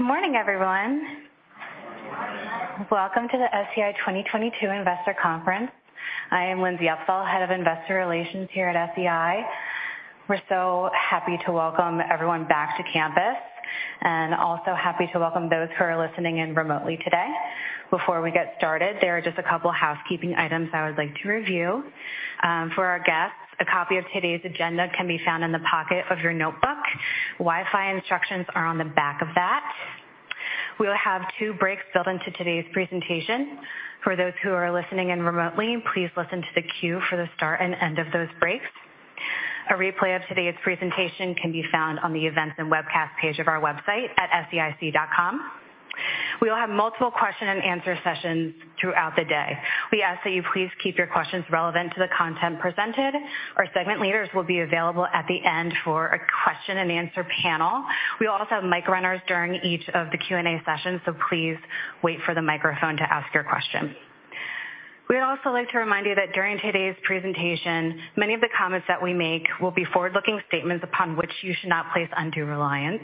Good morning, everyone. Good morning. Welcome to the SEI 2022 Investor Conference. I am Lindsey Opsahl, Head of Investor Relations here at SEI. We're so happy to welcome everyone back to campus and also happy to welcome those who are listening in remotely today. Before we get started, there are just a couple of housekeeping items I would like to review. For our guests, a copy of today's agenda can be found in the pocket of your notebook. Wi-Fi instructions are on the back of that. We will have two breaks built into today's presentation. For those who are listening in remotely, please listen to the cue for the start and end of those breaks. A replay of today's presentation can be found on the events and webcast page of our website at seic.com. We will have multiple question and answer sessions throughout the day. We ask that you please keep your questions relevant to the content presented. Our segment leaders will be available at the end for a question and answer panel. We also have mic runners during each of the Q&A sessions, so please wait for the microphone to ask your question. We'd also like to remind you that during today's presentation, many of the comments that we make will be forward-looking statements upon which you should not place undue reliance.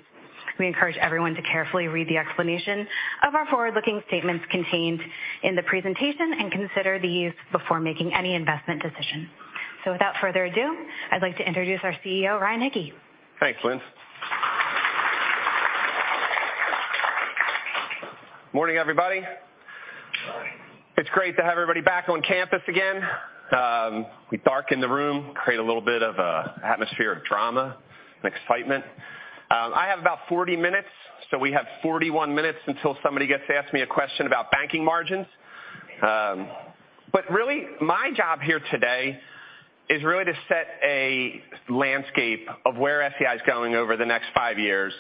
We encourage everyone to carefully read the explanation of our forward-looking statements contained in the presentation and consider these before making any investment decision. Without further ado, I'd like to introduce our CEO, Ryan Hicke. Thanks, Linds. Morning, everybody. It's great to have everybody back on campus again. We darken the room, create a little bit of a atmosphere of drama and excitement. I have about 40 minutes, so we have 41 minutes until somebody gets to ask me a question about banking margins. Really my job here today is really to set a landscape of where SEI is going over the next five years,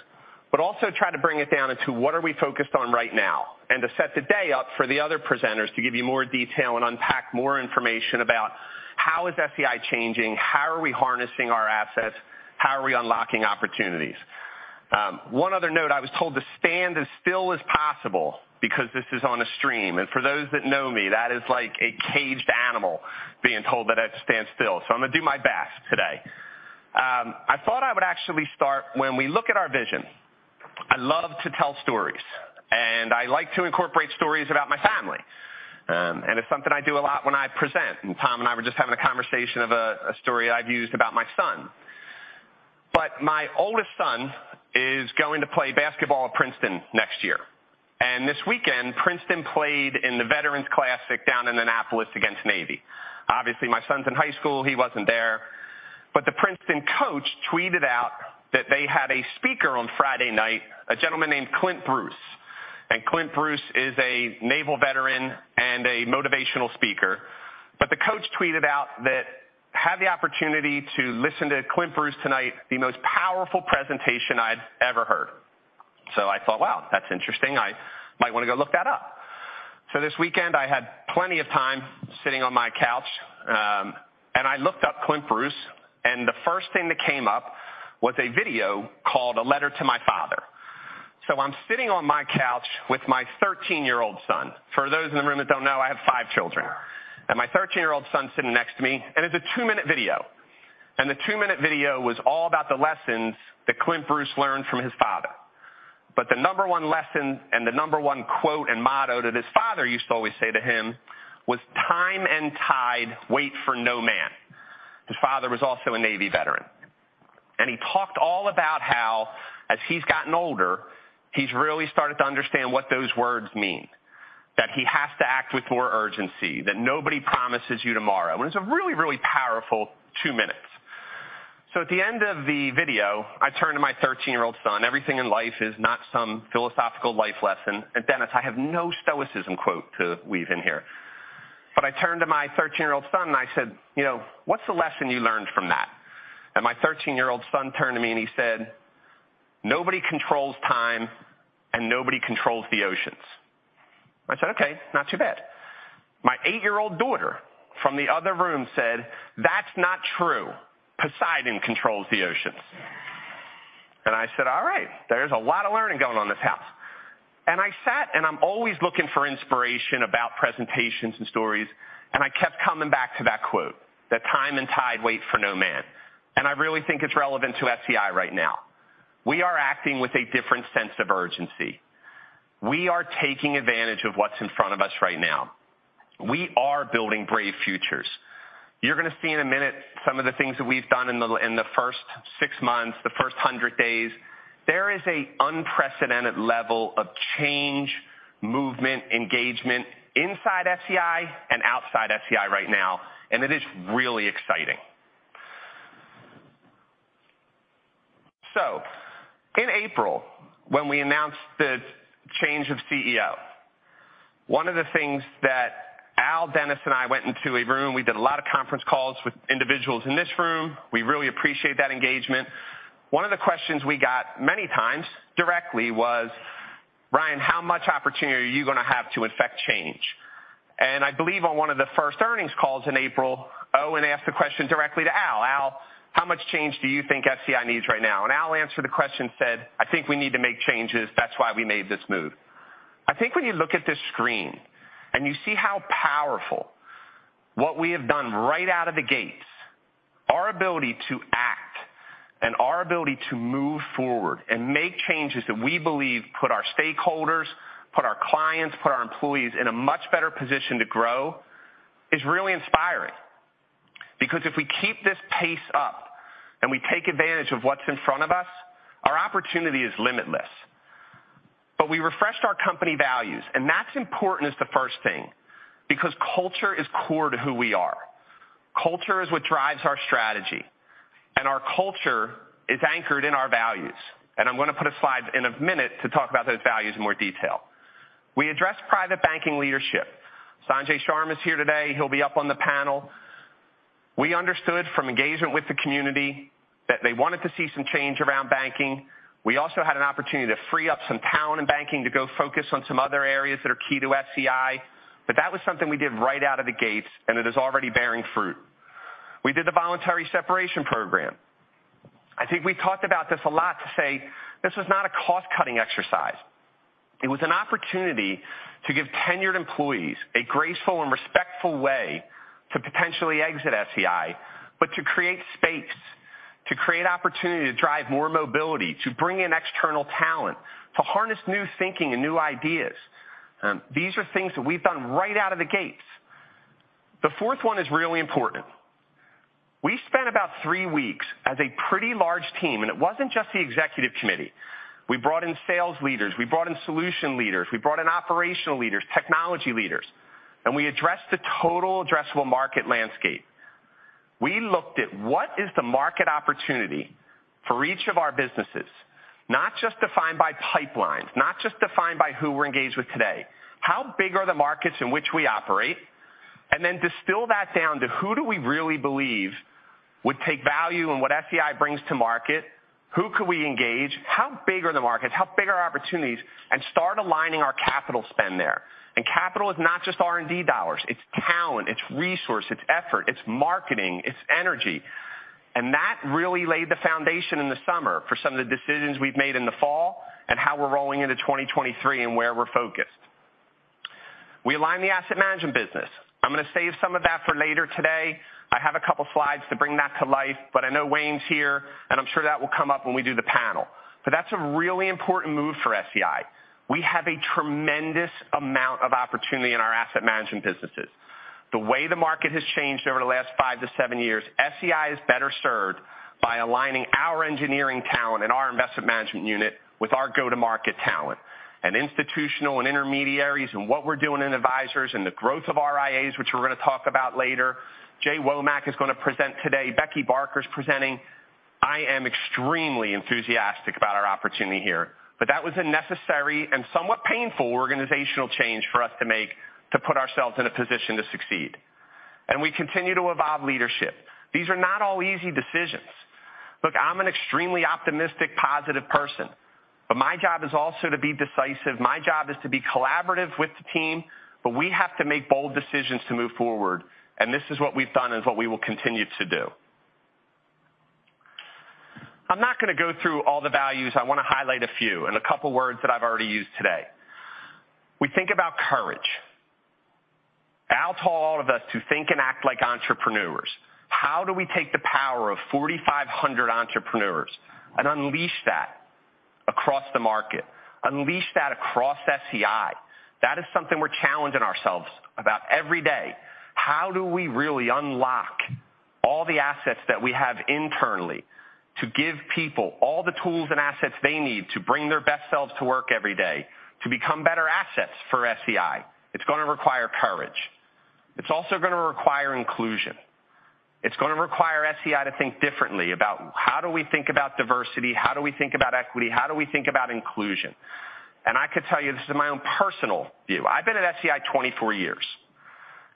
but also try to bring it down into what are we focused on right now, and to set the day up for the other presenters to give you more detail and unpack more information about how is SEI changing, how are we harnessing our assets, how are we unlocking opportunities. One other note. I was told to stand as still as possible because this is on a stream. For those that know me, that is like a caged animal being told that I have to stand still. I'm gonna do my best today. I thought I would actually start when we look at our vision. I love to tell stories, and I like to incorporate stories about my family. It's something I do a lot when I present. Tom and I were just having a conversation of a story I've used about my son. My oldest son is going to play basketball at Princeton next year. This weekend, Princeton played in the Veterans Classic down in Annapolis against Navy. Obviously, my son's in high school, he wasn't there. The Princeton coach tweeted out that they had a speaker on Friday night, a gentleman named Clint Bruce. Clint Bruce is a naval veteran and a motivational speaker. The coach tweeted out that, "Had the opportunity to listen to Clint Bruce tonight, the most powerful presentation I'd ever heard." I thought, "Wow, that's interesting. I might wanna go look that up." This weekend, I had plenty of time sitting on my couch, and I looked up Clint Bruce, and the first thing that came up was a video called A Letter to My Father. I'm sitting on my couch with my 13-year-old son. For those in the room that don't know, I have five children. My 13-year-old son sitting next to me, and it's a 2-minute video. The 2-minute video was all about the lessons that Clint Bruce learned from his father. The number one lesson and the number one quote and motto that his father used to always say to him was, "Time and tide wait for no man." His father was also a Navy veteran. He talked all about how, as he's gotten older, he's really started to understand what those words mean, that he has to act with more urgency, that nobody promises you tomorrow. It's a really, really powerful 2 minutes. At the end of the video, I turn to my 13-year-old son. Everything in life is not some philosophical life lesson. Dennis, I have no stoicism quote to weave in here. I turned to my 13-year-old son and I said, "You know, what's the lesson you learned from that?" My 13-year-old son turned to me and he said, "Nobody controls time, and nobody controls the oceans." I said, "Okay, not too bad." My eight-year-old daughter from the other room said, "That's not true. Poseidon controls the oceans." I said, "All right. There's a lot of learning going on in this house." I sat, and I'm always looking for inspiration about presentations and stories, and I kept coming back to that quote, that time and tide wait for no man. I really think it's relevant to SEI right now. We are acting with a different sense of urgency. We are taking advantage of what's in front of us right now. We are building brave futures. You're gonna see in a minute some of the things that we've done in the first six months, the first 100 days. There is an unprecedented level of change, movement, engagement inside SEI and outside SEI right now, and it is really exciting. In April, when we announced the change of CEO, one of the things that Al, Dennis, and I went into a room. We did a lot of conference calls with individuals in this room. We really appreciate that engagement. One of the questions we got many times directly was, "Ryan, how much opportunity are you gonna have to affect change?" I believe on one of the first earnings calls in April, Owen asked the question directly to Al, "Al, how much change do you think SEI needs right now?" Al answered the question, said, "I think we need to make changes. That's why we made this move." I think when you look at this screen and you see how powerful what we have done right out of the gates. Our ability to act and our ability to move forward and make changes that we believe put our stakeholders, put our clients, put our employees in a much better position to grow is really inspiring. If we keep this pace up and we take advantage of what's in front of us, our opportunity is limitless. We refreshed our company values, and that's important as the first thing, because culture is core to who we are. Culture is what drives our strategy, and our culture is anchored in our values. I'm going to put a slide in a minute to talk about those values in more detail. We addressed private banking leadership. Sanjay Sharma is here today. He'll be up on the panel. We understood from engagement with the community that they wanted to see some change around banking. We also had an opportunity to free up some talent in banking to go focus on some other areas that are key to SEI, but that was something we did right out of the gates, and it is already bearing fruit. We did the voluntary separation program. I think we talked about this a lot to say this was not a cost-cutting exercise. It was an opportunity to give tenured employees a graceful and respectful way to potentially exit SEI, but to create space, to create opportunity, to drive more mobility, to bring in external talent, to harness new thinking and new ideas. These are things that we've done right out of the gates. The fourth one is really important. We spent about three weeks as a pretty large team, and it wasn't just the executive committee. We brought in sales leaders, we brought in solution leaders, we brought in operational leaders, technology leaders, and we addressed the total addressable market landscape. We looked at what is the market opportunity for each of our businesses, not just defined by pipelines, not just defined by who we're engaged with today. How big are the markets in which we operate? Distill that down to who do we really believe would take value in what SEI brings to market? Who could we engage? How big are the markets? How big are opportunities? Start aligning our capital spend there. Capital is not just R&D dollars. It's talent, it's resource, it's effort, it's marketing, it's energy. That really laid the foundation in the summer for some of the decisions we've made in the fall and how we're rolling into 2023 and where we're focused. We aligned the asset management business. I'm going to save some of that for later today. I have a couple slides to bring that to life, but I know Wayne's here, and I'm sure that will come up when we do the panel. But that's a really important move for SEI. We have a tremendous amount of opportunity in our asset management businesses. The way the market has changed over the last five-seven years, SEI is better served by aligning our engineering talent and our investment management unit with our go-to-market talent. Institutional and intermediaries and what we're doing in advisors and the growth of RIAs, which we're going to talk about later. Jay Womack is going to present today. Becky Barker is presenting. I am extremely enthusiastic about our opportunity here, but that was a necessary and somewhat painful organizational change for us to make to put ourselves in a position to succeed. We continue to evolve leadership. These are not all easy decisions. Look, I'm an extremely optimistic, positive person, but my job is also to be decisive. My job is to be collaborative with the team, but we have to make bold decisions to move forward. This is what we've done and what we will continue to do. I'm not going to go through all the values. I want to highlight a few and a couple words that I've already used today. We think about courage. Al told all of us to think and act like entrepreneurs. How do we take the power of 4,500 entrepreneurs and unleash that across the market, unleash that across SEI? That is something we're challenging ourselves about every day. How do we really unlock all the assets that we have internally to give people all the tools and assets they need to bring their best selves to work every day, to become better assets for SEI? It's going to require courage. It's also going to require inclusion. It's going to require SEI to think differently about how do we think about diversity, how do we think about equity, how do we think about inclusion? I could tell you this is my own personal view. I've been at SEI 24 years,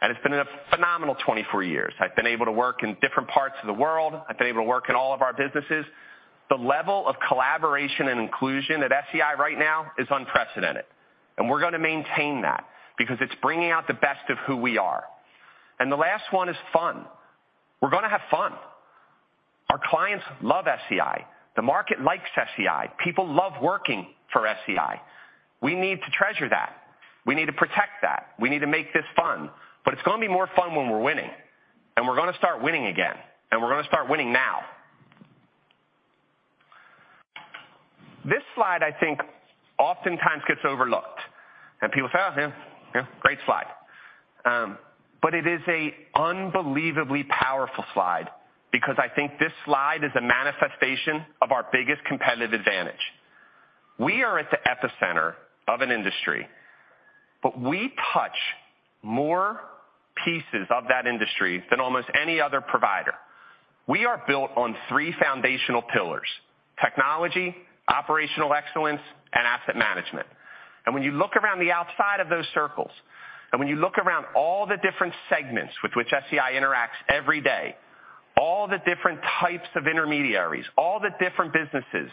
and it's been a phenomenal 24 years. I've been able to work in different parts of the world. I've been able to work in all of our businesses. The level of collaboration and inclusion at SEI right now is unprecedented, and we're going to maintain that because it's bringing out the best of who we are. The last one is fun. We're going to have fun. Our clients love SEI. The market likes SEI. People love working for SEI. We need to treasure that. We need to protect that. We need to make this fun. It's going to be more fun when we're winning, and we're going to start winning again, and we're going to start winning now. This slide I think oftentimes gets overlooked. People say, "Oh, yeah, great slide." It is a unbelievably powerful slide because I think this slide is a manifestation of our biggest competitive advantage. We are at the epicenter of an industry, but we touch more pieces of that industry than almost any other provider. We are built on three foundational pillars: technology, operational excellence, and asset management. When you look around the outside of those circles, and when you look around all the different segments with which SEI interacts every day, all the different types of intermediaries, all the different businesses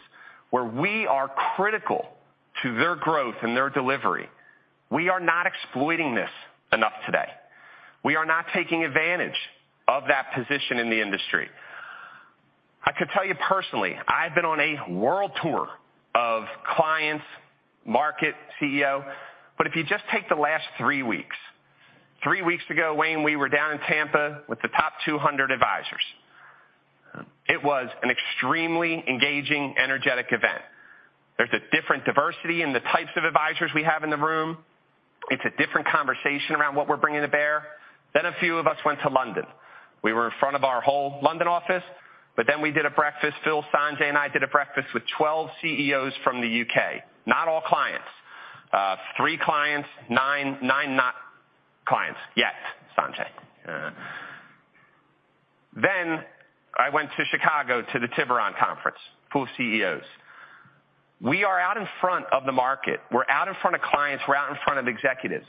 where we are critical to their growth and their delivery, we are not exploiting this enough today. We are not taking advantage of that position in the industry. I could tell you personally, I've been on a world tour of clients, meeting CEOs, if you just take the last three weeks. Three weeks ago, Wayne, we were down in Tampa with the top 200 advisors. It was an extremely engaging, energetic event. There's a different diversity in the types of advisors we have in the room. It's a different conversation around what we're bringing to bear. A few of us went to London. We were in front of our whole London office, we did a breakfast. Phil, Sanjay and I did a breakfast with 12 CEOs from the U.K. Not all clients. Three clients, nine not clients yet, Sanjay. I went to Chicago to the Tiburon CEO Summit, full of CEOs. We are out in front of the market. We're out in front of clients. We're out in front of executives.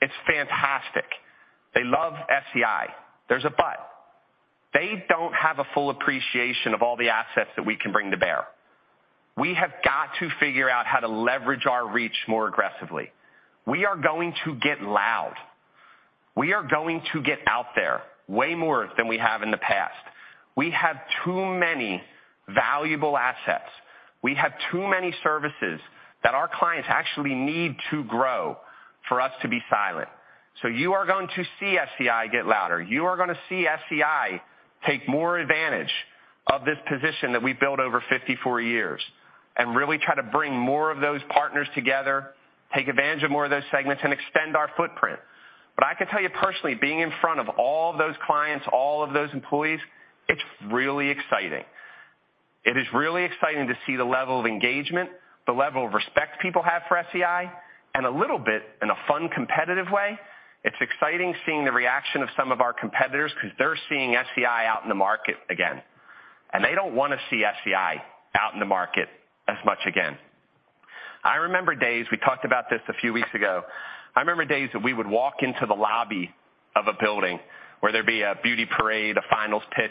It's fantastic. They love SEI. There's a but. They don't have a full appreciation of all the assets that we can bring to bear. We have got to figure out how to leverage our reach more aggressively. We are going to get loud. We are going to get out there way more than we have in the past. We have too many valuable assets. We have too many services that our clients actually need to grow for us to be silent. You are going to see SEI get louder. You are gonna see SEI take more advantage of this position that we built over 54 years and really try to bring more of those partners together, take advantage of more of those segments and extend our footprint. I can tell you personally, being in front of all those clients, all of those employees, it's really exciting. It is really exciting to see the level of engagement, the level of respect people have for SEI, and a little bit in a fun, competitive way, it's exciting seeing the reaction of some of our competitors because they're seeing SEI out in the market again, and they don't want to see SEI out in the market as much again. I remember days we talked about this a few weeks ago. I remember days that we would walk into the lobby of a building where there'd be a beauty parade, a finals pitch,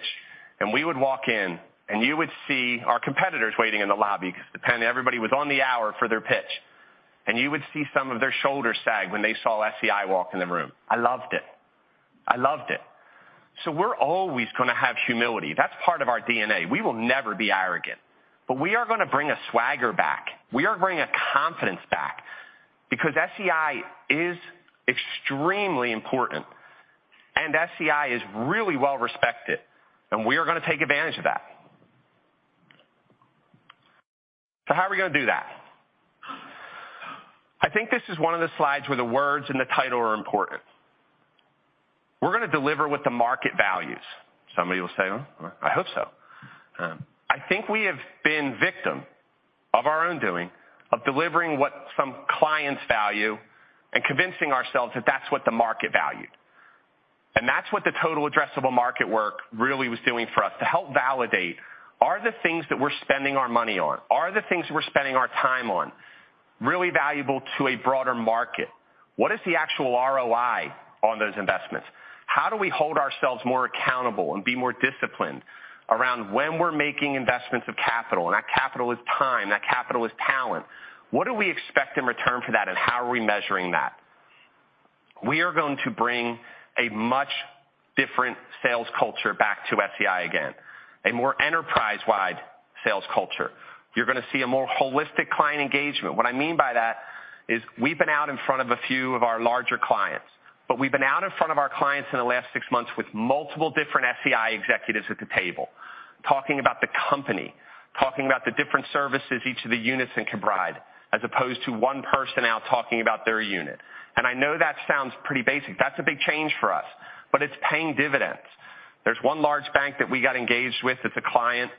and we would walk in and you would see our competitors waiting in the lobby because depending, everybody was on the hour for their pitch. You would see some of their shoulders sag when they saw SEI walk in the room. I loved it. I loved it. We're always gonna have humility. That's part of our DNA. We will never be arrogant, but we are gonna bring a swagger back. We are bringing a confidence back because SEI is extremely important and SEI is really well-respected, and we are gonna take advantage of that. How are we gonna do that? I think this is one of the slides where the words and the title are important. We're gonna deliver what the market values. Somebody will say, "I hope so." I think we have been victim of our own doing of delivering what some clients value and convincing ourselves that that's what the market valued. That's what the total addressable market work really was doing for us to help validate are the things that we're spending our money on, are the things we're spending our time on really valuable to a broader market? What is the actual ROI on those investments? How do we hold ourselves more accountable and be more disciplined around when we're making investments of capital, and that capital is time, that capital is talent. What do we expect in return for that, and how are we measuring that? We are going to bring a much different sales culture back to SEI again, a more enterprise-wide sales culture. You're gonna see a more holistic client engagement. What I mean by that is we've been out in front of a few of our larger clients, but we've been out in front of our clients in the last six months with multiple different SEI executives at the table talking about the company, talking about the different services each of the units can provide, as opposed to one person out talking about their unit. I know that sounds pretty basic. That's a big change for us, but it's paying dividends. There's one large bank that we got engaged with that's a client.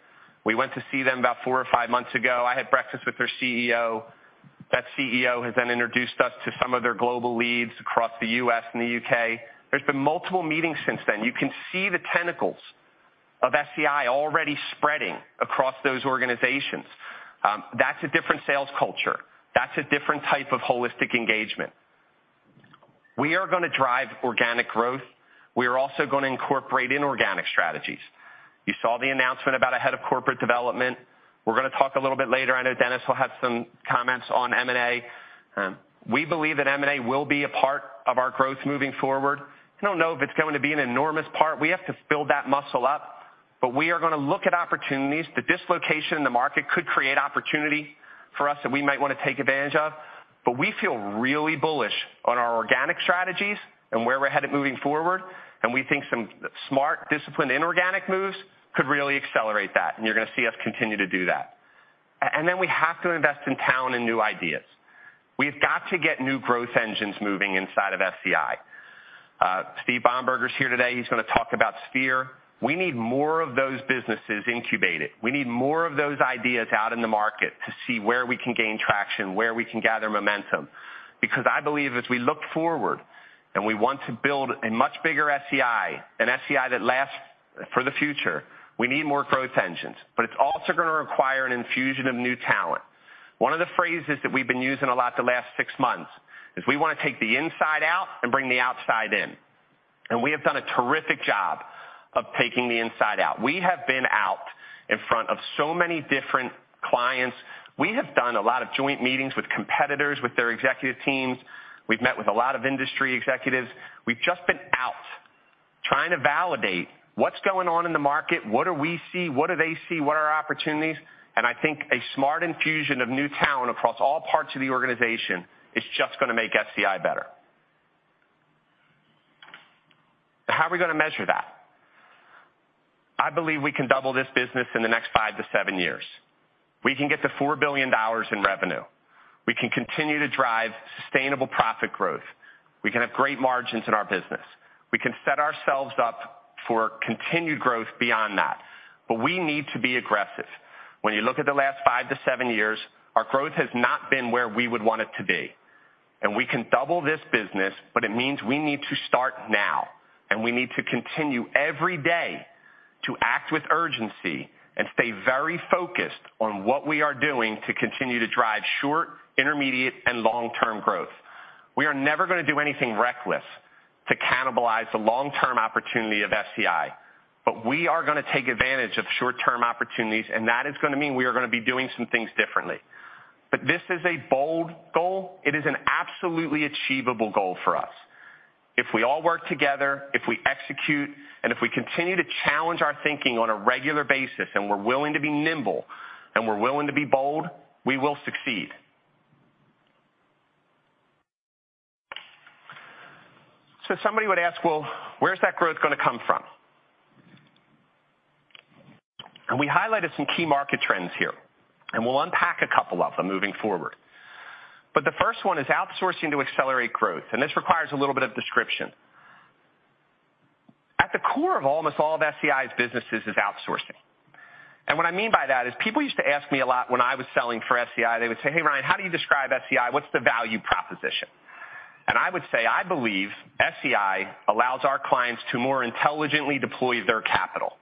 We went to see them about four or five months ago. I had breakfast with their CEO. That CEO has then introduced us to some of their global leads across the U.S. and the U.K. There's been multiple meetings since then. You can see the tentacles of SEI already spreading across those organizations. That's a different sales culture. That's a different type of holistic engagement. We are gonna drive organic growth. We are also gonna incorporate inorganic strategies. You saw the announcement about a head of corporate development. We're gonna talk a little bit later. I know Dennis will have some comments on M&A. We believe that M&A will be a part of our growth moving forward. I don't know if it's going to be an enormous part. We have to build that muscle up, but we are gonna look at opportunities. The dislocation in the market could create opportunity for us that we might want to take advantage of. We feel really bullish on our organic strategies and where we're headed moving forward, and we think some smart, disciplined inorganic moves could really accelerate that, and you're gonna see us continue to do that. We have to invest in talent and new ideas. We've got to get new growth engines moving inside of FTI. Steve Bomberger's here today. He's gonna talk about Sphere. We need more of those businesses incubated. We need more of those ideas out in the market to see where we can gain traction, where we can gather momentum. Because I believe as we look forward and we want to build a much bigger SEI, an SEI that lasts for the future, we need more growth engines, but it's also gonna require an infusion of new talent. One of the phrases that we've been using a lot the last six months is we want to take the inside out and bring the outside in. We have done a terrific job of taking the inside out. We have been out in front of so many different clients. We have done a lot of joint meetings with competitors, with their executive teams. We've met with a lot of industry executives. We've just been out trying to validate what's going on in the market, what do we see? What do they see? What are our opportunities? I think a smart infusion of new talent across all parts of the organization is just going to make SEI better. How are we going to measure that? I believe we can double this business in the next five to seven years. We can get to $4 billion in revenue. We can continue to drive sustainable profit growth. We can have great margins in our business. We can set ourselves up for continued growth beyond that. We need to be aggressive. When you look at the last five-seven years, our growth has not been where we would want it to be. We can double this business, but it means we need to start now, and we need to continue every day to act with urgency and stay very focused on what we are doing to continue to drive short, intermediate, and long-term growth. We are never going to do anything reckless to cannibalize the long-term opportunity of SEI. We are going to take advantage of short-term opportunities, and that is going to mean we are going to be doing some things differently. This is a bold goal. It is an absolutely achievable goal for us. If we all work together, if we execute, and if we continue to challenge our thinking on a regular basis and we're willing to be nimble and we're willing to be bold, we will succeed. Somebody would ask, "Well, where's that growth going to come from?" We highlighted some key market trends here, and we'll unpack a couple of them moving forward. The first one is outsourcing to accelerate growth, and this requires a little bit of description. At the core of almost all of SEI's businesses is outsourcing. What I mean by that is people used to ask me a lot when I was selling for SEI, they would say, "Hey, Ryan, how do you describe SEI? What's the value proposition?" I would say, "I believe SEI allows our clients to more intelligently deploy their capital.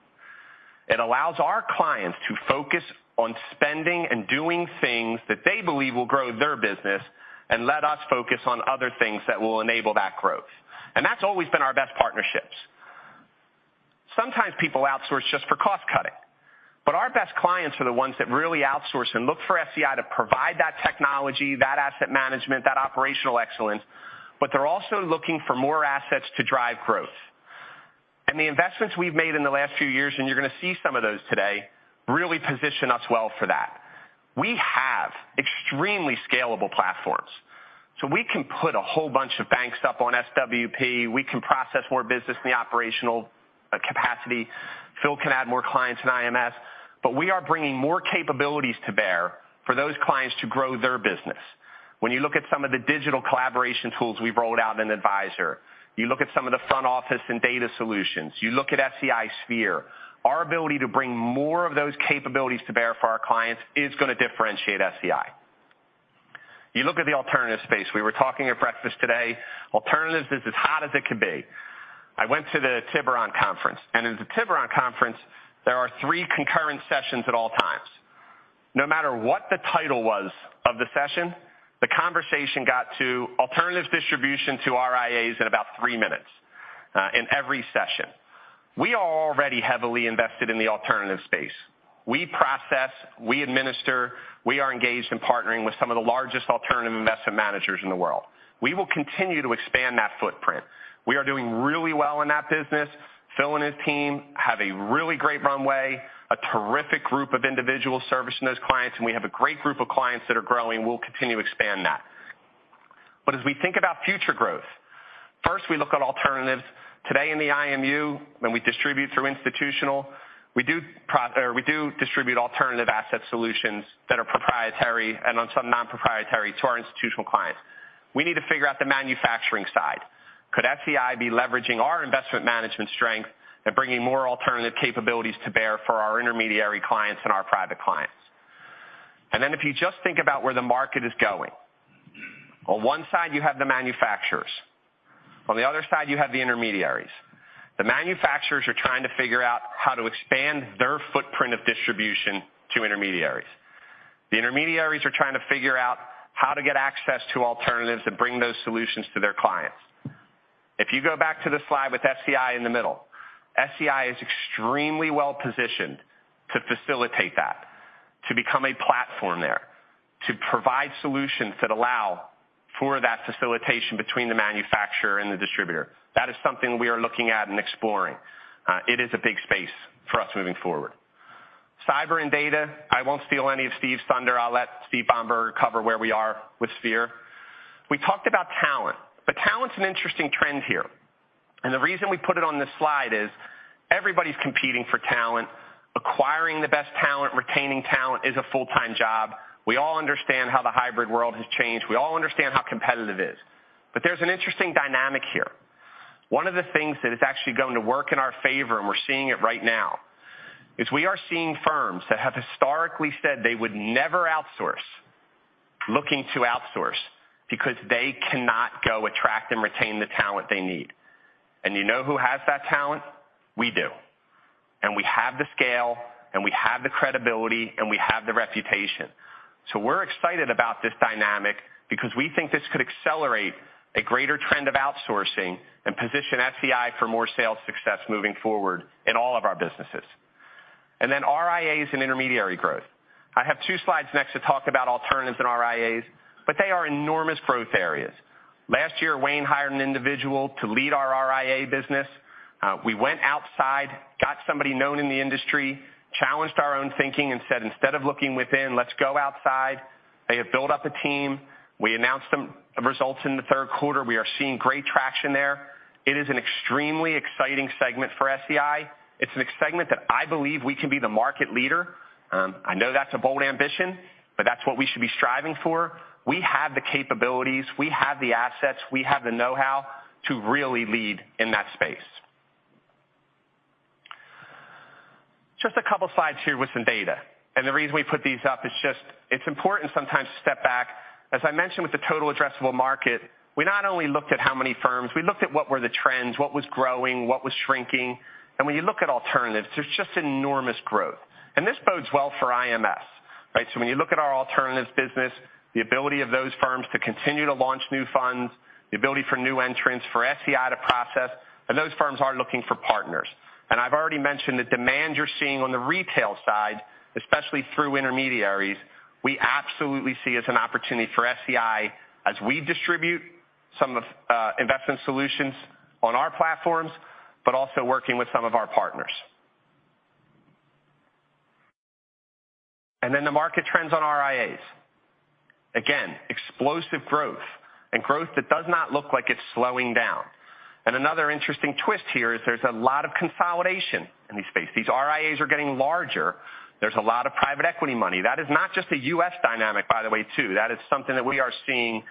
It allows our clients to focus on spending and doing things that they believe will grow their business and let us focus on other things that will enable that growth. That's always been our best partnerships. Sometimes people outsource just for cost-cutting, but our best clients are the ones that really outsource and look for SEI to provide that technology, that asset management, that operational excellence, but they're also looking for more assets to drive growth. The investments we've made in the last few years, and you're going to see some of those today, really position us well for that. We have extremely scalable platforms, so we can put a whole bunch of banks up on SWP. We can process more business in the operational capacity. Phil can add more clients in IMS. We are bringing more capabilities to bear for those clients to grow their business. When you look at some of the digital collaboration tools we've rolled out in Advisor, you look at some of the front office and data solutions, you look at SEI Sphere, our ability to bring more of those capabilities to bear for our clients is going to differentiate SEI. You look at the alternative space. We were talking at breakfast today. Alternatives is as hot as it can be. I went to the Tiburon conference, and in the Tiburon conference, there are three concurrent sessions at all times. No matter what the title was of the session, the conversation got to alternative distribution to RIAs in about three minutes, in every session. We are already heavily invested in the alternative space. We process, we administer, we are engaged in partnering with some of the largest alternative investment managers in the world. We will continue to expand that footprint. We are doing really well in that business. Phil and his team have a really great runway, a terrific group of individuals servicing those clients, and we have a great group of clients that are growing. We'll continue to expand that. As we think about future growth, first, we look at alternatives. Today in the IMU, when we distribute through Institutional, we do distribute alternative asset solutions that are proprietary and some non-proprietary to our institutional clients. We need to figure out the manufacturing side. Could SEI be leveraging our investment management strength and bringing more alternative capabilities to bear for our intermediary clients and our private clients? If you just think about where the market is going, on one side you have the manufacturers, on the other side you have the intermediaries. The manufacturers are trying to figure out how to expand their footprint of distribution to intermediaries. The intermediaries are trying to figure out how to get access to alternatives and bring those solutions to their clients. If you go back to the slide with SEI in the middle, SEI is extremely well-positioned to facilitate that, to become a platform there, to provide solutions that allow for that facilitation between the manufacturer and the distributor. That is something we are looking at and exploring. It is a big space for us moving forward. Cyber and data, I won't steal any of Steve's thunder. I'll let Steve Bomberger cover where we are with Sphere. We talked about talent, but talent's an interesting trend here. The reason we put it on this slide is everybody's competing for talent. Acquiring the best talent, retaining talent is a full-time job. We all understand how the hybrid world has changed. We all understand how competitive it is. There's an interesting dynamic here. One of the things that is actually going to work in our favor, and we're seeing it right now, is we are seeing firms that have historically said they would never outsource looking to outsource because they cannot go attract and retain the talent they need. You know who has that talent? We do. We have the scale, and we have the credibility, and we have the reputation. We're excited about this dynamic because we think this could accelerate a greater trend of outsourcing and position SEI for more sales success moving forward in all of our businesses. Then RIAs and intermediary growth. I have two slides next to talk about alternatives in RIAs, but they are enormous growth areas. Last year, Wayne hired an individual to lead our RIA business. We went outside, got somebody known in the industry, challenged our own thinking and said, "Instead of looking within, let's go outside." They have built up a team. We announced some results in the third quarter. We are seeing great traction there. It is an extremely exciting segment for SEI. It's a segment that I believe we can be the market leader. I know that's a bold ambition, but that's what we should be striving for. We have the capabilities, we have the assets, we have the know-how to really lead in that space. Just a couple slides here with some data, and the reason we put these up is just it's important sometimes to step back. As I mentioned, with the total addressable market, we not only looked at how many firms, we looked at what were the trends, what was growing, what was shrinking. When you look at alternatives, there's just enormous growth. This bodes well for IMS, right? When you look at our alternatives business, the ability of those firms to continue to launch new funds, the ability for new entrants, for SEI to process, and those firms are looking for partners. I've already mentioned the demand you're seeing on the retail side, especially through intermediaries. We absolutely see as an opportunity for SEI as we distribute some of investment solutions on our platforms, but also working with some of our partners. Then the market trends on RIAs. Again, explosive growth and growth that does not look like it's slowing down. Another interesting twist here is there's a lot of consolidation in this space. These RIAs are getting larger. There's a lot of private equity money. That is not just a U.S. dynamic, by the way, too. That is something that we are seeing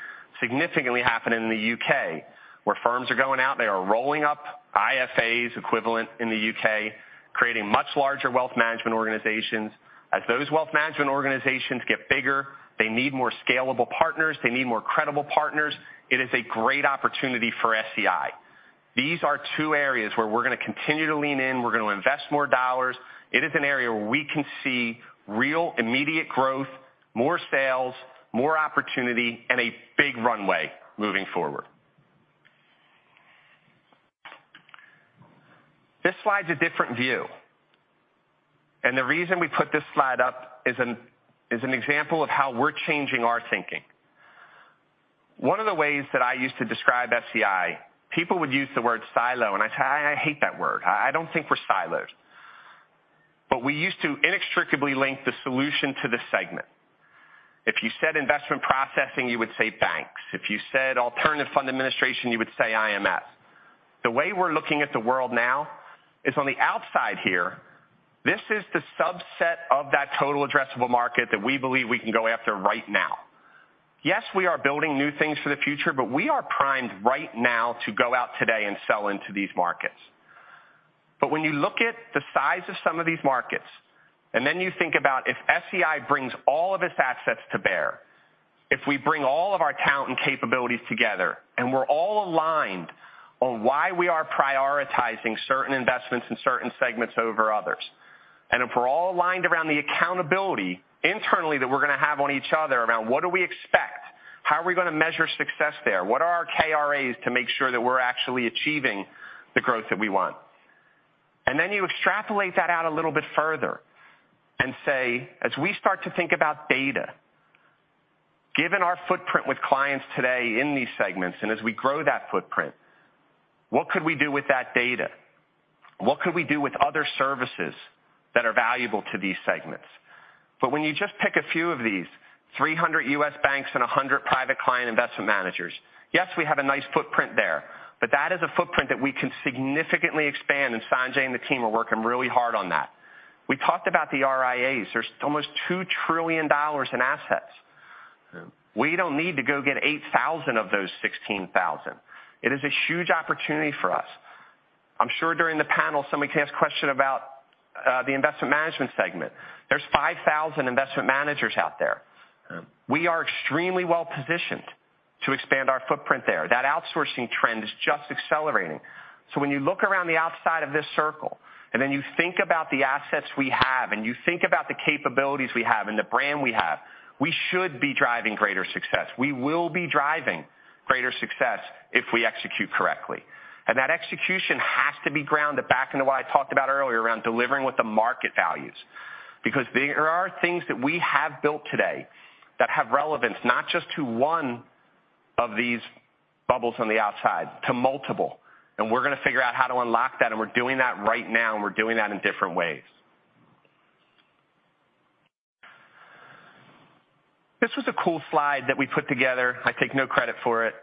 significantly happen in the U.K., where firms are going out, they are rolling up IFAs equivalent in the U.K., creating much larger wealth management organizations. As those wealth management organizations get bigger, they need more scalable partners. They need more credible partners. It is a great opportunity for SEI. These are two areas where we're gonna continue to lean in. We're gonna invest more dollars. It is an area where we can see real immediate growth, more sales, more opportunity, and a big runway moving forward. This slide's a different view, and the reason we put this slide up is an example of how we're changing our thinking. One of the ways that I used to describe SEI, people would use the word silo, and I'd say, "I hate that word. I don't think we're silos." But we used to inextricably link the solution to the segment. If you said investment processing, you would say banks. If you said alternative fund administration, you would say IMS. The way we're looking at the world now is on the outside here. This is the subset of that total addressable market that we believe we can go after right now. Yes, we are building new things for the future, but we are primed right now to go out today and sell into these markets. When you look at the size of some of these markets, and then you think about if SEI brings all of its assets to bear, if we bring all of our talent and capabilities together, and we're all aligned on why we are prioritizing certain investments in certain segments over others, and if we're all aligned around the accountability internally that we're gonna have on each other around what do we expect, how are we gonna measure success there? What are our KRAs to make sure that we're actually achieving the growth that we want? Then you extrapolate that out a little bit further and say, as we start to think about data, given our footprint with clients today in these segments, and as we grow that footprint, what could we do with that data? What could we do with other services that are valuable to these segments? When you just pick a few of these, 300 U.S. banks and 100 private client investment managers, yes, we have a nice footprint there, but that is a footprint that we can significantly expand, and Sanjay and the team are working really hard on that. We talked about the RIAs. There's almost $2 trillion in assets. We don't need to go get 8,000 of those 16,000. It is a huge opportunity for us. I'm sure during the panel, somebody can ask question about the investment management segment. There's 5,000 investment managers out there. We are extremely well-positioned to expand our footprint there. That outsourcing trend is just accelerating. When you look around the outside of this circle, and then you think about the assets we have and you think about the capabilities we have and the brand we have, we should be driving greater success. We will be driving greater success if we execute correctly. That execution has to be grounded back into what I talked about earlier around delivering what the market values. Because there are things that we have built today that have relevance, not just to one of these bubbles on the outside, to multiple. We're gonna figure out how to unlock that, and we're doing that right now, and we're doing that in different ways. This was a cool slide that we put together. I take no credit for it.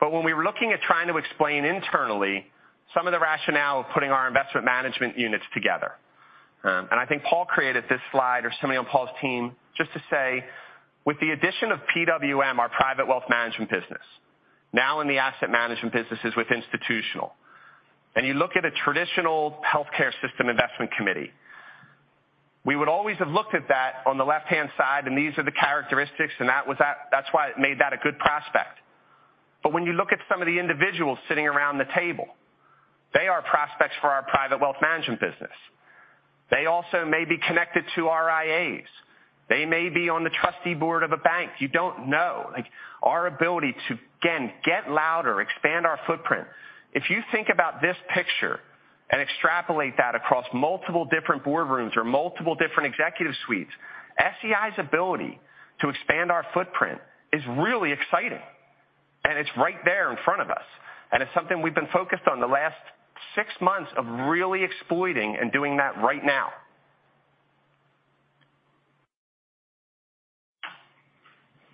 When we were looking at trying to explain internally some of the rationale of putting our investment management units together, and I think Paul created this slide or somebody on Paul's team just to say, with the addition of PWM, our private wealth management business, now in the asset management businesses with institutional, and you look at a traditional healthcare system investment committee, we would always have looked at that on the left-hand side, and these are the characteristics and that's why it made that a good prospect. When you look at some of the individuals sitting around the table, they are prospects for our private wealth management business. They also may be connected to RIAs. They may be on the trustee board of a bank. You don't know. Like, our ability to, again, get louder, expand our footprint. If you think about this picture and extrapolate that across multiple different boardrooms or multiple different executive suites, SEI's ability to expand our footprint is really exciting, and it's right there in front of us. It's something we've been focused on the last six months of really exploiting and doing that right now.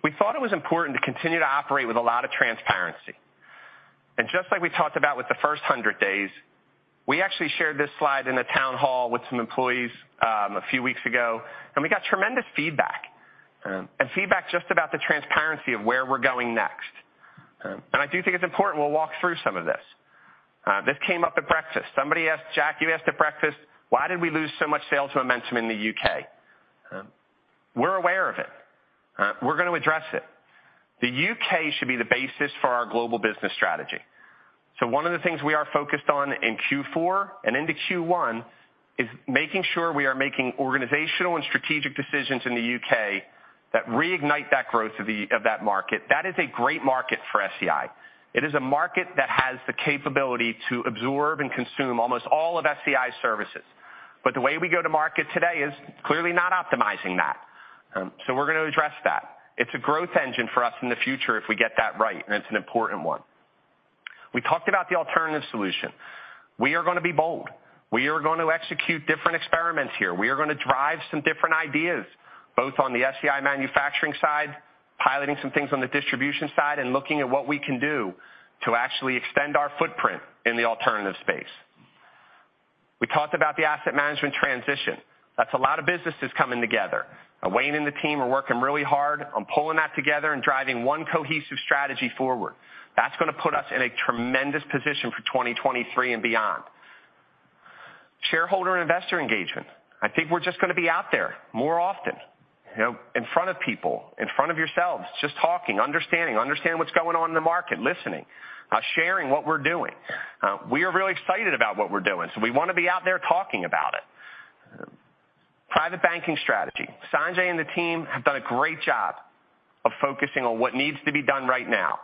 We thought it was important to continue to operate with a lot of transparency. Just like we talked about with the first 100 days, we actually shared this slide in a town hall with some employees, a few weeks ago, and we got tremendous feedback, and feedback just about the transparency of where we're going next. I do think it's important we'll walk through some of this. This came up at breakfast. Somebody asked Jack, you asked at breakfast, "Why did we lose so much sales momentum in the U.K.?" We're aware of it. We're gonna address it. The U.K. should be the basis for our global business strategy. One of the things we are focused on in Q4 and into Q1 is making sure we are making organizational and strategic decisions in the U.K. that reignite that growth of that market. That is a great market for SEI. It is a market that has the capability to absorb and consume almost all of SEI's services. But the way we go to market today is clearly not optimizing that. We're gonna address that. It's a growth engine for us in the future if we get that right, and it's an important one. We talked about the alternative solution. We are gonna be bold. We are going to execute different experiments here. We are gonna drive some different ideas, both on the SEI manufacturing side, piloting some things on the distribution side, and looking at what we can do to actually extend our footprint in the alternative space. We talked about the asset management transition. That's a lot of businesses coming together. Wayne and the team are working really hard on pulling that together and driving one cohesive strategy forward. That's gonna put us in a tremendous position for 2023 and beyond. Shareholder and investor engagement. I think we're just gonna be out there more often, you know, in front of people, in front of yourselves, just talking, understanding what's going on in the market, listening, sharing what we're doing. We are really excited about what we're doing, so we wanna be out there talking about it. Private banking strategy. Sanjay and the team have done a great job of focusing on what needs to be done right now.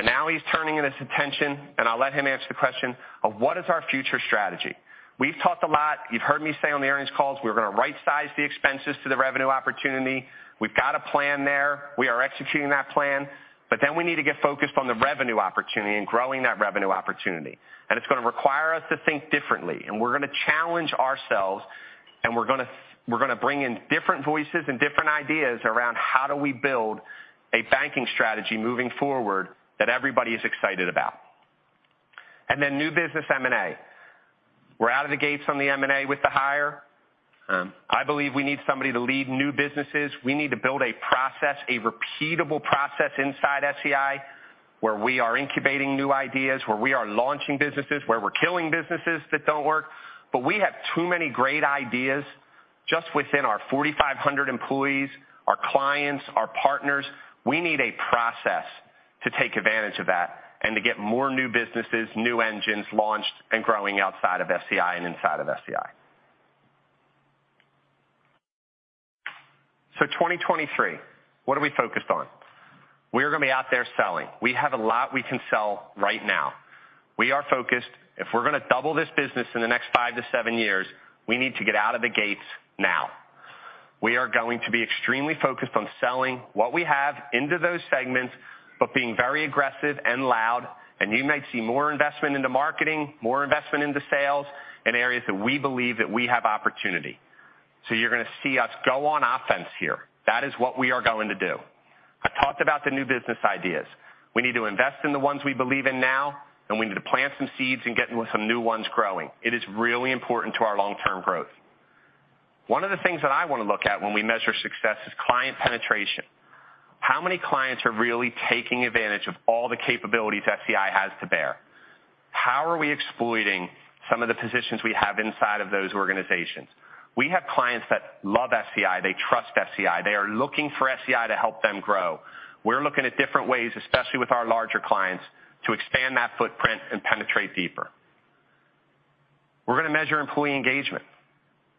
Now he's turning his attention, and I'll let him answer the question of what is our future strategy. We've talked a lot. You've heard me say on the earnings calls, we're gonna rightsize the expenses to the revenue opportunity. We've got a plan there. We are executing that plan, but then we need to get focused on the revenue opportunity and growing that revenue opportunity. It's gonna require us to think differently. We're gonna challenge ourselves, and we're gonna bring in different voices and different ideas around how do we build a banking strategy moving forward that everybody is excited about. Then new business M&A. We're out of the gates on the M&A with the hire. I believe we need somebody to lead new businesses. We need to build a process, a repeatable process inside SEI, where we are incubating new ideas, where we are launching businesses, where we're killing businesses that don't work. We have too many great ideas just within our 4,500 employees, our clients, our partners. We need a process to take advantage of that and to get more new businesses, new engines launched and growing outside of SEI and inside of SEI. 2023, what are we focused on? We're gonna be out there selling. We have a lot we can sell right now. We are focused. If we're gonna double this business in the next five-seven years, we need to get out of the gates now. We are going to be extremely focused on selling what we have into those segments, but being very aggressive and loud, and you might see more investment into marketing, more investment into sales in areas that we believe that we have opportunity. You're gonna see us go on offense here. That is what we are going to do. I talked about the new business ideas. We need to invest in the ones we believe in now, and we need to plant some seeds and get some new ones growing. It is really important to our long-term growth. One of the things that I want to look at when we measure success is client penetration. How many clients are really taking advantage of all the capabilities SEI has to bear? How are we exploiting some of the positions we have inside of those organizations? We have clients that love SEI. They trust SEI. They are looking for SEI to help them grow. We're looking at different ways, especially with our larger clients, to expand that footprint and penetrate deeper. We're gonna measure employee engagement.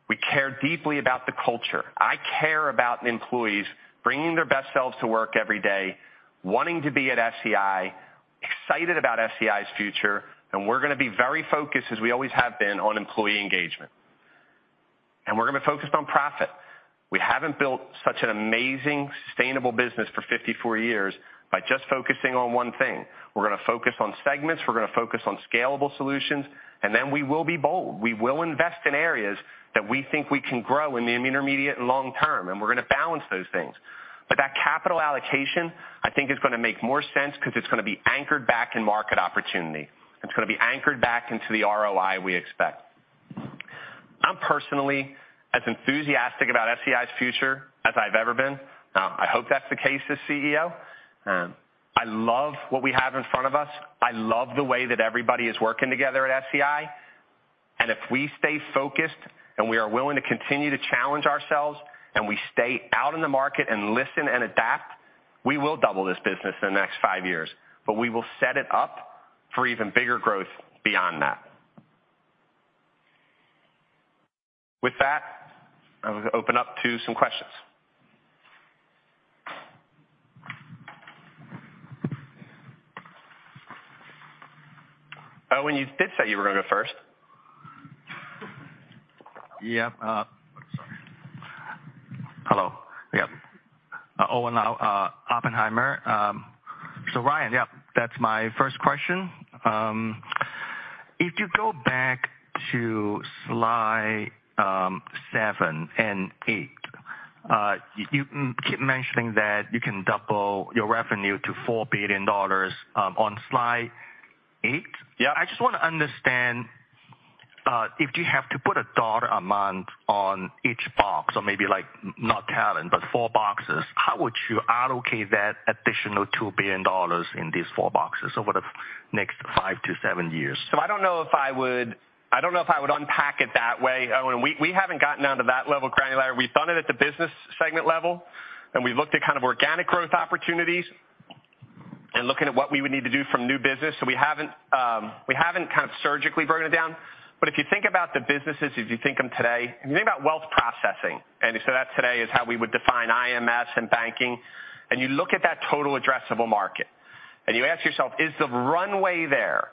We care deeply about the culture. I care about employees bringing their best selves to work every day, wanting to be at SEI, excited about SEI's future, and we're gonna be very focused, as we always have been, on employee engagement. We're gonna be focused on profit. We haven't built such an amazing, sustainable business for 54 years by just focusing on one thing. We're gonna focus on segments, we're gonna focus on scalable solutions, and then we will be bold. We will invest in areas that we think we can grow in the intermediate and long term, and we're gonna balance those things. That capital allocation, I think, is gonna make more sense because it's gonna be anchored back in market opportunity. It's gonna be anchored back into the ROI we expect. I'm personally as enthusiastic about SEI's future as I've ever been. I hope that's the case as CEO. I love what we have in front of us. I love the way that everybody is working together at SEI. If we stay focused, and we are willing to continue to challenge ourselves, and we stay out in the market and listen and adapt, we will double this business in the next five years. We will set it up for even bigger growth beyond that. With that, I will open up to some questions. Owen, you did say you were going to go first. Owen Lau, Oppenheimer & Co. Ryan, that's my first question. If you go back to slide 7 and 8, you keep mentioning that you can double your revenue to $4 billion on slide 8. Yeah. I just want to understand, if you have to put a dollar amount on each box or maybe like not talent, but four boxes, how would you allocate that additional $2 billion in these four boxes over the next five-seven years? I don't know if I would unpack it that way, Owen. We haven't gotten down to that level of granularity. We've done it at the business segment level, and we looked at kind of organic growth opportunities and looking at what we would need to do from new business. We haven't kind of surgically broken it down. If you think about the businesses, as you think of them today, if you think about wealth processing, and so that today is how we would define IMS and banking, and you look at that total addressable market, and you ask yourself, is the runway there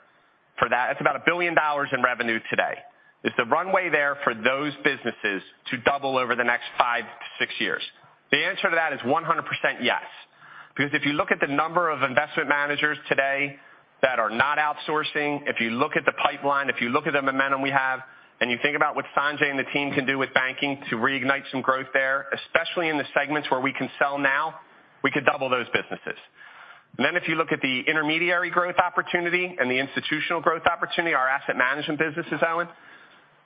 for that? It's about $1 billion in revenue today. Is the runway there for those businesses to double over the next five-six years? The answer to that is 100% yes. Because if you look at the number of investment managers today that are not outsourcing, if you look at the pipeline, if you look at the momentum we have, and you think about what Sanjay and the team can do with banking to reignite some growth there, especially in the segments where we can sell now, we could double those businesses. If you look at the intermediary growth opportunity and the institutional growth opportunity, our asset management businesses, Owen,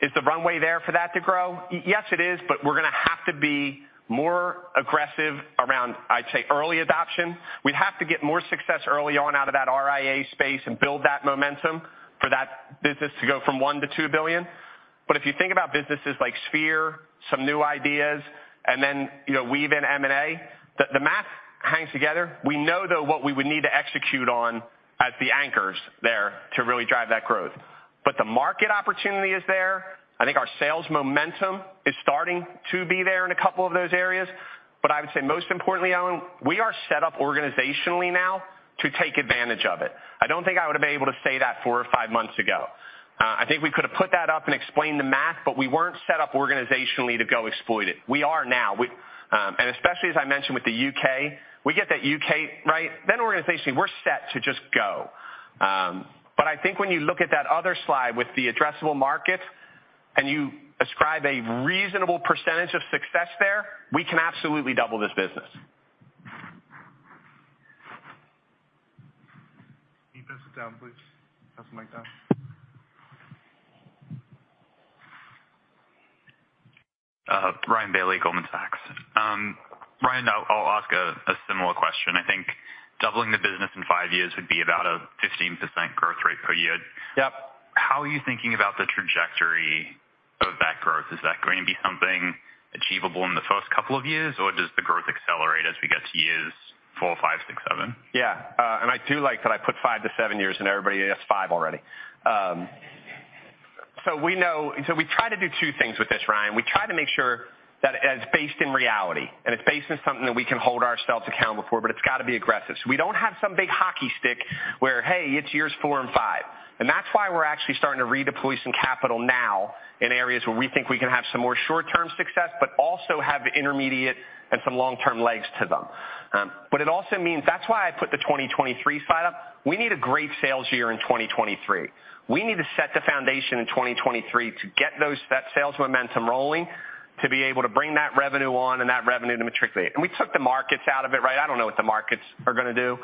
is the runway there for that to grow? Yes, it is, but we're gonna have to be more aggressive around, I'd say, early adoption. We have to get more success early on out of that RIA space and build that momentum for that business to go from $1 billion-$2 billion. If you think about businesses like Sphere, some new ideas, and then, you know, weave in M&A, the math hangs together. We know, though, what we would need to execute on as the anchors there to really drive that growth. The market opportunity is there. I think our sales momentum is starting to be there in a couple of those areas. I would say most importantly, Owen, we are set up organizationally now to take advantage of it. I don't think I would have been able to say that four or five months ago. I think we could have put that up and explained the math, but we weren't set up organizationally to go exploit it. We are now. Especially as I mentioned with the U.K., we get that U.K. right, then organizationally, we're set to just go. I think when you look at that other slide with the addressable markets and you ascribe a reasonable percentage of success there, we can absolutely double this business. Can you pass it down, please? Pass the mic down. Ryan Bailey, Goldman Sachs. Ryan, I'll ask a similar question. I think doubling the business in five years would be about a 15% growth rate per year. Yep. How are you thinking about the trajectory of that growth? Is that going to be something achievable in the first couple of years, or does the growth accelerate as we get to years four, five, six, seven? Yeah. I do like that I put five-seven years, and everybody asks five already. We try to do two things with this, Ryan. We try to make sure that it's based in reality, and it's based on something that we can hold ourselves accountable for, but it's got to be aggressive. We don't have some big hockey stick where, hey, it's years four and five. That's why we're actually starting to redeploy some capital now in areas where we think we can have some more short-term success but also have the intermediate and some long-term legs to them. It also means that's why I put the 2023 slide up. We need a great sales year in 2023. We need to set the foundation in 2023 to get that sales momentum rolling to be able to bring that revenue on and that revenue to matriculate. We took the markets out of it, right? I don't know what the markets are gonna do.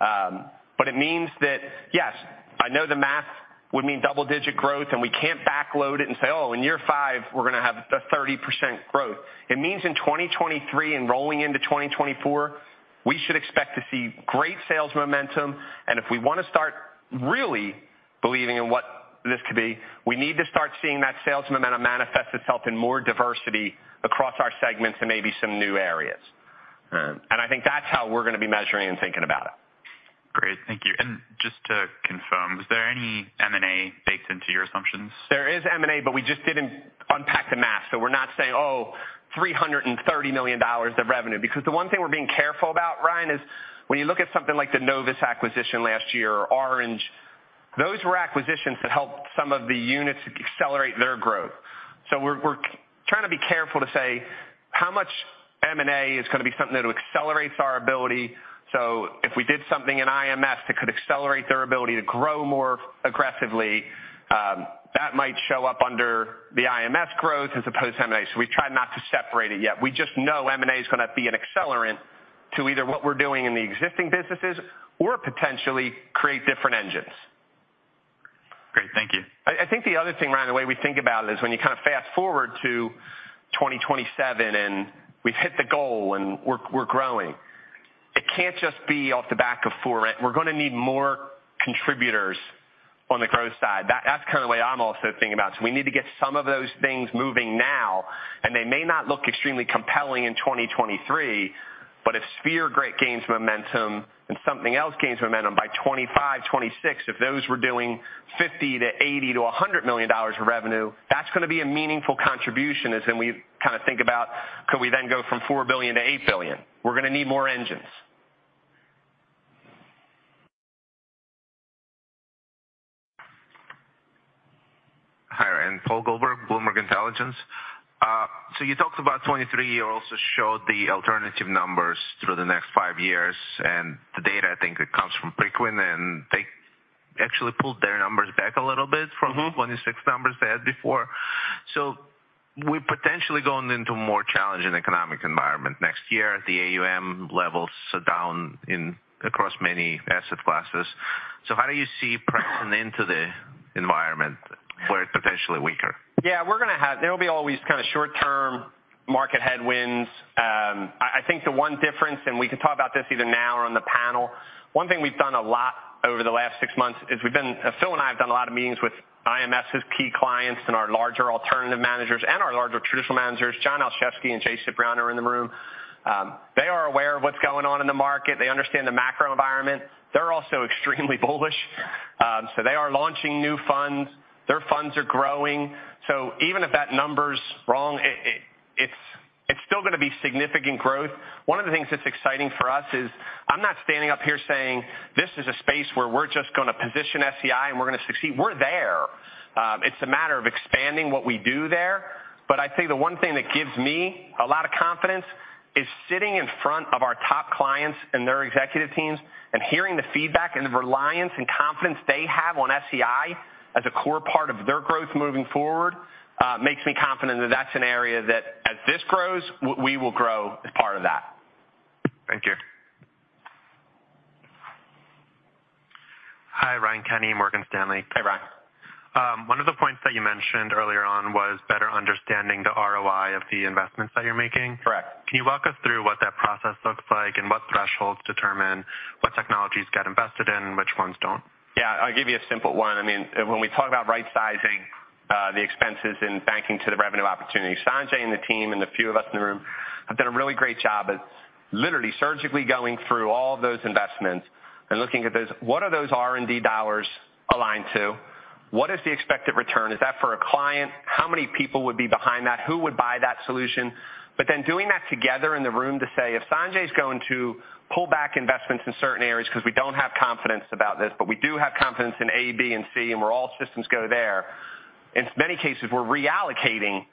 But it means that, yes, I know the math would mean double-digit growth, and we can't backload it and say, "Oh, in year five, we're gonna have a 30% growth." It means in 2023 and rolling into 2024, we should expect to see great sales momentum. If we want to start really believing in what this could be, we need to start seeing that sales momentum manifest itself in more diversity across our segments and maybe some new areas. I think that's how we're gonna be measuring and thinking about it. Great. Thank you. Just to confirm, was there any M&A baked into your assumptions? There is M&A, but we just didn't unpack the math. We're not saying, "Oh, $330 million of revenue." Because the one thing we're being careful about, Ryan, is when you look at something like the Novus acquisition last year or Oranj, those were acquisitions that helped some of the units accelerate their growth. We're trying to be careful to say how much M&A is gonna be something that accelerates our ability. If we did something in IMS that could accelerate their ability to grow more aggressively, that might show up under the IMS growth as opposed to M&A. We try not to separate it yet. We just know M&A is gonna be an accelerant to either what we're doing in the existing businesses or potentially create different engines. Great. Thank you. I think the other thing, Ryan, the way we think about it is when you kind of fast-forward to 2027 and we've hit the goal and we're growing, it can't just be off the back of ForRent. We're gonna need more contributors on the growth side. That's kind of the way I'm also thinking about it. We need to get some of those things moving now, and they may not look extremely compelling in 2023. If Sphere gains momentum and something else gains momentum by 2025, 2026, if those were doing $50 million-$80 million-$100 million of revenue, that's gonna be a meaningful contribution as then we kind of think about could we then go from $4 billion-$8 billion. We're gonna need more engines. Hi, Ryan. Paul Gulberg, Bloomberg Intelligence. You talked about 2023. You also showed the alternative numbers through the next five years, and the data, I think, it comes from Preqin, and they actually pulled their numbers back a little bit. Mm-hmm. From 2026 numbers they had before. We're potentially going into a more challenging economic environment next year. The AUM levels are down across many asset classes. How do you see pricing into the environment where it's potentially weaker? Yeah, we're gonna have short-term market headwinds. There'll always be kind of short-term market headwinds. I think the one difference, and we can talk about this either now or on the panel, one thing we've done a lot over the last six months is Phil and I have done a lot of meetings with IMS's key clients and our larger alternative managers and our larger traditional managers. John Olszewski and Jay Cipriano are in the room. They are aware of what's going on in the market. They understand the macro environment. They're also extremely bullish. They are launching new funds. Their funds are growing. Even if that number's wrong, it's still gonna be significant growth. One of the things that's exciting for us is I'm not standing up here saying, "This is a space where we're just gonna position SEI, and we're gonna succeed." We're there. It's a matter of expanding what we do there. I think the one thing that gives me a lot of confidence is sitting in front of our top clients and their executive teams and hearing the feedback and the reliance and confidence they have on SEI as a core part of their growth moving forward, makes me confident that that's an area that as this grows, we will grow as part of that. Thank you. Hi, Ryan. Ryan Kenney, Morgan Stanley. Hey, Ryan. One of the points that you mentioned earlier on was better understanding the ROI of the investments that you're making. Correct. Can you walk us through what that process looks like and what thresholds determine what technologies get invested in, which ones don't? Yeah. I'll give you a simple one. I mean, when we talk about right-sizing, the expenses in banking to the revenue opportunity, Sanjay and the team and the few of us in the room have done a really great job at literally surgically going through all of those investments and looking at those. What are those R&D dollars aligned to? What is the expected return? Is that for a client? How many people would be behind that? Who would buy that solution? Doing that together in the room to say, "If Sanjay's going to pull back investments in certain areas because we don't have confidence about this, but we do have confidence in A, B, and C, and where all systems go there," in many cases, we're reallocating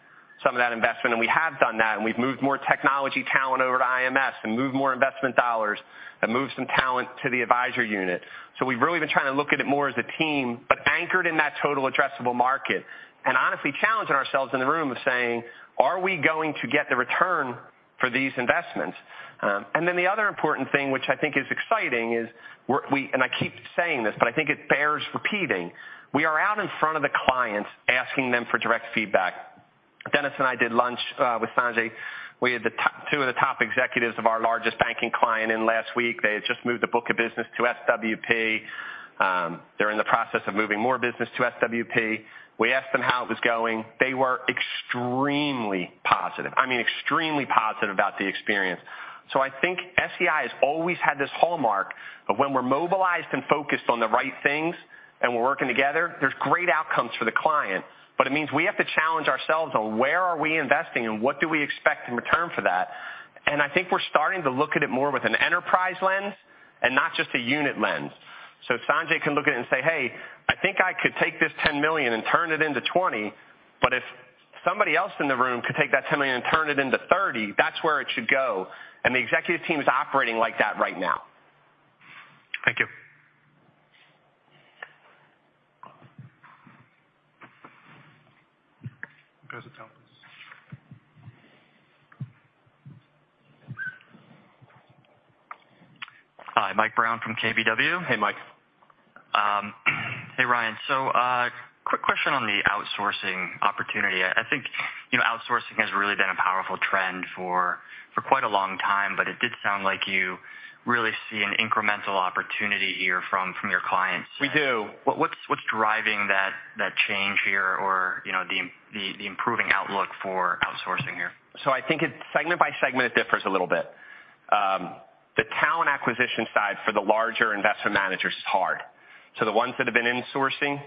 some of that investment, and we have done that, and we've moved more technology talent over to IMS and moved more investment dollars and moved some talent to the advisor unit. We've really been trying to look at it more as a team, but anchored in that total addressable market, and honestly challenging ourselves in the room of saying, "Are we going to get the return for these investments?" The other important thing which I think is exciting is I keep saying this, but I think it bears repeating. We are out in front of the clients asking them for direct feedback. Dennis and I did lunch with Sanjay. We had the top two of the top executives of our largest banking client in last week. They had just moved a book of business to SWP. They're in the process of moving more business to SWP. We asked them how it was going. They were extremely positive. I mean, extremely positive about the experience. I think SEI has always had this hallmark of when we're mobilized and focused on the right things and we're working together, there's great outcomes for the client. But it means we have to challenge ourselves on where are we investing and what do we expect in return for that. I think we're starting to look at it more with an enterprise lens and not just a unit lens. Sanjay can look at it and say, "Hey, I think I could take this $10 million and turn it into $20 million," but if somebody else in the room could take that $10 million and turn it into $30 million, that's where it should go. The executive team is operating like that right now. Thank you. Go to Tempus. Hi, Mike Brown from KBW. Hey, Mike. Hey, Ryan. Quick question on the outsourcing opportunity. I think, you know, outsourcing has really been a powerful trend for quite a long time, but it did sound like you really see an incremental opportunity here from your clients. We do. What's driving that change here or, you know, the improving outlook for outsourcing here? I think it's segment by segment, it differs a little bit. The talent acquisition side for the larger investment managers is hard. The ones that have been insourcing,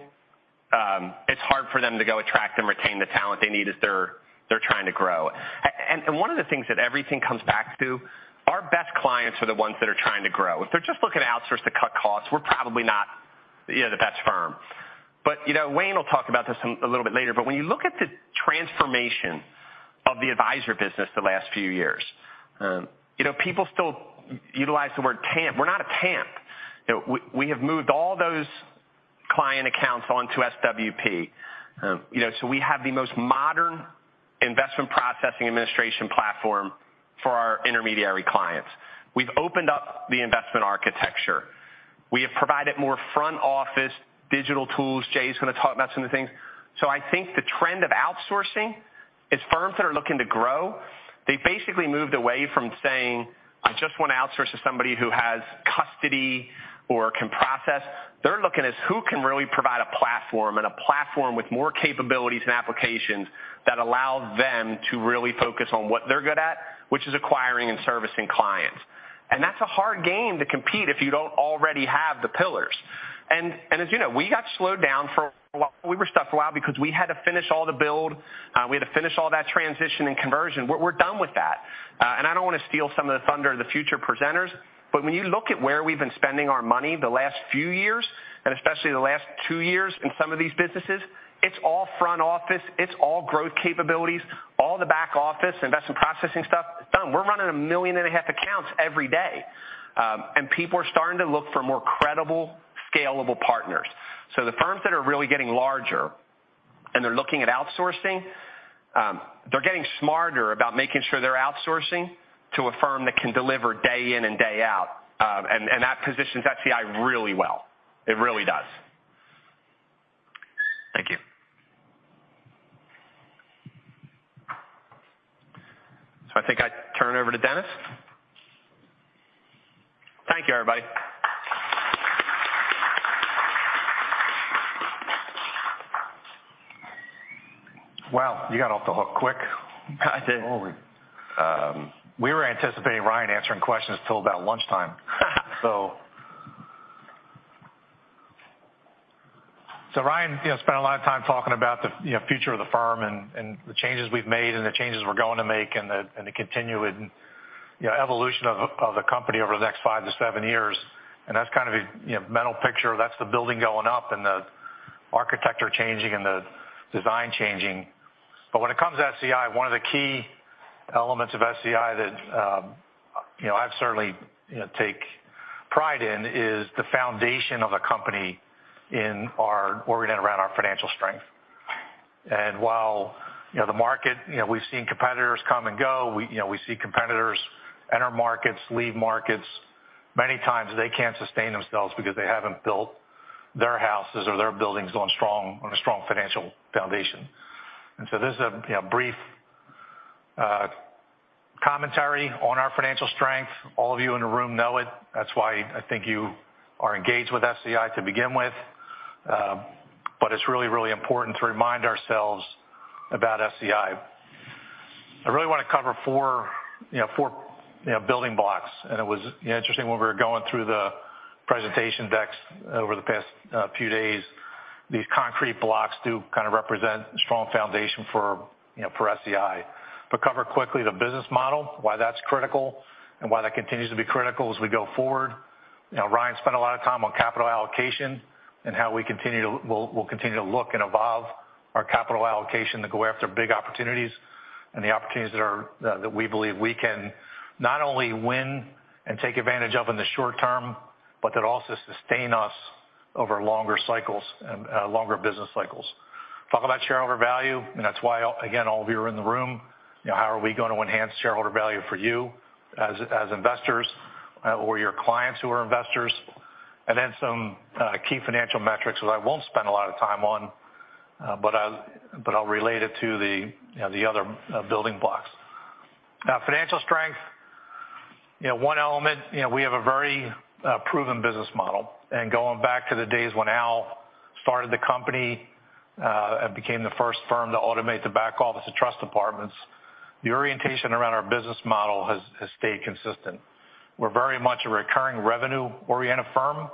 it's hard for them to go attract and retain the talent they need as they're trying to grow. One of the things that everything comes back to, our best clients are the ones that are trying to grow. If they're just looking to outsource to cut costs, we're probably not, you know, the best firm. You know, Wayne will talk about this a little bit later, but when you look at the transformation of the advisor business the last few years, you know, people still utilize the word TAMP. We're not a TAMP. You know, we have moved all those client accounts onto SWP. You know, we have the most modern investment processing administration platform for our intermediary clients. We've opened up the investment architecture. We have provided more front office digital tools. Jay's gonna talk about some of the things. I think the trend of outsourcing is firms that are looking to grow. They've basically moved away from saying, "I just want to outsource to somebody who has custody or can process." They're looking at who can really provide a platform and a platform with more capabilities and applications that allow them to really focus on what they're good at, which is acquiring and servicing clients. That's a hard game to compete if you don't already have the pillars. As you know, we got slowed down for a while. We were stuck for a while because we had to finish all the build, we had to finish all that transition and conversion. We're done with that. I don't wanna steal some of the thunder of the future presenters, but when you look at where we've been spending our money the last few years, and especially the last two years in some of these businesses, it's all front office, it's all growth capabilities, all the back office, investment processing stuff, done. We're running 1.5 million accounts every day. People are starting to look for more credible, scalable partners. The firms that are really getting larger and they're looking at outsourcing; they're getting smarter about making sure they're outsourcing to a firm that can deliver day in and day out. That positions SEI really well. It really does. Thank you. I think I turn it over to Dennis. Thank you, everybody. Wow, you got off the hook quick. I did. We were anticipating Ryan answering questions till about lunchtime. Ryan, you know, spent a lot of time talking about the, you know, future of the firm and the changes we've made and the changes we're going to make and the continuing, you know, evolution of the company over the next five to seven years. That's kind of a, you know, mental picture. That's the building going up and the architecture changing and the design changing. When it comes to SEI, one of the key elements of SEI that, you know, I certainly, you know, take pride in is the foundation of a company oriented around our financial strength. While, you know, the market, you know, we've seen competitors come and go. We, you know, we see competitors enter markets, leave markets. Many times they can't sustain themselves because they haven't built their houses or their buildings on a strong financial foundation. This is a brief commentary on our financial strength. All of you in the room know it. That's why I think you are engaged with SEI to begin with. It's really, really important to remind ourselves about SEI. I really wanna cover four building blocks. It was interesting when we were going through the presentation decks over the past few days. These concrete blocks do kind of represent strong foundation for SEI. Cover quickly the business model, why that's critical, and why that continues to be critical as we go forward. You know, Ryan spent a lot of time on capital allocation and how we continue to look and evolve our capital allocation to go after big opportunities and the opportunities that we believe we can not only win and take advantage of in the short term, but that also sustain us over longer cycles and longer business cycles. Talk about shareholder value, and that's why, again, all of you are in the room. You know, how are we gonna enhance shareholder value for you as investors or your clients who are investors. Some key financial metrics that I won't spend a lot of time on, but I'll relate it to the, you know, the other building blocks. Now, financial strength, you know, one element, you know, we have a very proven business model. Going back to the days when Al started the company and became the first firm to automate the back office of trust departments, the orientation around our business model has stayed consistent. We're very much a recurring revenue-oriented firm.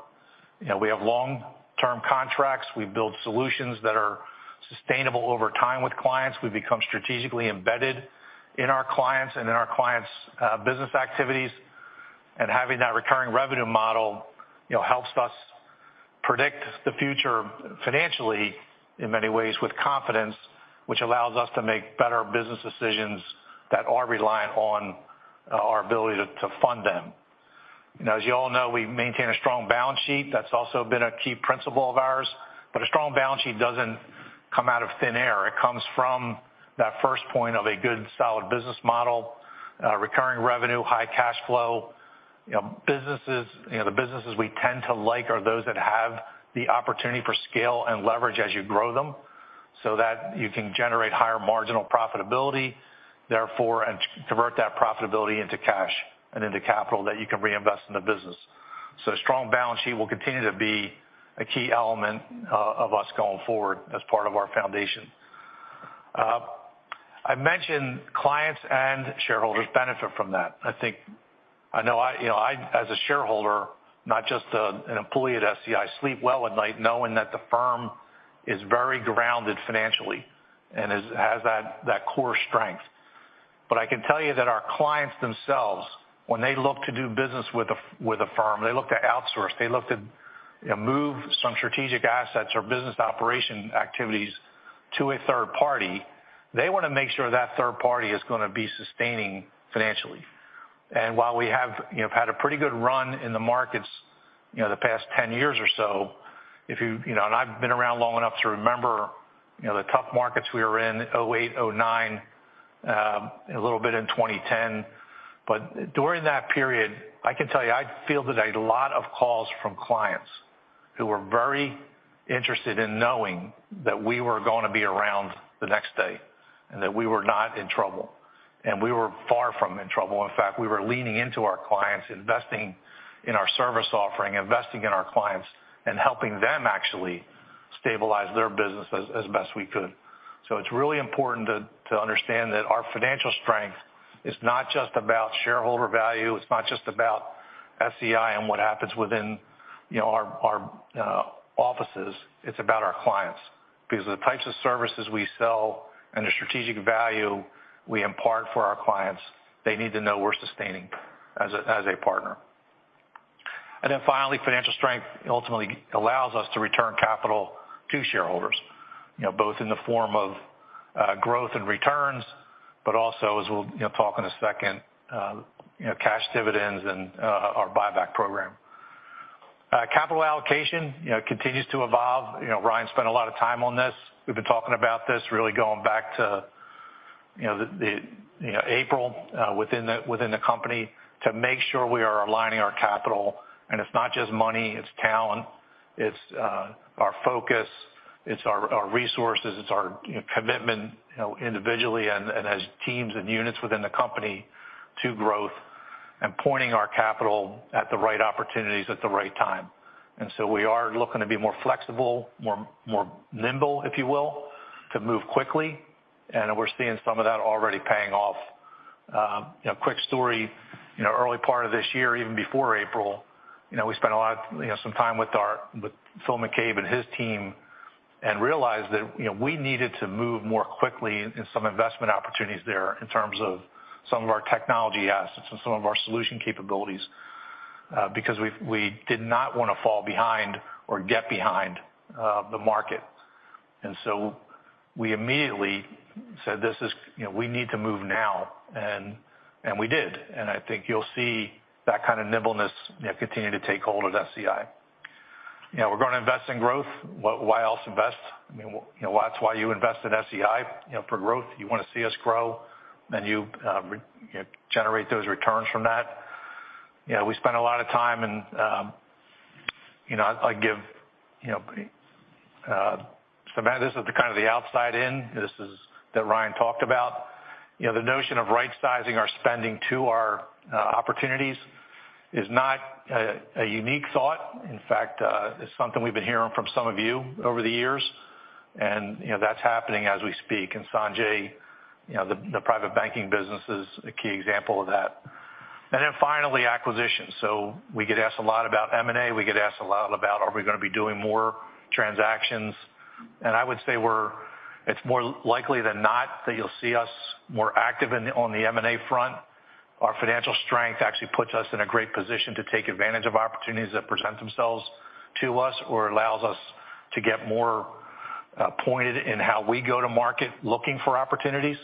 You know, we have long-term contracts. We build solutions that are sustainable over time with clients. We've become strategically embedded in our clients and in our clients' business activities. Having that recurring revenue model, you know, helps us predict the future financially in many ways with confidence, which allows us to make better business decisions that are reliant on our ability to fund them. You know, as you all know, we maintain a strong balance sheet. That's also been a key principle of ours. A strong balance sheet doesn't come out of thin air. It comes from that first point of a good, solid business model, recurring revenue, high cash flow. You know, businesses you know, the businesses we tend to like are those that have the opportunity for scale and leverage as you grow them so that you can generate higher marginal profitability, therefore, and convert that profitability into cash and into capital that you can reinvest in the business. A strong balance sheet will continue to be a key element of our going forward as part of our foundation. I mentioned clients and shareholders benefit from that. I know I, you know, I as a shareholder, not just an employee at SEI, sleep well at night knowing that the firm is very grounded financially and has that core strength. I can tell you that our clients themselves, when they look to do business with a firm, they look to outsource, they look to, you know, move some strategic assets or business operation activities to a third party, they wanna make sure that third party is gonna be sustainable financially. While we have, you know, had a pretty good run in the markets, you know, the past 10 years or so. You know, I've been around long enough to remember, you know, the tough markets we were in, 2008, 2009, a little bit in 2010. During that period, I can tell you, I fielded a lot of calls from clients who were very interested in knowing that we were gonna be around the next day and that we were not in trouble. We were far from in trouble. In fact, we were leaning into our clients, investing in our service offering, investing in our clients, and helping them actually stabilize their businesses as best we could. It's really important to understand that our financial strength is not just about shareholder value, it's not just about SEI and what happens within, you know, our offices, it's about our clients. Because the types of services we sell and the strategic value we impart for our clients, they need to know we're sustaining as a partner. Finally, financial strength ultimately allows us to return capital to shareholders, you know, both in the form of growth and returns, but also, as we'll, you know, talk in a second, you know, cash dividends and our buyback program. Capital allocation, you know, continues to evolve. You know, Ryan spent a lot of time on this. We've been talking about this really going back to, you know, April within the company to make sure we are aligning our capital. It's not just money, it's talent, it's our focus, it's our resources, it's our, you know, commitment, you know, individually and as teams and units within the company to growth and pointing our capital at the right opportunities at the right time. We are looking to be more flexible, more nimble, if you will, to move quickly, and we're seeing some of that already paying off. You know, quick story. You know, early part of this year, even before April, you know, we spent a lot, you know, some time with Phil McCabe and his team, and realized that, you know, we needed to move more quickly in some investment opportunities there in terms of some of our technology assets and some of our solution capabilities, because we did not wanna fall behind or get behind the market. We immediately said, "You know, we need to move now," and we did. I think you'll see that kind of nimbleness, you know, continue to take hold of SEI. You know, we're gonna invest in growth. Why else invest? I mean, you know, that's why you invest in SEI, you know, for growth. You wanna see us grow, and you know, generate those returns from that. You know, we spend a lot of time and you know, I give you know. This is the kind of the outside in that Ryan talked about. You know, the notion of right-sizing our spending to our opportunities is not a unique thought. In fact, it's something we've been hearing from some of you over the years, and you know, that's happening as we speak. Sanjay, you know, the private banking business is a key example of that. Finally, acquisitions. We get asked a lot about M&A, we get asked a lot about are we gonna be doing more transactions. I would say it's more likely than not that you'll see us more active on the M&A front. Our financial strength actually puts us in a great position to take advantage of opportunities that present themselves to us or allows us to get more pointed in how we go to market looking for opportunities.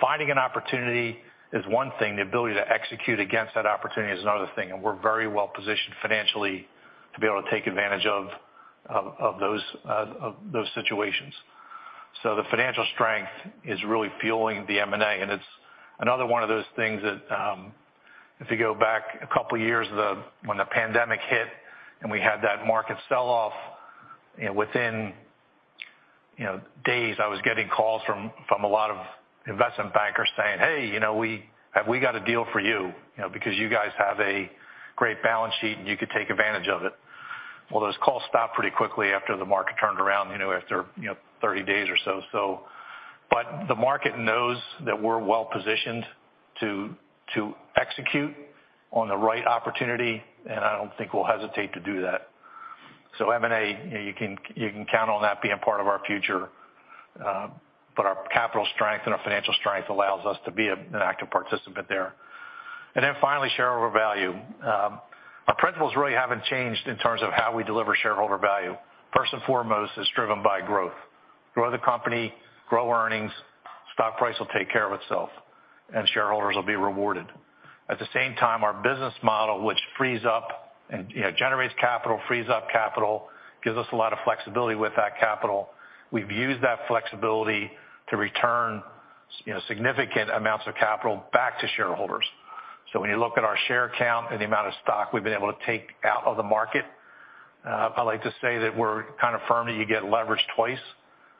Finding an opportunity is one thing, the ability to execute against that opportunity is another thing, and we're very well positioned financially to be able to take advantage of those situations. The financial strength is really fueling the M&A, and it's another one of those things that, if you go back a couple years, when the pandemic hit and we had that market sell-off, you know, within, you know, days, I was getting calls from a lot of investment bankers saying, "Hey, you know, have we got a deal for you know, because you guys have a great balance sheet, and you could take advantage of it." Well, those calls stopped pretty quickly after the market turned around, you know, after, you know, 30 days or so. But the market knows that we're well-positioned to execute on the right opportunity, and I don't think we'll hesitate to do that. M&A, you know, you can count on that being part of our future, but our capital strength and our financial strength allows us to be an active participant there. Then finally, shareholder value. Our principles really haven't changed in terms of how we deliver shareholder value. First and foremost, it's driven by growth. Grow the company, grow earnings, stock price will take care of itself, and shareholders will be rewarded. At the same time, our business model, which frees up and, you know, generates capital, frees up capital, gives us a lot of flexibility with that capital. We've used that flexibility to return, you know, significant amounts of capital back to shareholders. When you look at our share count and the amount of stock we've been able to take out of the market, I'd like to say that we're kind of a firm that you get leverage twice.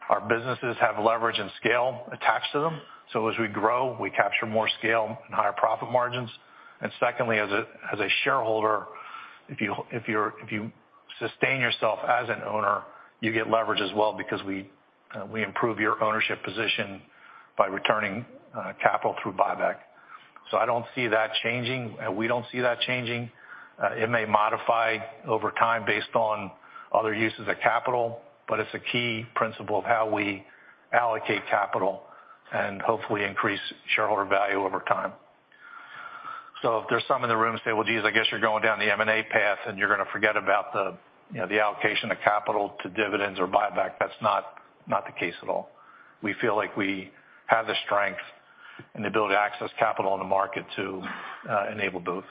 Our businesses have leverage and scale attached to them, so as we grow, we capture more scale and higher profit margins. Secondly, as a shareholder, if you sustain yourself as an owner, you get leverage as well because we improve your ownership position by returning capital through buyback. I don't see that changing. We don't see that changing. It may modify over time based on other uses of capital, but it's a key principle of how we allocate capital and hopefully increase shareholder value over time. If there's someone in the room says, "Well, geez, I guess you're going down the M&A path, and you're gonna forget about the, you know, the allocation of capital to dividends or buyback," that's not the case at all. We feel like we have the strength and the ability to access capital in the market to enable both.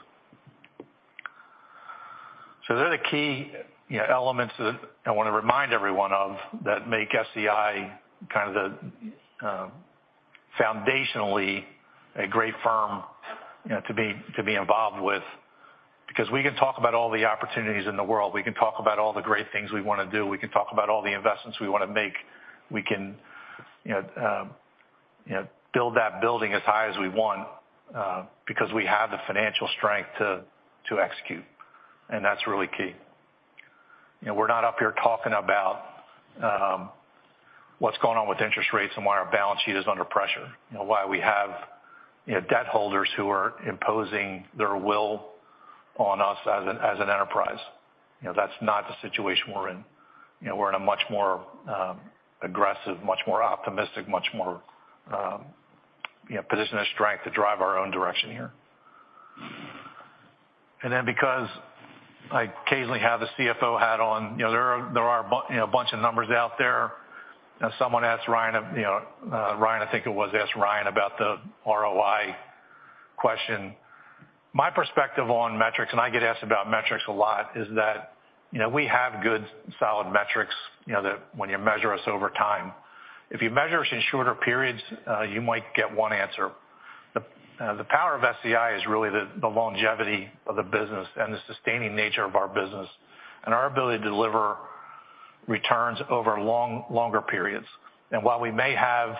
They're the key, you know, elements that I wanna remind everyone of that make SEI kind of foundationally a great firm, you know, to be involved with. Because we can talk about all the opportunities in the world, we can talk about all the great things we wanna do, we can talk about all the investments we wanna make, we can, you know, you know, build that building as high as we want, because we have the financial strength to execute, and that's really key. You know, we're not up here talking about what's going on with interest rates and why our balance sheet is under pressure. You know, why we have, you know, debt holders who are imposing their will on us as an enterprise. You know, that's not the situation we're in. You know, we're in a much more aggressive, much more optimistic, much more, you know, position of strength to drive our own direction here. Because I occasionally have the CFO hat on, you know, there are a bunch of numbers out there. You know, someone asked Ryan about the ROI question. My perspective on metrics, and I get asked about metrics a lot, is that, you know, we have good, solid metrics, you know, that when you measure us over time. If you measure us in shorter periods, you might get one answer. The power of SEI is really the longevity of the business and the sustaining nature of our business and our ability to deliver returns over longer periods. While we may have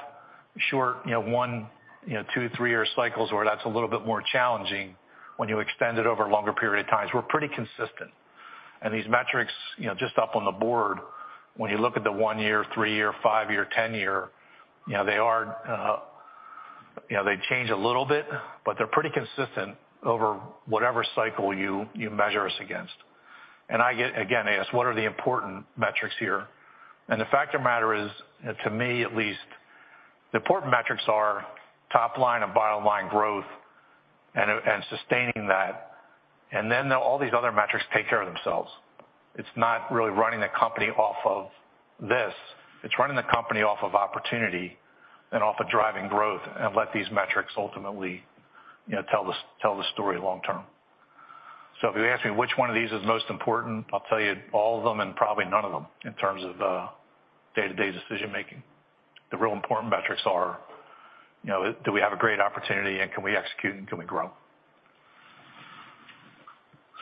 short, you know, one, you know, two, three-year cycles where that's a little bit more challenging when you extend it over longer period of times, we're pretty consistent. These metrics, you know, just up on the board, when you look at the one-year, three-year, five-year, 10-year, you know, they are, you know, they change a little bit, but they're pretty consistent over whatever cycle you measure us against. I get, again, asked, what are the important metrics here? The fact of the matter is, to me at least, the important metrics are top line and bottom-line growth and sustaining that. Then all these other metrics take care of themselves. It's not really running the company off of this. It's running the company off of opportunity and off of driving growth and let these metrics ultimately, you know, tell the story long term. If you ask me which one of these is most important, I'll tell you all of them and probably none of them in terms of day-to-day decision making. The real important metrics are, you know, do we have a great opportunity and can we execute and can we grow?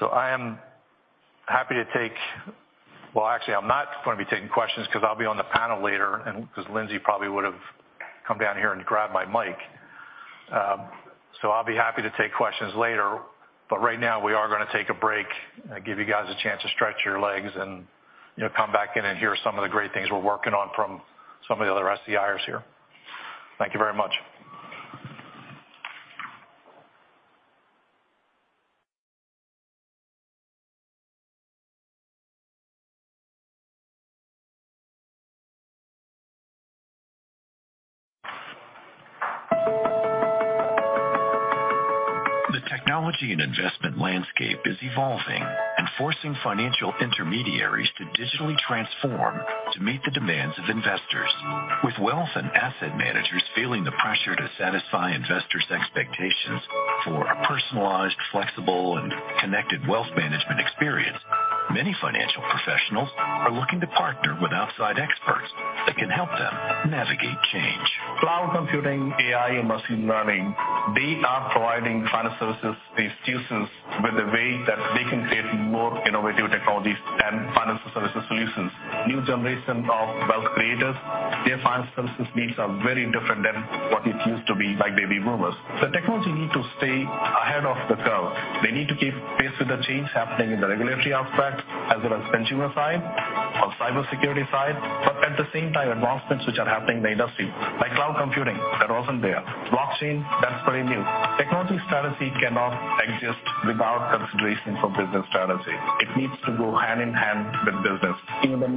I am happy to take. Well, actually, I'm not gonna be taking questions because I'll be on the panel later and because Lindsey probably would've come down here and grabbed my mic. I'll be happy to take questions later. Right now we are gonna take a break and give you guys a chance to stretch your legs and, you know, come back in and hear some of the great things we're working on from some of the other SEIers here. Thank you very much. The technology and investment landscape is evolving and forcing financial intermediaries to digitally transform to meet the demands of investors. With wealth and asset managers feeling the pressure to satisfy investors' expectations for a personalized, flexible, and connected wealth management experience, many financial professionals are looking to partner with outside experts that can help them navigate change. Cloud computing, AI, and machine learning, they are providing financial services institutions with a way that they can create more innovative technologies and financial services solutions. New generation of wealth creators, their financial services needs are very different than what it used to be by baby boomers. The technology need to stay ahead of the curve. They need to keep pace with the change happening in the regulatory aspect, as well as consumer side or cybersecurity side. At the same time, advancements which are happening in the industry, like cloud computing, that wasn't there. Blockchain, that's very new. Technology strategy cannot exist without consideration for business strategy. It needs to go hand in hand with business. Even the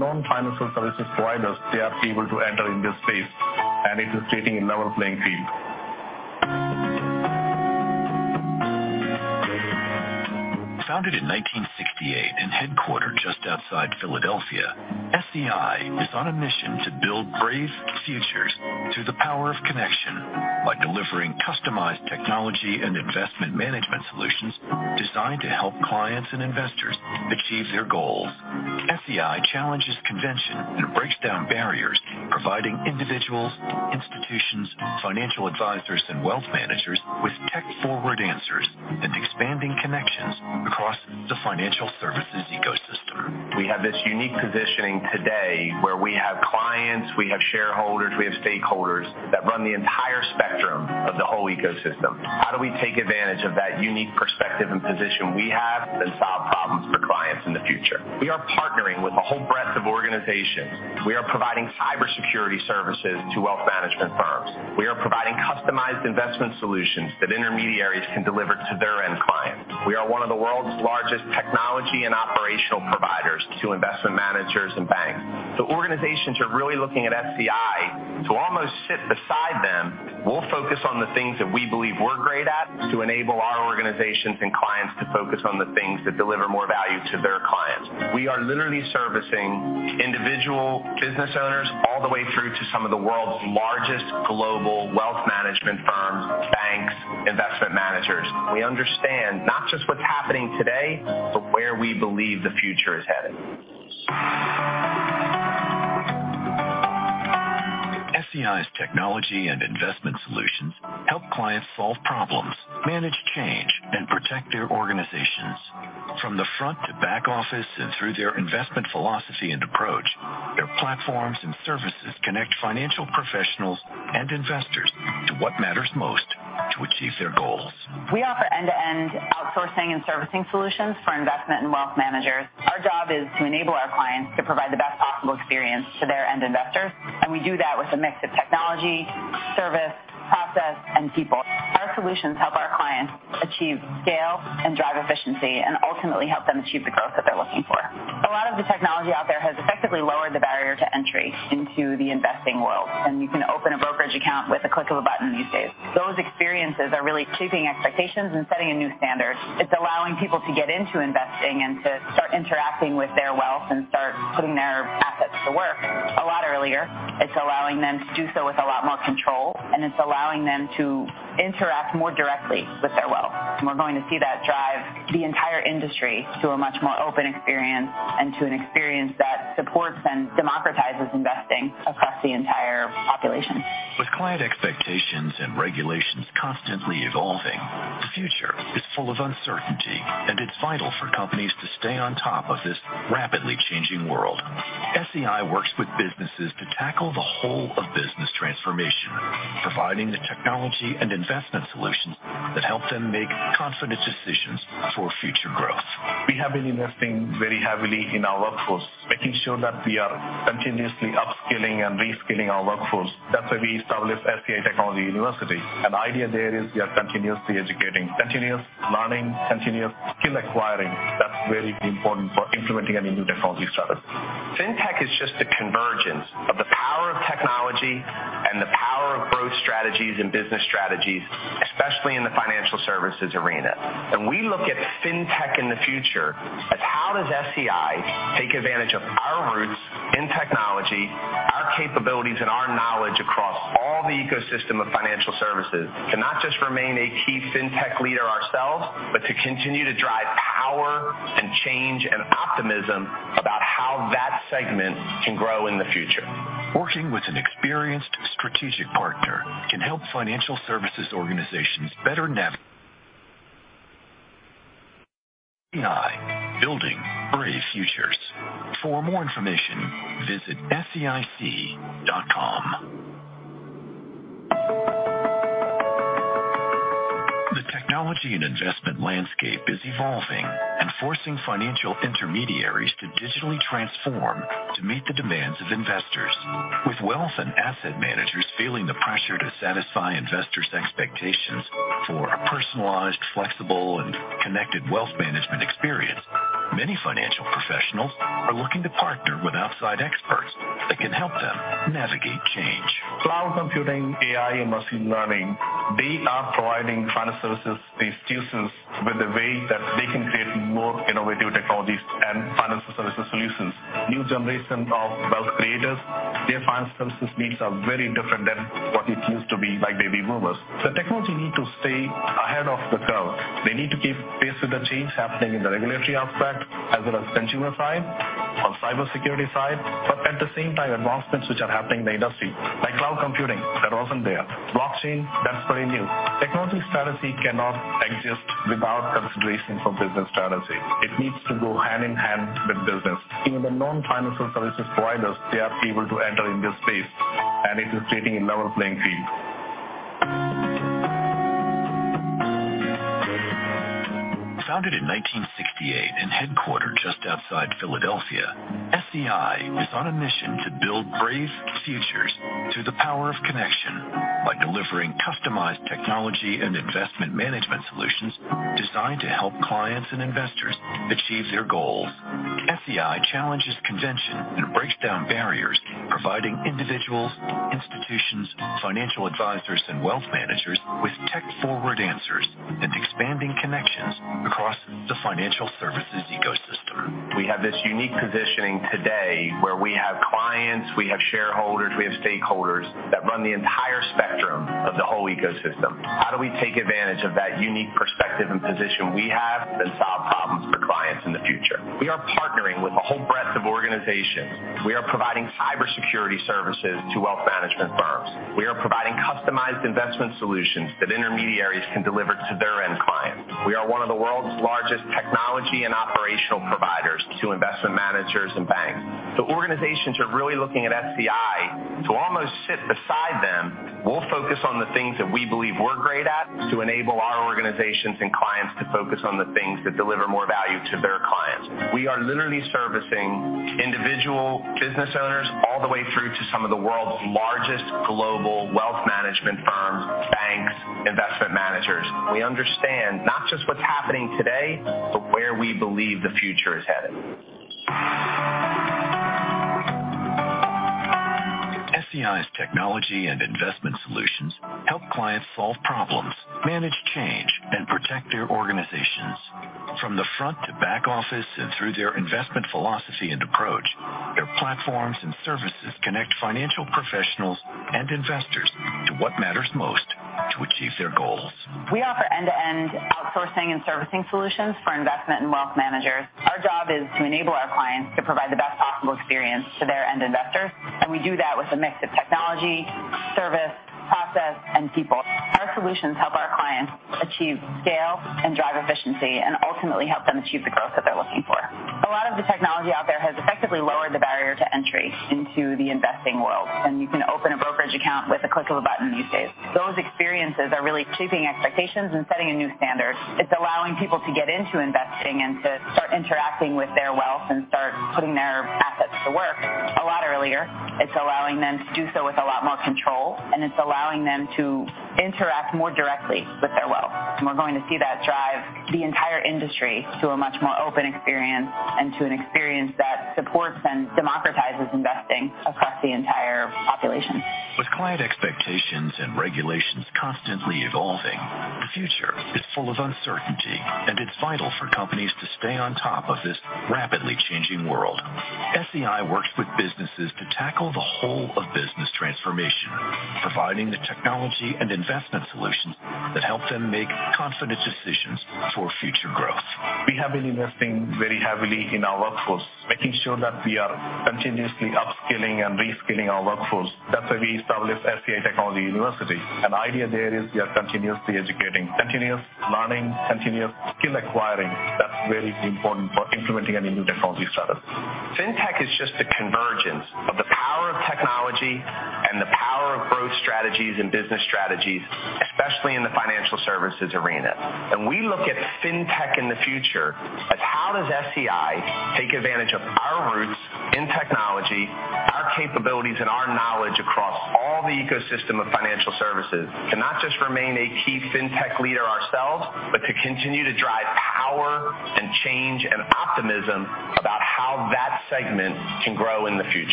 non-financial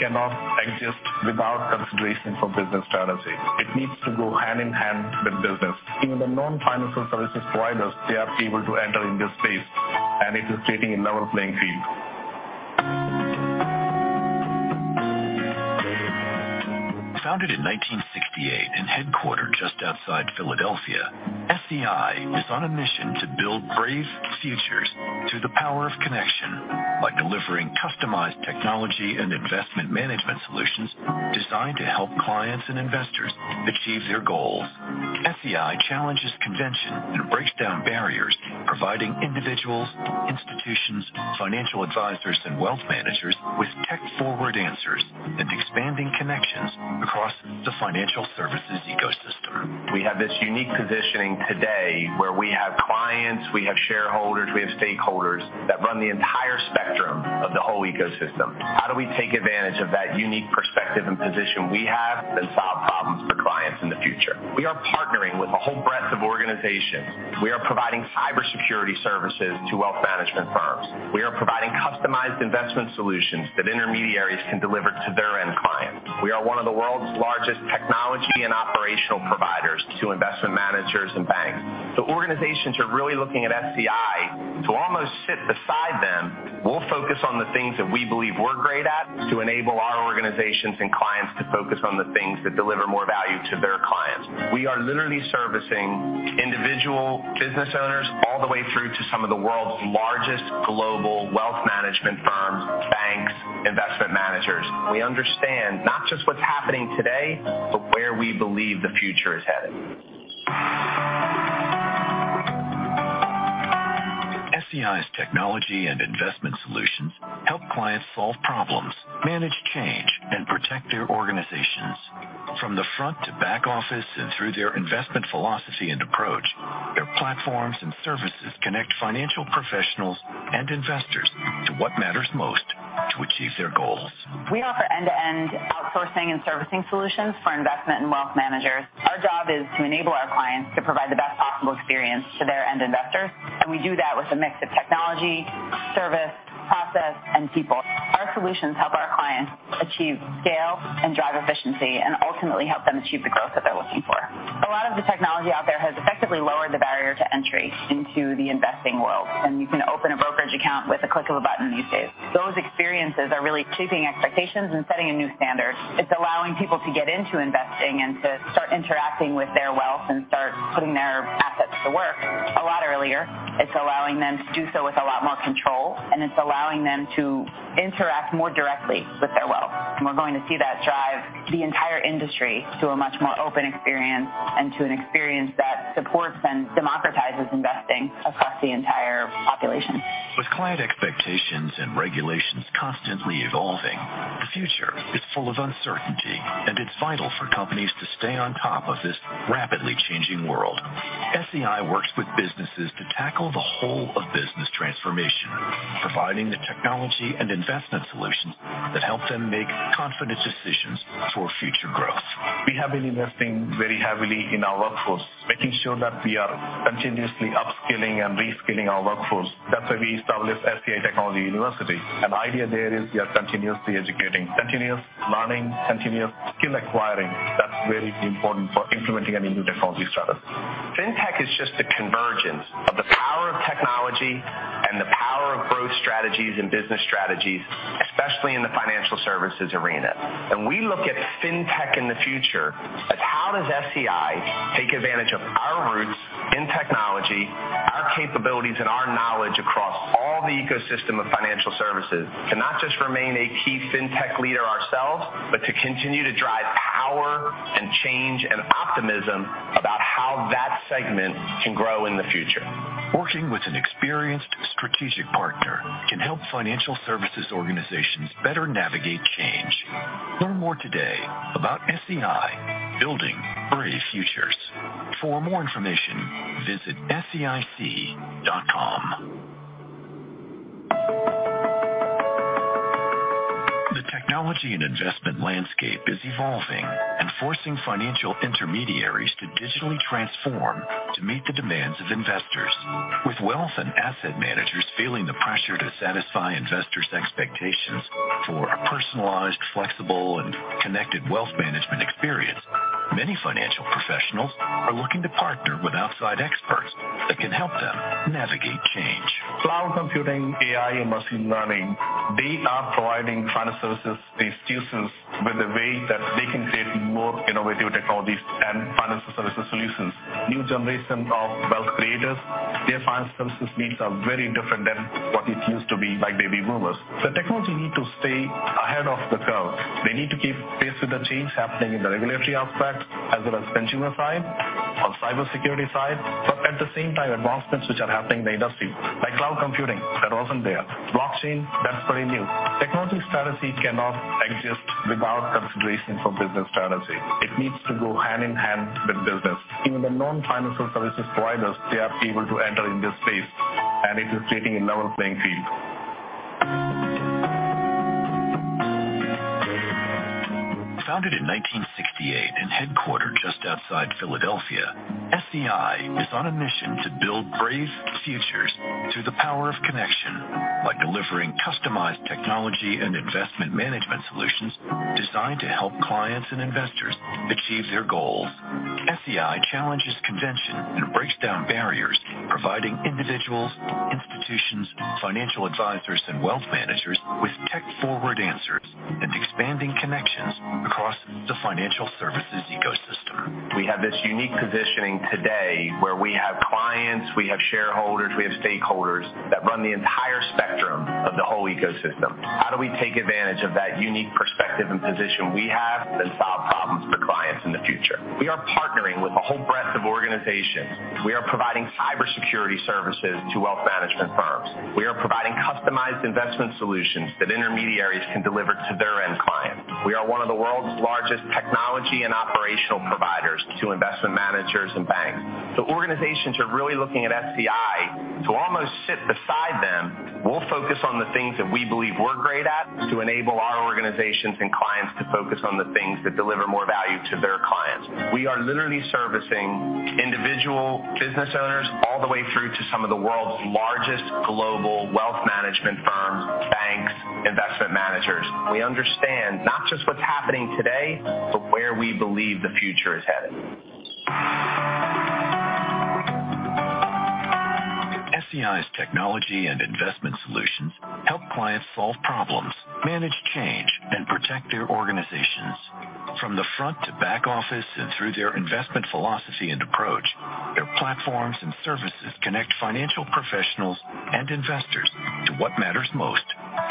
services providers, they are able to enter in this space, and it is creating a level playing field. Founded in 1968 and headquartered just outside Philadelphia, SEI is on a mission to build brave futures through the power of connection by delivering customized technology and investment management solutions designed to help clients and investors achieve their goals. SEI challenges convention and breaks down barriers, providing individuals, institutions, financial advisors and wealth managers with tech forward answers and expanding connections across the financial services ecosystem. We have this unique positioning today where we have clients, we have shareholders, we have stakeholders that run the entire spectrum of the whole ecosystem. How do we take advantage of that unique perspective and position we have and solve problems for clients in the future? We are partnering with a whole breadth of organizations. We are providing cybersecurity services to wealth management firms. We are providing customized investment solutions that intermediaries can deliver to their end clients. We are one of the world's largest technology and operational providers to investment managers and banks. The organizations are really looking at SEI to almost sit beside them. We'll focus on the things that we believe we're great at to enable our organizations and clients to focus on the things that deliver more value to their clients. We are literally servicing individual business owners all the way through to some of the world's largest global wealth management firms, banks, investment managers. We understand not just what's happening today, but where we believe the future is headed. SEI's technology and investment solutions help clients solve problems, manage change and protect their organizations. From the front to back office and through their investment philosophy and approach, platforms and services connect financial professionals and investors to what matters most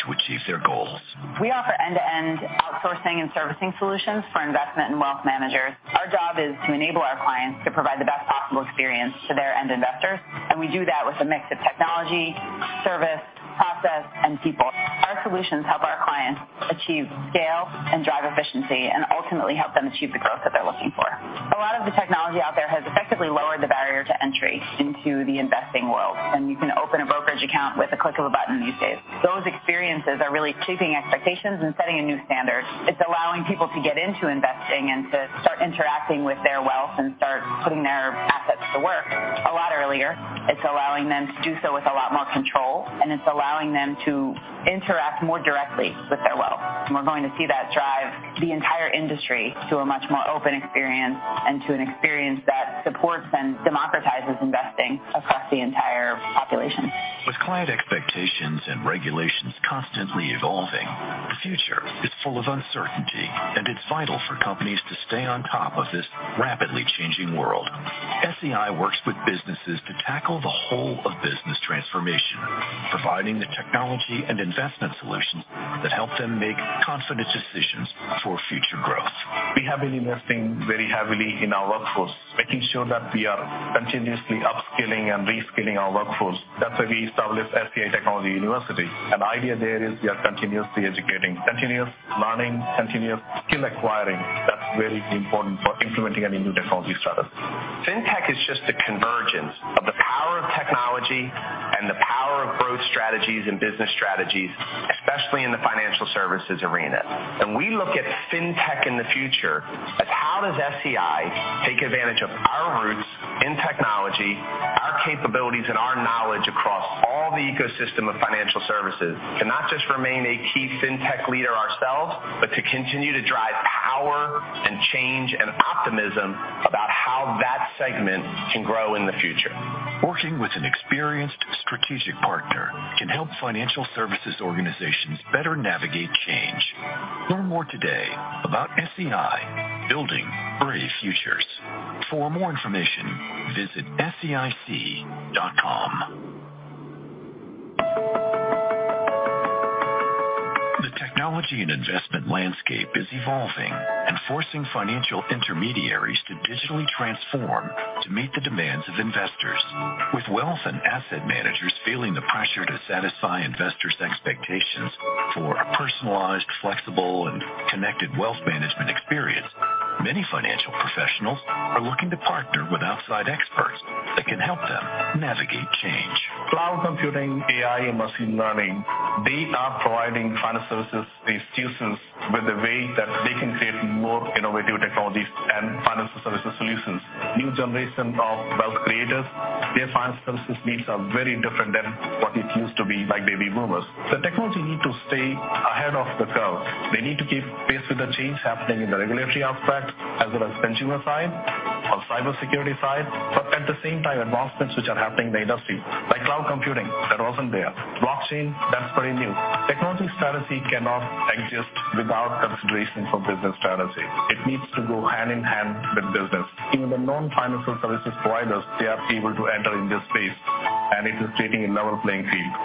to achieve their goals. We offer end-to-end outsourcing and servicing solutions for investment and wealth managers. Our job is to enable our clients to provide the best possible experience to their end investors, and we do that with a mix of technology, service, process, and people. Our solutions help our clients achieve scale and drive efficiency and ultimately help them achieve the growth that they're looking for. A lot of the technology out there has effectively lowered the barrier to entry into the investing world, and you can open a brokerage account with a click of a button these days. Those experiences are really shaping expectations and setting a new standard. It's allowing people to get into investing and to start interacting with their wealth and start putting their assets to work a lot earlier. It's allowing them to do so with a lot more control, and it's allowing them to interact more directly with their wealth. We're going to see that drive the entire industry to a much more open experience and to an experience that supports and democratizes investing across the entire population. With client expectations and regulations constantly evolving, the future is full of uncertainty, and it's vital for companies to stay on top of this rapidly changing world. SEI works with businesses to tackle the whole of business transformation, providing the technology and investment solutions that help them make confident decisions for future growth. We have been investing very heavily in our workforce, making sure that we are continuously upskilling and reskilling our workforce. That's why we established SEI Technology University. An idea there is we are continuously educating, continuous learning, continuous skill acquiring. That's very important for implementing any new technology strategy. FinTech is just a convergence of the power of technology and the power of growth strategies and business strategies, especially in the financial services arena. We look at FinTech in the future as how does SEI take advantage of our roots in technology, our capabilities and our knowledge across all the ecosystem of financial services to not just remain a key FinTech leader ourselves, but to continue to drive power and change and optimism about how that segment can grow in the future. Working with an experienced strategic partner can help financial services organizations better navigate. SEI, building brave futures. For more information, visit seic.com. The technology and investment landscape is evolving and forcing financial intermediaries to digitally transform to meet the demands of investors. With wealth and asset managers feeling the pressure to satisfy investors' expectations for a personalized, flexible, and connected wealth management experience, many financial professionals are looking to partner with outside experts that can help them navigate change. Cloud computing, AI, and machine learning, they are providing financial services institutions with a way that they can create more innovative technologies and financial services solutions. New generation of wealth creators, their financial services needs are very different than what it used to be by baby boomers. Technology need to stay ahead of the curve. They need to keep pace with the change happening in the regulatory aspect as well as consumer side, on cybersecurity side, but at the same time, advancements which are happening in the industry, like cloud computing, that wasn't there. Blockchain, that's very new. Technology strategy cannot exist without consideration for business strategy. It needs to go hand in hand with business. Even the non-financial services providers, they are able to enter in this space, and it is creating a level playing field.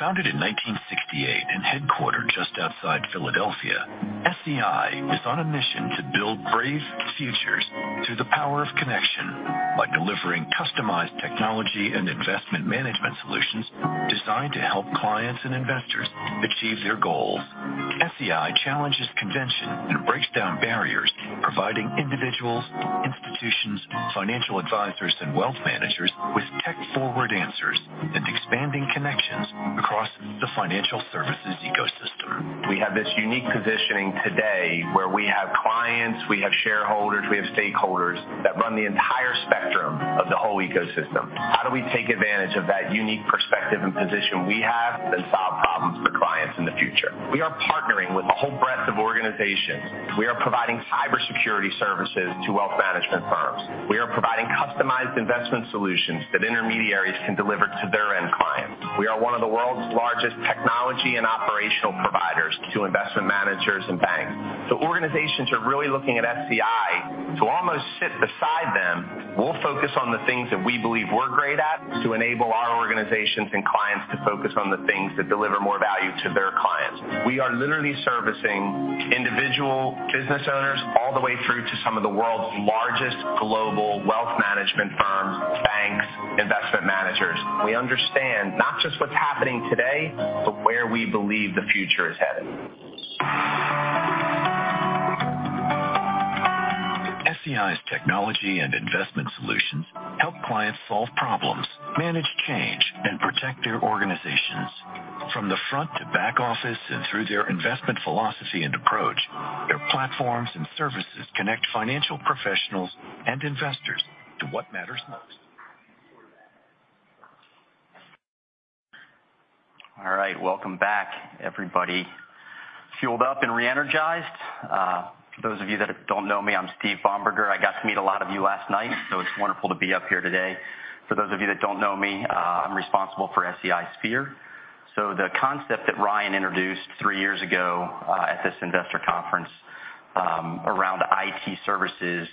Founded in 1968 and headquartered just outside Philadelphia, SEI is on a mission to build brave futures through the power of connection by delivering customized technology and investment management solutions designed to help clients and investors achieve their goals. SEI challenges convention and breaks down barriers, providing individuals, institutions, financial advisors and wealth managers with tech-forward answers and expanding connections across the financial services ecosystem. We have this unique positioning today where we have clients, we have shareholders, we have stakeholders that run the entire spectrum of the whole ecosystem. How do we take advantage of that unique perspective and position we have and solve problems for clients in the future? We are partnering with a whole breadth of organizations. We are providing cybersecurity services to wealth management firms. We are providing customized investment solutions that intermediaries can deliver to their end clients. We are one of the world's All right. Welcome back, everybody. Fueled up and re-energized. For those of you that don't know me, I'm Steve Bomberger. I got to meet a lot of you last night, so it's wonderful to be up here today. For those of you that don't know me, I'm responsible for SEI Sphere. The concept that Ryan introduced three years ago at this investor conference around IT services,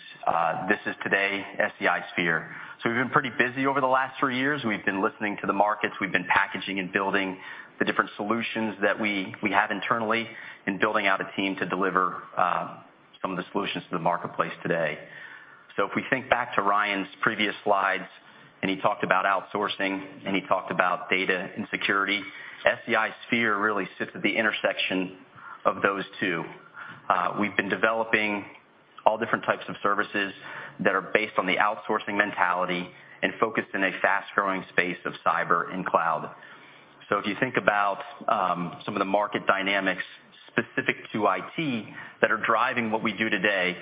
this is today SEI Sphere. We've been pretty busy over the last three years. We've been listening to the markets. We've been packaging and building the different solutions that we have internally and building out a team to deliver some of the solutions to the marketplace today. If we think back to Ryan's previous slides, and he talked about outsourcing, and he talked about data and security, SEI Sphere really sits at the intersection of those two. We've been developing all different types of services that are based on the outsourcing mentality and focused in a fast-growing space of cyber and cloud. If you think about some of the market dynamics specific to IT that are driving what we do today,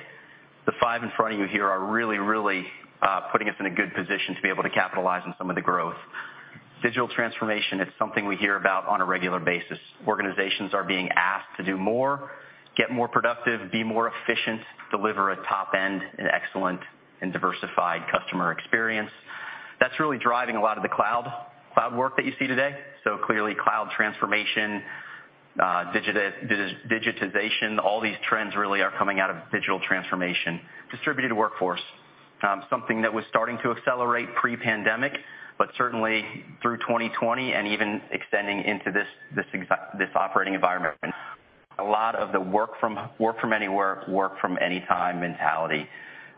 the five in front of you here are really putting us in a good position to be able to capitalize on some of the growth. Digital transformation is something we hear about on a regular basis. Organizations are being asked to do more, get more productive, be more efficient, deliver a top-end and excellent and diversified customer experience. That's really driving a lot of the cloud work that you see today. Clearly, cloud transformation, digitization, all these trends really are coming out of digital transformation. Distributed workforce, something that was starting to accelerate pre-pandemic, but certainly through 2020 and even extending into this operating environment. A lot of the work from anywhere, work from any time mentality.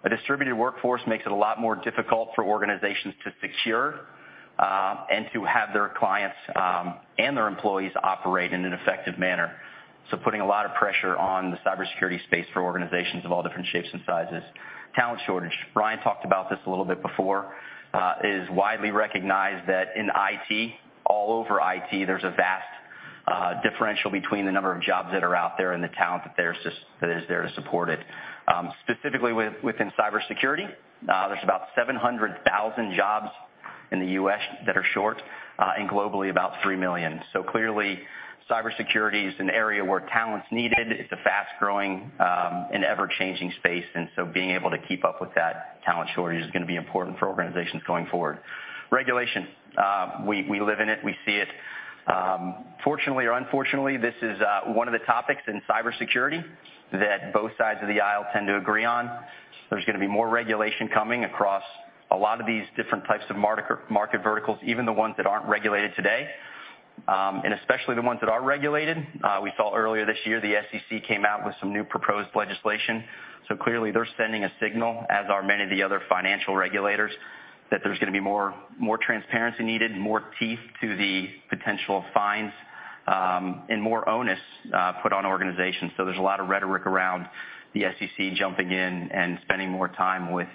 A distributed workforce makes it a lot more difficult for organizations to secure, and to have their clients, and their employees operate in an effective manner. Putting a lot of pressure on the cybersecurity space for organizations of all different shapes and sizes. Talent shortage. Ryan Hicke talked about this a little bit before. It is widely recognized that in IT, all over IT, there's a vast differential between the number of jobs that are out there and the talent that is there to support it. Specifically within cybersecurity, there's about 700,000 jobs in the U.S. that are short, and globally, about 3 million. Clearly, cybersecurity is an area where talent's needed. It's a fast-growing and ever-changing space, and so being able to keep up with that talent shortage is gonna be important for organizations going forward. Regulation. We live in it. We see it. Fortunately or unfortunately, this is one of the topics in cybersecurity that both sides of the aisle tend to agree on. There's gonna be more regulation coming across a lot of these different types of market verticals, even the ones that aren't regulated today, and especially the ones that are regulated. We saw earlier this year, the SEC came out with some new proposed legislation. Clearly they're sending a signal, as are many of the other financial regulators, that there's gonna be more transparency needed, more teeth to the potential fines, and more onus put on organizations. There's a lot of rhetoric around the SEC jumping in and spending more time with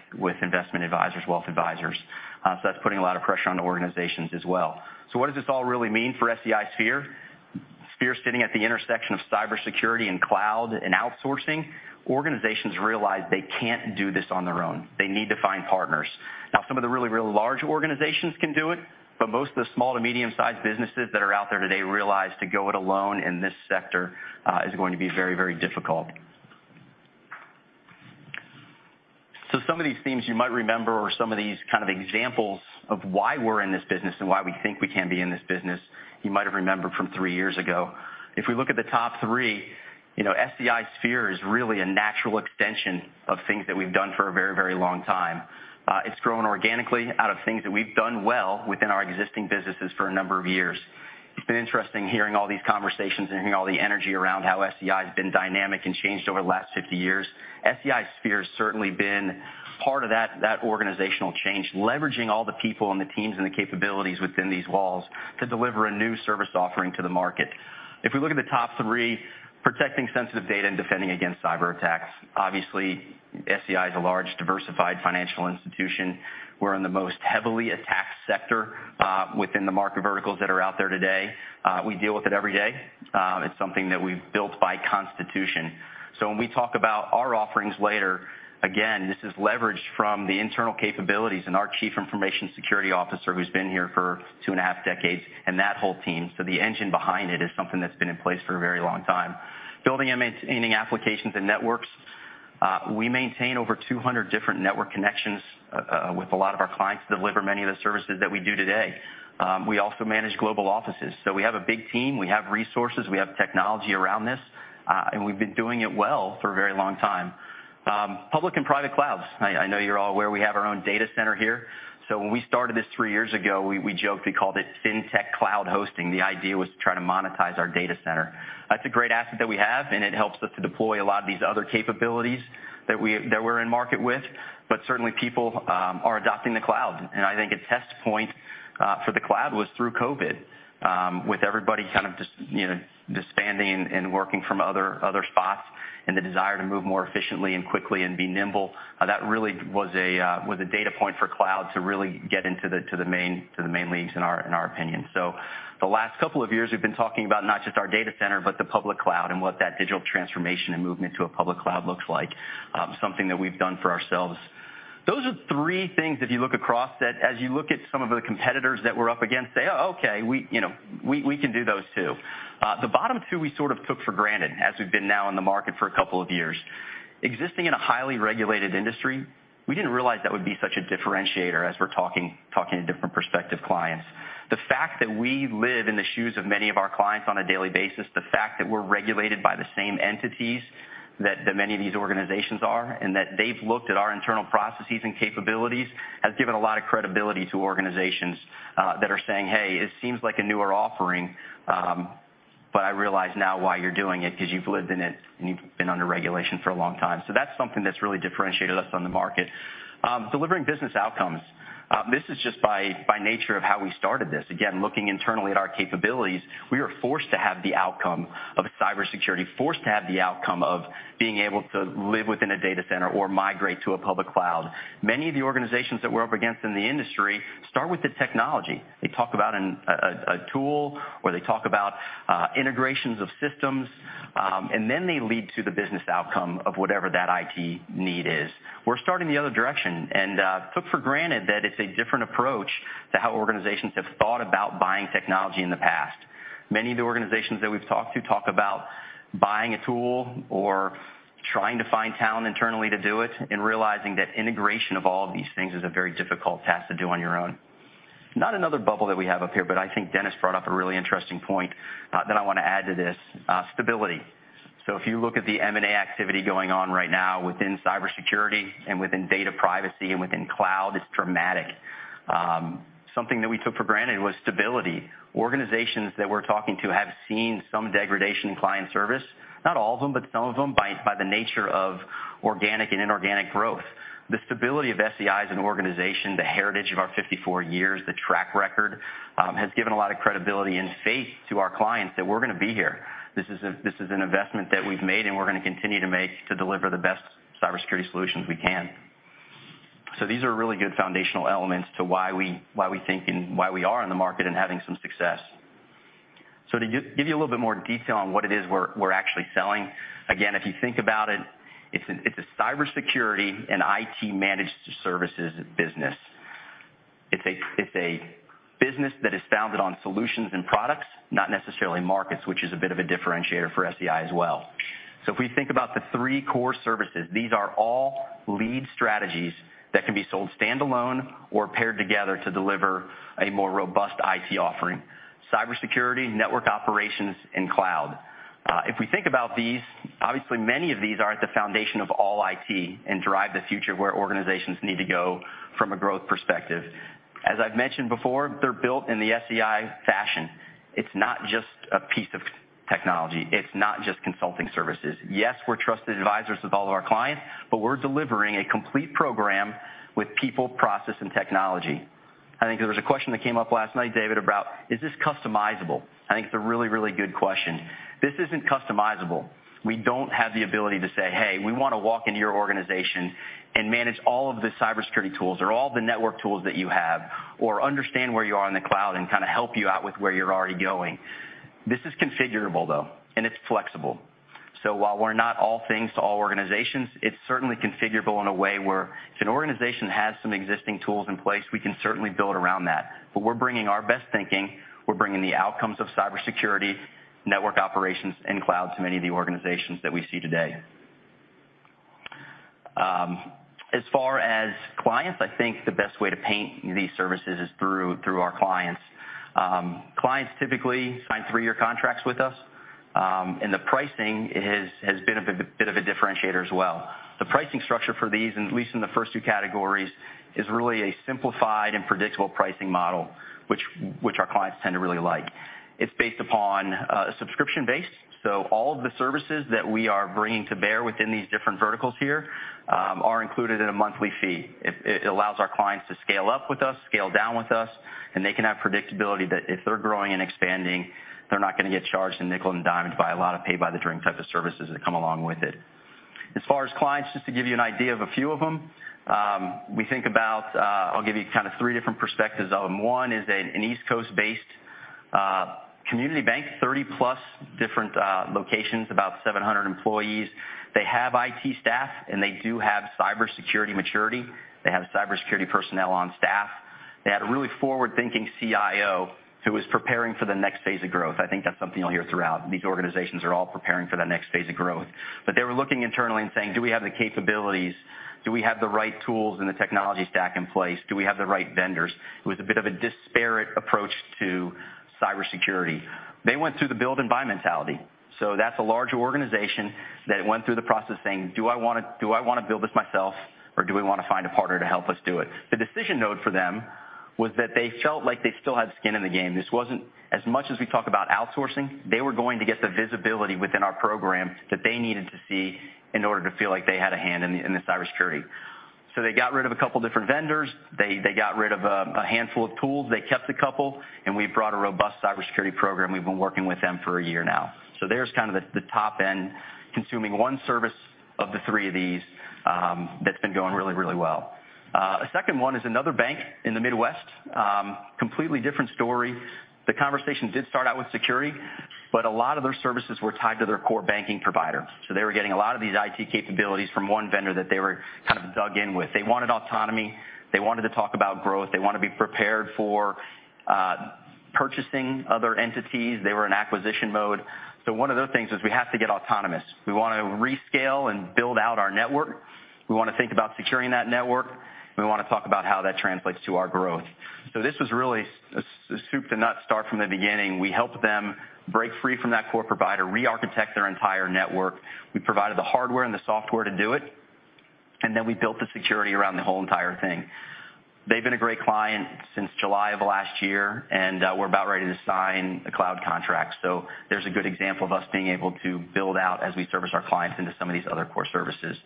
investment advisors, wealth advisors. That's putting a lot of pressure on the organizations as well. What does this all really mean for SEI Sphere? Sphere's sitting at the intersection of cybersecurity and cloud and outsourcing. Organizations realize they can't do this on their own. They need to find partners. Now, some of the really, really large organizations can do it, but most of the small to medium-sized businesses that are out there today realize to go it alone in this sector is going to be very, very difficult. Some of these themes you might remember or some of these kind of examples of why we're in this business and why we think we can be in this business you might have remembered from three years ago. If we look at the top three, SEI Sphere is really a natural extension of things that we've done for a very, very long time. It's grown organically out of things that we've done well within our existing businesses for a number of years. It's been interesting hearing all these conversations and hearing all the energy around how SEI has been dynamic and changed over the last 50 years. SEI Sphere has certainly been part of that organizational change, leveraging all the people and the teams and the capabilities within these walls to deliver a new service offering to the market. If we look at the top three, protecting sensitive data and defending against cyberattacks, obviously SEI is a large, diversified financial institution. We're in the most heavily attacked sector within the market verticals that are out there today. We deal with it every day. It's something that we've built by constitution. When we talk about our offerings later, again, this is leveraged from the internal capabilities and our Chief Information Security Officer who's been here for 2.5 decades and that whole team. The engine behind it is something that's been in place for a very long time. Building and maintaining applications and networks. We maintain over 200 different network connections with a lot of our clients to deliver many of the services that we do today. We also manage global offices. We have a big team, we have resources, we have technology around this, and we've been doing it well for a very long time. Public and private clouds. I know you're all aware we have our own data center here. When we started this three years ago, we joked, we called it FinTech cloud hosting. The idea was to try to monetize our data center. That's a great asset that we have, and it helps us to deploy a lot of these other capabilities that we're in market with. Certainly people are adopting the cloud. I think a test point for the cloud was through COVID with everybody kind of you know disbanding and working from other spots and the desire to move more efficiently and quickly and be nimble. That really was a data point for cloud to really get into the main leagues in our opinion. The last couple of years, we've been talking about not just our data center, but the public cloud and what that digital transformation and movement to a public cloud looks like, something that we've done for ourselves. Those are three things if you look across that as you look at some of the competitors that we're up against, say, "Oh, okay, you know, we can do those too." The bottom two, we sort of took for granted as we've been now in the market for a couple of years. Existing in a highly regulated industry, we didn't realize that would be such a differentiator as we're talking to different prospective clients. The fact that we live in the shoes of many of our clients on a daily basis, the fact that we're regulated by the same entities that many of these organizations are, and that they've looked at our internal processes and capabilities, has given a lot of credibility to organizations that are saying, "Hey, it seems like a newer offering, but I realize now why you're doing it, 'cause you've lived in it and you've been under regulation for a long time." That's something that's really differentiated us on the market. Delivering business outcomes. This is just by nature of how we started this. Again, looking internally at our capabilities, we are forced to have the outcome of cybersecurity, forced to have the outcome of being able to live within a data center or migrate to a public cloud. Many of the organizations that we're up against in the industry start with the technology. They talk about a tool, or they talk about integrations of systems, and then they lead to the business outcome of whatever that IT need is. We're starting the other direction and took for granted that it's a different approach to how organizations have thought about buying technology in the past. Many of the organizations that we've talked to talk about buying a tool or trying to find talent internally to do it, and realizing that integration of all of these things is a very difficult task to do on your own. Not another bubble that we have up here, but I think Dennis brought up a really interesting point that I wanna add to this stability. If you look at the M&A activity going on right now within cybersecurity and within data privacy and within cloud, it's dramatic. Something that we took for granted was stability. Organizations that we're talking to have seen some degradation in client service. Not all of them, but some of them, by the nature of organic and inorganic growth. The stability of SEI as an organization, the heritage of our 54 years, the track record, has given a lot of credibility and faith to our clients that we're gonna be here. This is an investment that we've made and we're gonna continue to make to deliver the best cybersecurity solutions we can. These are really good foundational elements to why we think and why we are in the market and having some success. To give you a little bit more detail on what it is we're actually selling. Again, if you think about it's a cybersecurity and IT managed services business. It's a business that is founded on solutions and products, not necessarily markets, which is a bit of a differentiator for SEI as well. If we think about the three core services, these are all lead strategies that can be sold standalone or paired together to deliver a more robust IT offering. Cybersecurity, network operations, and cloud. If we think about these, obviously many of these are at the foundation of all IT and drive the future of where organizations need to go from a growth perspective. As I've mentioned before, they're built in the SEI fashion. It's not just a piece of technology. It's not just consulting services. Yes, we're trusted advisors with all of our clients, but we're delivering a complete program with people, process, and technology. I think there was a question that came up last night, David, about is this customizable? I think it's a really, really good question. This isn't customizable. We don't have the ability to say, "Hey, we wanna walk into your organization and manage all of the cybersecurity tools or all the network tools that you have, or understand where you are in the cloud and kinda help you out with where you're already going." This is configurable though, and it's flexible. While we're not all things to all organizations, it's certainly configurable in a way where if an organization has some existing tools in place, we can certainly build around that. We're bringing our best thinking, we're bringing the outcomes of cybersecurity, network operations, and cloud to many of the organizations that we see today. As far as clients, I think the best way to paint these services is through our clients. Clients typically sign three-year contracts with us, and the pricing has been a bit of a differentiator as well. The pricing structure for these, at least in the first two categories, is really a simplified and predictable pricing model, which our clients tend to really like. It's based upon a subscription base, so all of the services that we are bringing to bear within these different verticals here are included in a monthly fee. It allows our clients to scale up with us, scale down with us, and they can have predictability that if they're growing and expanding, they're not gonna get nickel-and-dimed by a lot of pay-by-the-drink type of services that come along with it. As far as clients, just to give you an idea of a few of them, we think about, I'll give you kind of three different perspectives of them. One is an East Coast-based community bank, 30+ different locations, about 700 employees. They have IT staff and they do have cybersecurity maturity. They have cybersecurity personnel on staff. They had a really forward-thinking CIO who was preparing for the next phase of growth. I think that's something you'll hear throughout. These organizations are all preparing for that next phase of growth. They were looking internally and saying, "Do we have the capabilities? Do we have the right tools and the technology stack in place? Do we have the right vendors?" It was a bit of a disparate approach to cybersecurity. They went through the build and buy mentality. That's a larger organization that went through the process saying, "Do I wanna build this myself or do we wanna find a partner to help us do it?" The decision node for them was that they felt like they still had skin in the game. This wasn't as much as we talk about outsourcing. They were going to get the visibility within our program that they needed to see in order to feel like they had a hand in the cybersecurity. They got rid of a couple different vendors. They got rid of a handful of tools. They kept a couple, and we brought a robust cybersecurity program. We've been working with them for a year now. There's kind of the top end consuming one service of the three of these, that's been going really well. A second one is another bank in the Midwest. Completely different story. The conversation did start out with security, but a lot of their services were tied to their core banking provider. They were getting a lot of these IT capabilities from one vendor that they were kind of dug in with. They wanted autonomy. They wanted to talk about growth. They wanna be prepared for purchasing other entities. They were in acquisition mode. One of the things is we have to get autonomous. We wanna reskill and build out our network. We wanna think about securing that network, and we wanna talk about how that translates to our growth. This was really a soup to nuts start from the beginning. We helped them break free from that core provider, rearchitect their entire network. We provided the hardware and the software to do it, and then we built the security around the whole entire thing. They've been a great client since July of last year, and, we're about ready to sign a cloud contract. There's a good example of us being able to build out as we service our clients into some of these other core services.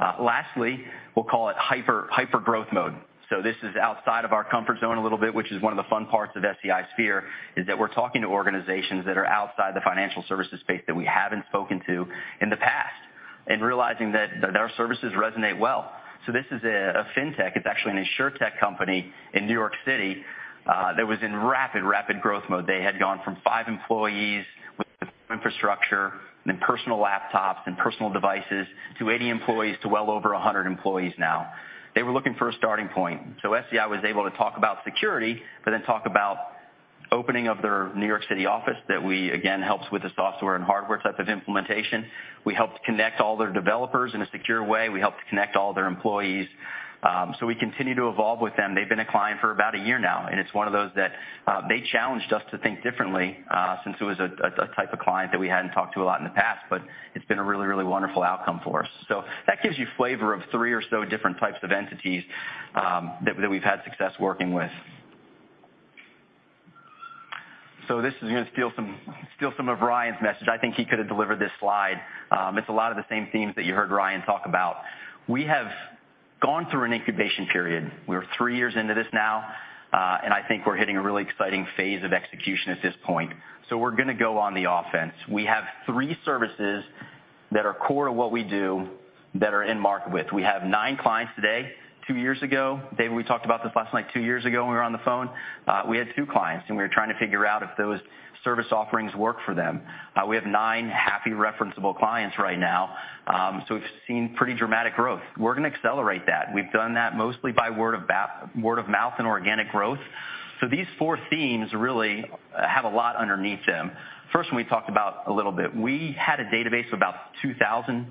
Lastly, we'll call it hyper growth mode. This is outside of our comfort zone a little bit, which is one of the fun parts of SEI Sphere, is that we're talking to organizations that are outside the financial services space that we haven't spoken to in the past, and realizing that our services resonate well. This is a fintech. It's actually an insurtech company in New York City that was in rapid growth mode. They had gone from 5 employees with infrastructure and personal laptops and personal devices to 80 employees to well over 100 employees now. They were looking for a starting point. SEI was able to talk about security, but then talk about opening of their New York City office that we, again, helps with the software and hardware type of implementation. We helped connect all their developers in a secure way. We helped connect all their employees. We continue to evolve with them. They've been a client for about a year now, and it's one of those that they challenged us to think differently since it was a type of client that we hadn't talked to a lot in the past, but it's been a really, really wonderful outcome for us. That gives you flavor of three or so different types of entities that we've had success working with. This is gonna steal some of Ryan's message. I think he could have delivered this slide. It's a lot of the same themes that you heard Ryan talk about. We have gone through an incubation period. We're three years into this now, and I think we're hitting a really exciting phase of execution at this point. We're gonna go on the offense. We have three services that are core to what we do that are in market with. We have 9 clients today. Two years ago, Dave, we talked about this last night, two years ago, when we were on the phone, we had 2 clients, and we were trying to figure out if those service offerings work for them. We have 9 happy referenceable clients right now. We've seen pretty dramatic growth. We're gonna accelerate that. We've done that mostly by word of mouth and organic growth. These four themes really have a lot underneath them. First one we talked about a little bit. We had a database of about 2,000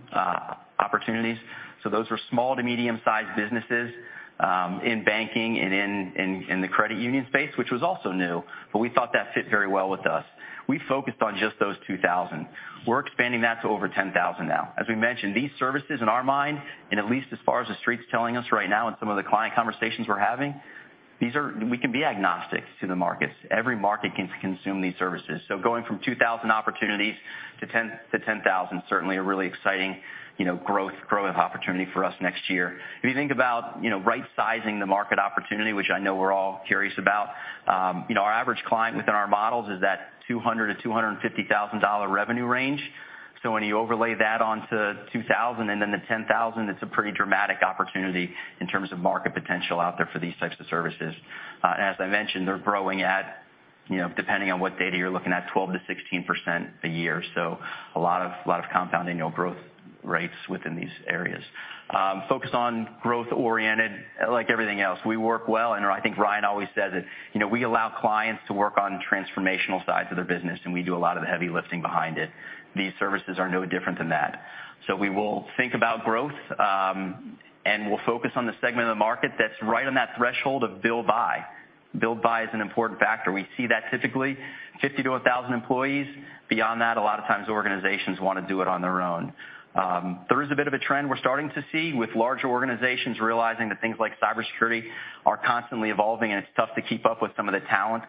opportunities. Those were small to medium sized businesses in banking and in the credit union space, which was also new, but we thought that fit very well with us. We focused on just those 2,000. We're expanding that to over 10,000 now. As we mentioned, these services in our mind, and at least as far as the Street's telling us right now and some of the client conversations we're having, these are we can be agnostic to the markets. Every market can consume these services. Going from 2,000 opportunities to 10,000, certainly a really exciting, you know, growth opportunity for us next year. If you think about, you know, right sizing the market opportunity, which I know we're all curious about, you know, our average client within our models is that $200,000-$250,000 revenue range. When you overlay that onto 2,000 and then to 10,000, it's a pretty dramatic opportunity in terms of market potential out there for these types of services. As I mentioned, they're growing at, you know, depending on what data you're looking at, 12%-16% a year. A lot of compounding, you know, growth rates within these areas. Focus on growth oriented, like everything else. We work well, and I think Ryan always says it, you know, we allow clients to work on transformational sides of their business, and we do a lot of the heavy lifting behind it. These services are no different than that. We will think about growth, and we'll focus on the segment of the market that's right on that threshold of build buy. Build buy is an important factor. We see that typically 50-1,000 employees. Beyond that, a lot of times organizations wanna do it on their own. There is a bit of a trend we're starting to see with larger organizations realizing that things like cybersecurity are constantly evolving, and it's tough to keep up with some of the talent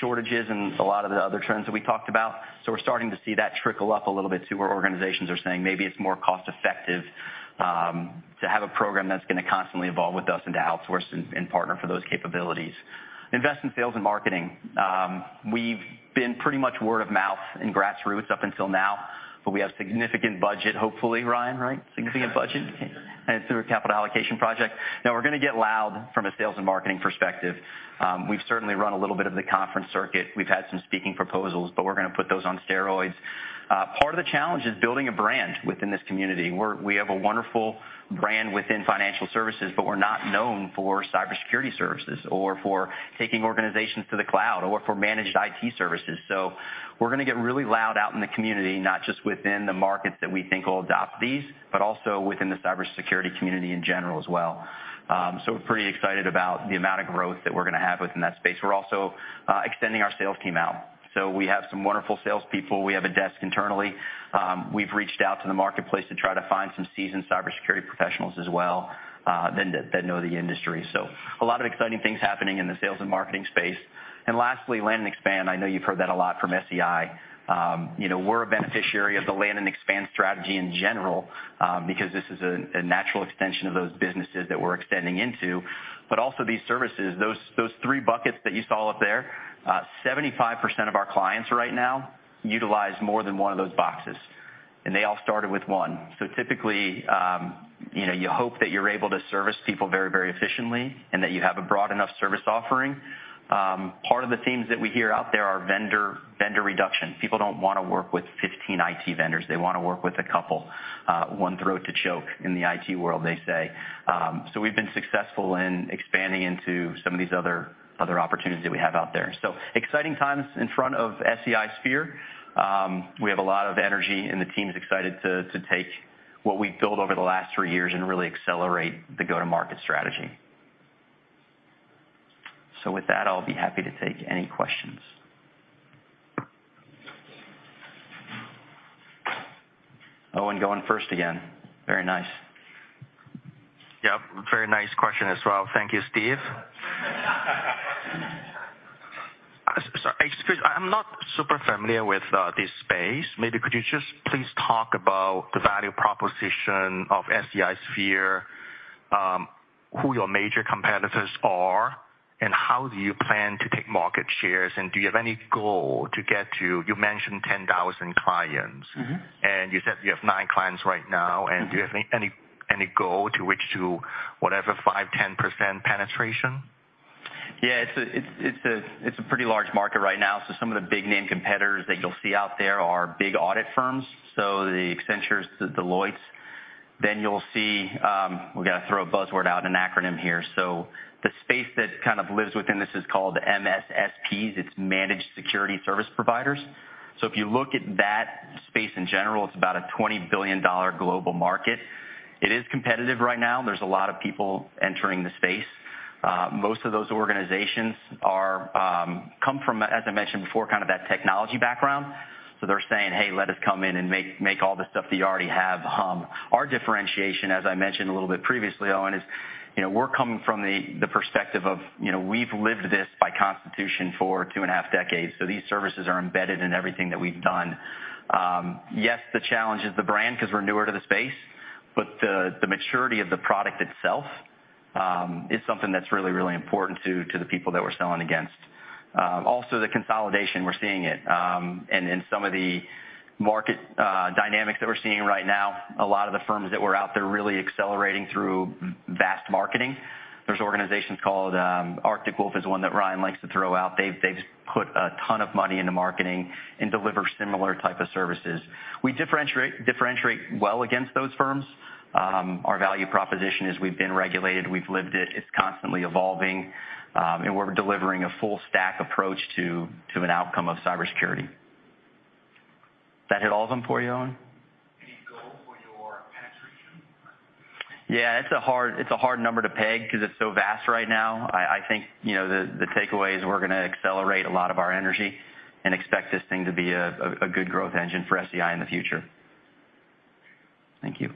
shortages and a lot of the other trends that we talked about. We're starting to see that trickle up a little bit to where organizations are saying maybe it's more cost effective to have a program that's gonna constantly evolve with us and to outsource and partner for those capabilities. Invest in sales and marketing. We've been pretty much word of mouth and grassroots up until now, but we have significant budget, hopefully, Ryan, right? Significant budget? Yeah. through a capital allocation project. Now we're gonna get loud from a sales and marketing perspective. We've certainly run a little bit of the conference circuit. We've had some speaking proposals, but we're gonna put those on steroids. Part of the challenge is building a brand within this community. We have a wonderful brand within financial services, but we're not known for cybersecurity services or for taking organizations to the cloud or for managed IT services. We're gonna get really loud out in the community, not just within the markets that we think will adopt these, but also within the cybersecurity community in general as well. We're pretty excited about the amount of growth that we're gonna have within that space. We're also extending our sales team out. We have some wonderful salespeople. We have a desk internally. We've reached out to the marketplace to try to find some seasoned cybersecurity professionals as well, that know the industry. A lot of exciting things happening in the sales and marketing space. Lastly, land and expand. I know you've heard that a lot from SEI. You know, we're a beneficiary of the land and expand strategy in general, because this is a natural extension of those businesses that we're extending into. Also these services, those three buckets that you saw up there, 75% of our clients right now utilize more than one of those boxes, and they all started with one. Typically, you know, you hope that you're able to service people very, very efficiently and that you have a broad enough service offering. Part of the themes that we hear out there are vendor reduction. People don't wanna work with 15 IT vendors. They wanna work with a couple. One throat to choke in the IT world, they say. We've been successful in expanding into some of these other opportunities that we have out there. Exciting times in front of SEI Sphere. We have a lot of energy, and the team's excited to take what we've built over the last three years and really accelerate the go-to-market strategy. With that, I'll be happy to take any questions. Owen going first again. Very nice. Yep. Very nice question as well. Thank you, Steve. Sorry. I'm not super familiar with this space. Maybe could you just please talk about the value proposition of SEI Sphere, who your major competitors are, and how do you plan to take market shares? Do you have any goal to get to? You mentioned 10,000 clients. Mm-hmm. You said you have nine clients right now. Mm-hmm. Do you have any goal to reach, whatever, 5%-10% penetration? Yeah, it's a pretty large market right now. Some of the big name competitors that you'll see out there are big audit firms, so the Accenture, the Deloitte. You'll see, we're gonna throw a buzzword out, an acronym here. The space that kind of lives within this is called MSSPs. It's Managed Security Service Providers. If you look at that space in general, it's about a $20 billion global market. It is competitive right now. There's a lot of people entering the space. Most of those organizations come from, as I mentioned before, kind of that technology background. They're saying, "Hey, let us come in and make all this stuff that you already have." Our differentiation, as I mentioned a little bit previously, Owen, is, you know, we're coming from the perspective of, you know, we've lived this by constitution for 2.5 decades, so these services are embedded in everything that we've done. Yes, the challenge is the brand 'cause we're newer to the space, but the maturity of the product itself is something that's really important to the people that we're selling against. Also the consolidation, we're seeing it. In some of the market dynamics that we're seeing right now, a lot of the firms that were out there really accelerating through vast marketing. There's organizations called Arctic Wolf, one that Ryan likes to throw out. They've put a ton of money into marketing and deliver similar type of services. We differentiate well against those firms. Our value proposition is we've been regulated. We've lived it. It's constantly evolving, and we're delivering a full stack approach to an outcome of cybersecurity. That hit all of them for you, Owen? Any goal for your penetration? Yeah, it's a hard number to peg 'cause it's so vast right now. I think, you know, the takeaway is we're gonna accelerate a lot of our energy and expect this thing to be a good growth engine for SEI in the future. Thank you.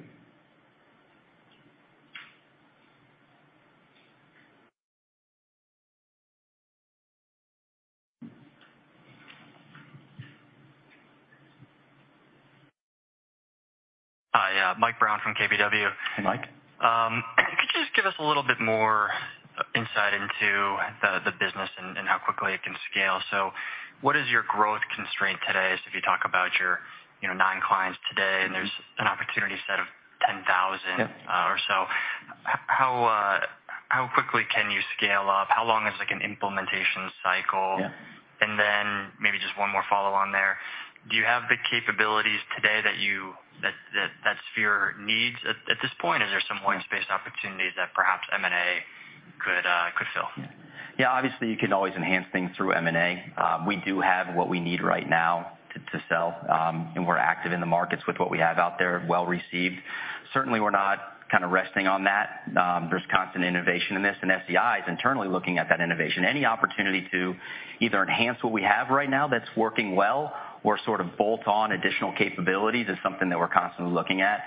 Hi. Mike Brown from KBW. Hey, Mike. Could you just give us a little bit more insight into the business and how quickly it can scale? What is your growth constraint today? If you talk about your, you know, nine clients today. Mm-hmm. There's an opportunity set of 10,000 Yep. How quickly can you scale up? How long is like an implementation cycle? Yeah. Maybe just one more follow on there. Do you have the capabilities today that Sphere needs at this point? Is there some? Yeah. White space opportunities that perhaps M&A could fill? Yeah, obviously you can always enhance things through M&A. We do have what we need right now to sell, and we're active in the markets with what we have out there, well received. Certainly we're not kind of resting on that. There's constant innovation in this, and SEI is internally looking at that innovation. Any opportunity to either enhance what we have right now that's working well or sort of bolt on additional capabilities is something that we're constantly looking at.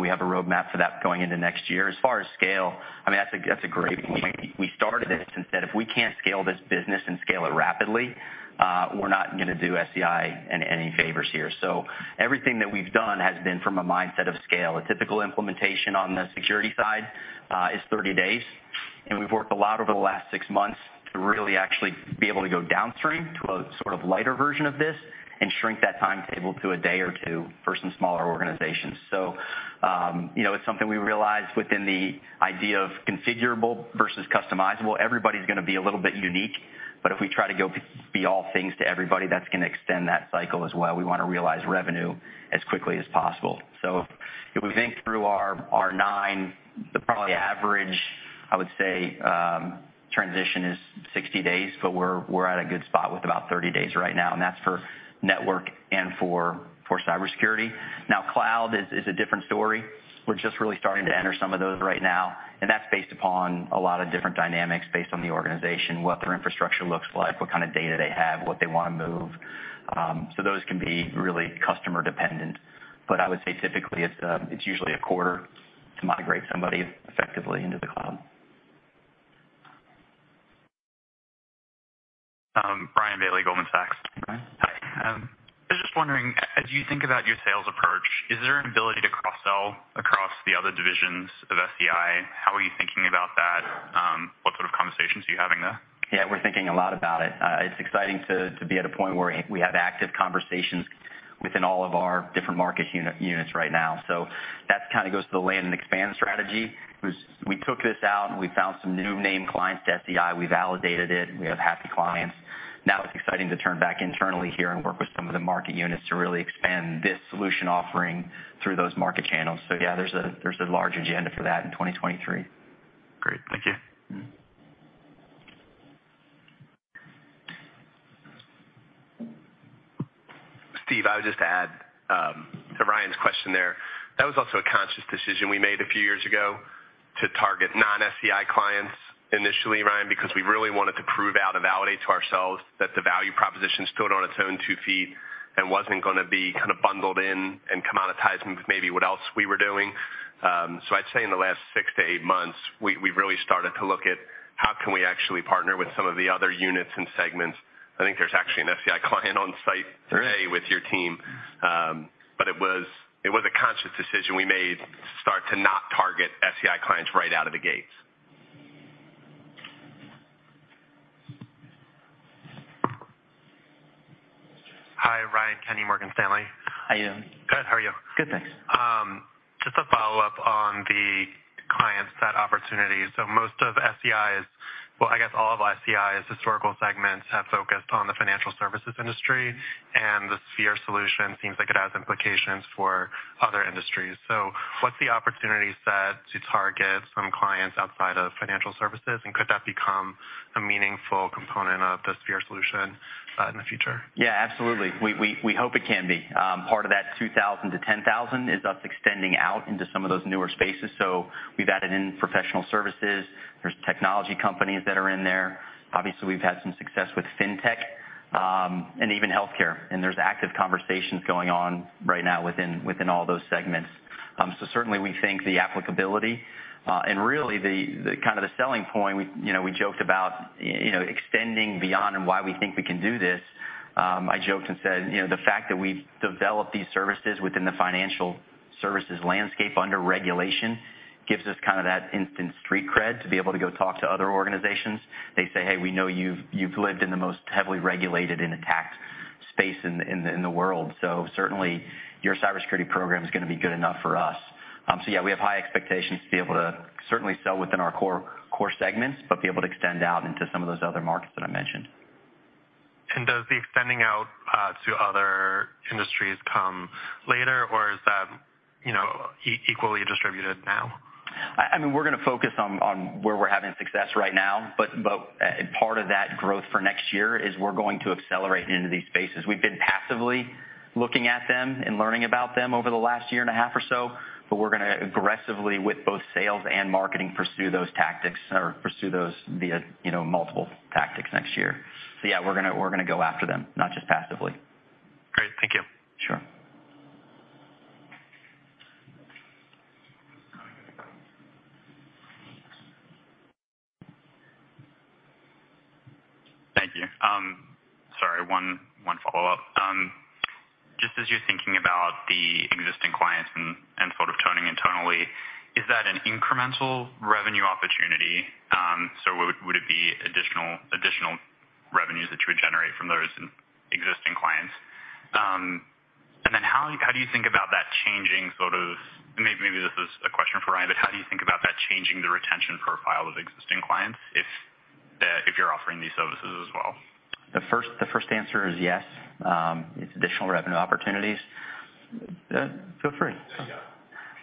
We have a roadmap for that going into next year. As far as scale, I mean, that's a great point. We started this and said, "If we can't scale this business and scale it rapidly, we're not gonna do SEI any favors here." Everything that we've done has been from a mindset of scale. A typical implementation on the security side is 30 days, and we've worked a lot over the last six months to really actually be able to go downstream to a sort of lighter version of this and shrink that timetable to a day or two for some smaller organizations. You know, it's something we realized within the idea of configurable versus customizable. Everybody's gonna be a little bit unique, but if we try to go be all things to everybody, that's gonna extend that cycle as well. We wanna realize revenue as quickly as possible. If we think through our 90, the probable average, I would say, transition is 60 days, but we're at a good spot with about 30 days right now, and that's for network and for cybersecurity. Now, cloud is a different story. We're just really starting to enter some of those right now, and that's based upon a lot of different dynamics based on the organization, what their infrastructure looks like, what kind of data they have, what they wanna move. Those can be really customer dependent, but I would say typically it's usually a quarter to migrate somebody effectively into the cloud. Ryan Bailey, Goldman Sachs. Hi, Ryan. Hi. I was just wondering, as you think about your sales approach, is there an ability to cross-sell across the other divisions of SEI? How are you thinking about that? What sort of conversations are you having there? Yeah, we're thinking a lot about it. It's exciting to be at a point where we have active conversations within all of our different market units right now. That kind of goes to the land and expand strategy. We took this out, and we found some new name clients to SEI. We validated it. We have happy clients. Now it's exciting to turn back internally here and work with some of the market units to really expand this solution offering through those market channels. Yeah, there's a large agenda for that in 2023. Great. Thank you. Mm-hmm. Steve, I would just add to Ryan's question there. That was also a conscious decision we made a few years ago to target non-SEI clients initially, Ryan, because we really wanted to prove out and validate to ourselves that the value proposition stood on its own two feet and wasn't gonna be kind of bundled in and commoditized with maybe what else we were doing. I'd say in the last six-eight months, we've really started to look at how we can actually partner with some of the other units and segments. I think there's actually an SEI client on site today with your team. It was a conscious decision we made to start to not target SEI clients right out of the gate. Hi, Ryan Kenney, Morgan Stanley. How are you? Good. How are you? Good, thanks. Just a follow-up on the client set opportunities. Well, I guess all of SEI's historical segments have focused on the financial services industry, and the Sphere solution seems like it has implications for other industries. What's the opportunity set to target some clients outside of financial services? Could that become a meaningful component of the Sphere solution in the future? Yeah, absolutely. We hope it can be. Part of that 2,000-10,000 is us extending out into some of those newer spaces. We've added in professional services. There's technology companies that are in there. Obviously, we've had some success with FinTech, and even healthcare, and there's active conversations going on right now within all those segments. Certainly we think the applicability, and really the kind of the selling point, we joked about, you know, extending beyond and why we think we can do this. I joked and said, you know, the fact that we've developed these services within the financial services landscape under regulation gives us kind of that instant street cred to be able to go talk to other organizations. They say, "Hey, we know you've lived in the most heavily regulated and attacked space in the world. So certainly your cybersecurity program is gonna be good enough for us." Yeah, we have high expectations to be able to certainly sell within our core segments, but be able to extend out into some of those other markets that I mentioned. Does the extending out to other industries come later or is that, you know, equally distributed now? I mean, we're gonna focus on where we're having success right now, but part of that growth for next year is we're going to accelerate into these spaces. We've been passively looking at them and learning about them over the last year and a half or so, but we're gonna aggressively, with both sales and marketing, pursue those tactics or pursue those via, you know, multiple tactics next year. Yeah, we're gonna go after them, not just passively. Great. Thank you. Sure. Thank you. Sorry, one follow-up. Just as you're thinking about the existing clients and sort of turning internally, is that an incremental revenue opportunity? Would it be additional revenues that you would generate from those existing clients? How do you think about that changing sort of. Maybe this is a question for Ryan, but how do you think about that changing the retention profile of existing clients if you're offering these services as well? The first answer is yes. It's additional revenue opportunities. Feel free.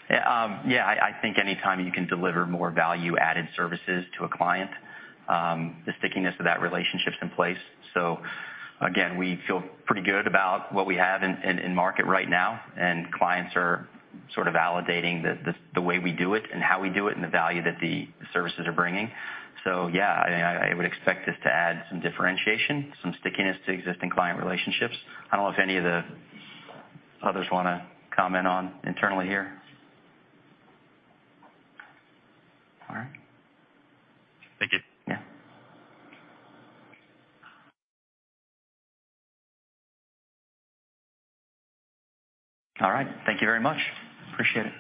Yeah. Yeah, I think any time you can deliver more value-added services to a client, the stickiness of that relationship's in place. Again, we feel pretty good about what we have in market right now, and clients are sort of validating the way we do it and how we do it, and the value that the services are bringing. Yeah, I would expect this to add some differentiation, some stickiness to existing client relationships. I don't know if any of the others wanna comment on internally here. All right. Thank you. Yeah. All right. Thank you very much. Appreciate it.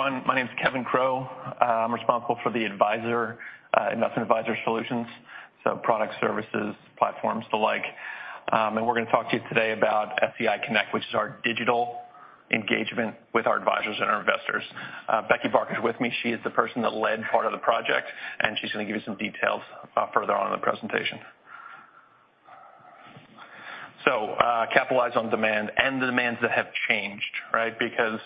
Everyone, my name is Kevin Crowe. I'm responsible for the advisor, investment advisor solutions, so product services, platforms to. We're gonna talk to you today about SEI Connect, which is our digital engagement with our advisors and our investors. Becky Barker is with me. She is the person that led part of the project, and she's gonna give you some details, further on in the presentation. Capitalize on demand and the demands that have changed, right? Because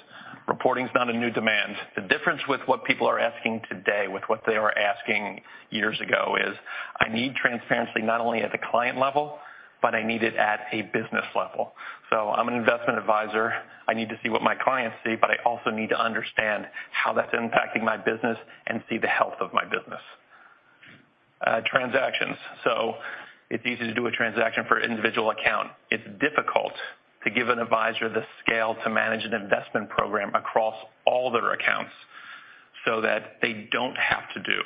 reporting's not a new demand. The difference with what people are asking today with what they were asking years ago is, I need transparency not only at the client level, but I need it at a business level. I'm an investment advisor. I need to see what my clients see, but I also need to understand how that's impacting my business and see the health of my business. Transactions. It's easy to do a transaction for an individual account. It's difficult to give an advisor the scale to manage an investment program across all their accounts so that they don't have to do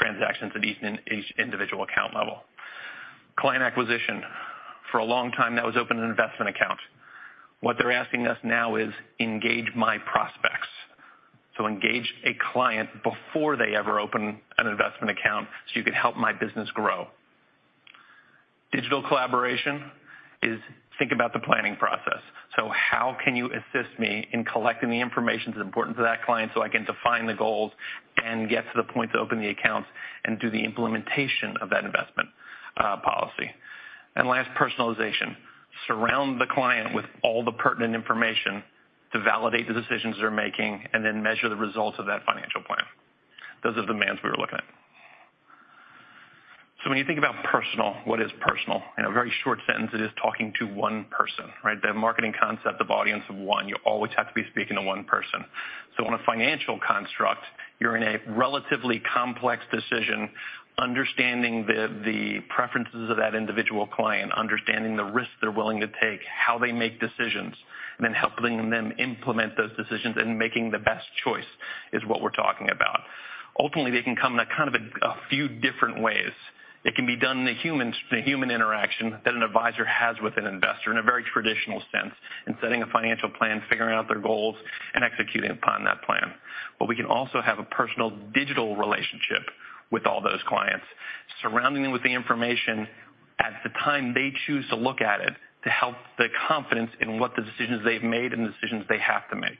transactions at each individual account level. Client acquisition. For a long time, that was open an investment account. What they're asking us now is, "Engage my prospects." Engage a client before they ever open an investment account, so you can help my business grow. Digital collaboration is think about the planning process. how can you assist me in collecting the information that's important to that client so I can define the goals and get to the point to open the accounts and do the implementation of that investment policy. Last, personalization. Surround the client with all the pertinent information to validate the decisions they're making, and then measure the results of that financial plan. Those are the demands we were looking at. When you think about personal, what is personal? In a very short sentence, it is talking to one person, right? The marketing concept of audience of one. You always have to be speaking to one person. On a financial construct, you're in a relatively complex decision, understanding the preferences of that individual client, understanding the risks they're willing to take, how they make decisions, and then helping them implement those decisions and making the best choice is what we're talking about. Ultimately, they can come in a kind of few different ways. It can be done in the human interaction that an advisor has with an investor in a very traditional sense, in setting a financial plan, figuring out their goals, and executing upon that plan. We can also have a personal digital relationship with all those clients, surrounding them with the information at the time they choose to look at it to help the confidence in what the decisions they've made and the decisions they have to make.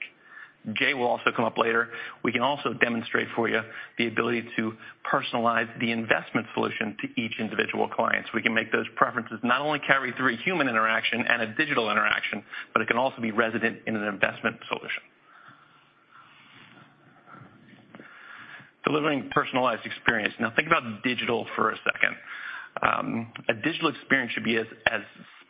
Jay will also come up later. We can also demonstrate for you the ability to personalize the investment solution to each individual client, so we can make those preferences not only carry through human interaction and a digital interaction, but it can also be resident in an investment solution. Delivering personalized experience. Now think about digital for a second. A digital experience should be as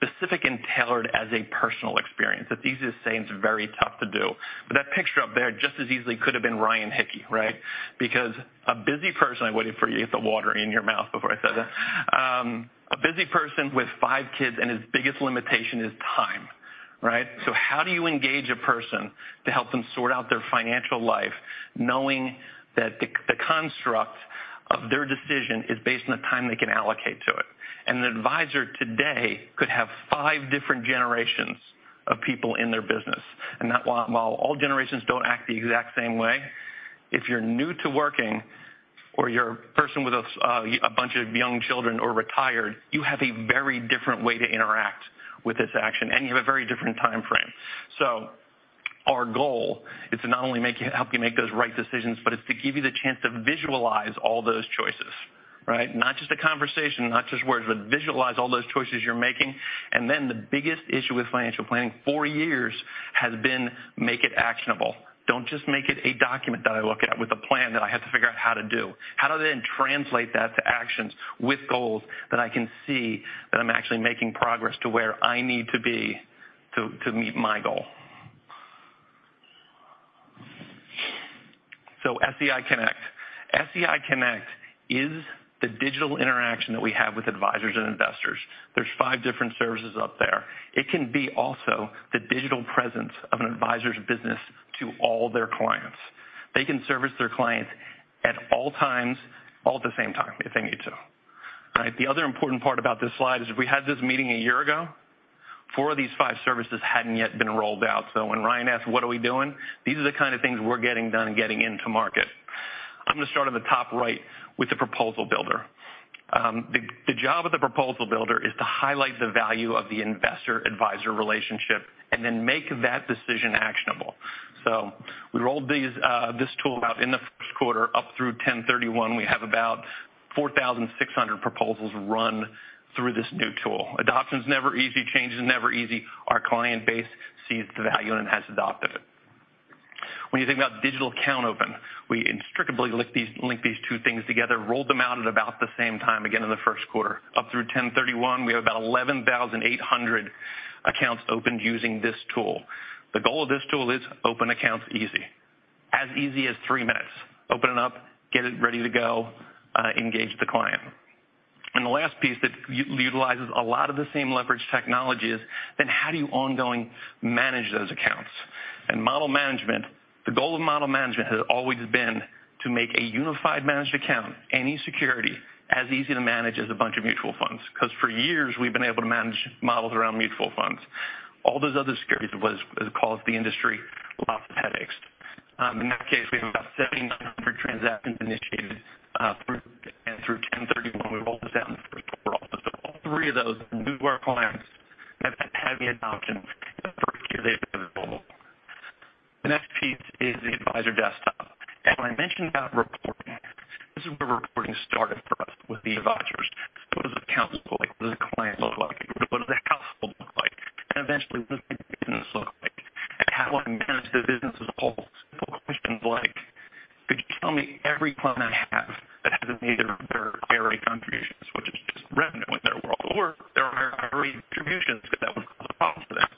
specific and tailored as a personal experience. It's easy to say, and it's very tough to do. That picture up there just as easily could have been Ryan Hicke, right? Because a busy person. I waited for you to get the water in your mouth before I said that. A busy person with five kids, and his biggest limitation is time, right? How do you engage a person to help them sort out their financial life knowing that the construct of their decision is based on the time they can allocate to it? An advisor today could have five different generations of people in their business, and that while all generations don't act the exact same way, if you're new to working or you're a person with a bunch of young children or retired, you have a very different way to interact with this action, and you have a very different time frame. Our goal is to not only help you make those right decisions, but it's to give you the chance to visualize all those choices, right? Not just a conversation, not just words, but visualize all those choices you're making. The biggest issue with financial planning for years has been make it actionable. Don't just make it a document that I look at with a plan that I have to figure out how to do. How to then translate that to actions with goals that I can see that I'm actually making progress to where I need to be to meet my goal. SEI Connect. SEI Connect is the digital interaction that we have with advisors and investors. There's five different services up there. It can be also the digital presence of an advisor's business to all their clients. They can service their clients at all times, all at the same time if they need to, right? The other important part about this slide is if we had this meeting a year ago, four of these five services hadn't yet been rolled out. When Ryan asked, "What are we doing?" These are the kind of things we're getting done and getting into market. I'm gonna start on the top right with the proposal builder. The job of the proposal builder is to highlight the value of the investor-advisor relationship and then make that decision actionable. We rolled this tool out in the first quarter up through 10/31. We have about 4,600 proposals run through this new tool. Adoptions never easy. Change is never easy. Our client base sees the value and has adopted it. When you think about digital account opening, we inextricably link these two things together, rolled them out at about the same time, again, in the first quarter. Up through 10/31, we have about 11,800 accounts opened using this tool. The goal of this tool is open accounts easy, as easy as 3 minutes. Open it up, get it ready to go, engage the client. The last piece that utilizes a lot of the same leverage technologies, then how do you ongoing manage those accounts? Model management, the goal of model management has always been to make a unified managed account, any security, as easy to manage as a bunch of mutual funds. 'Cause for years we've been able to manage models around mutual funds. All those other securities were a lot of headaches for the industry. In that case, we have about 7,900 transactions initiated through [1031]. We rolled this out in the first quarter also. All three of those are new to our clients and have had heavy adoption the first year they've been available. The next piece is the advisor desktop. When I mentioned about reporting, this is where reporting started for us with the advisors. What does account look like? What does a client look like? What does their household look like? Eventually, what does my business look like? How I manage the business as a whole. Simple questions like, could you tell me every client I have that hasn't made their IRA contributions, which is just revenue in their world. Or their IRA contributions, but that was a problem for them.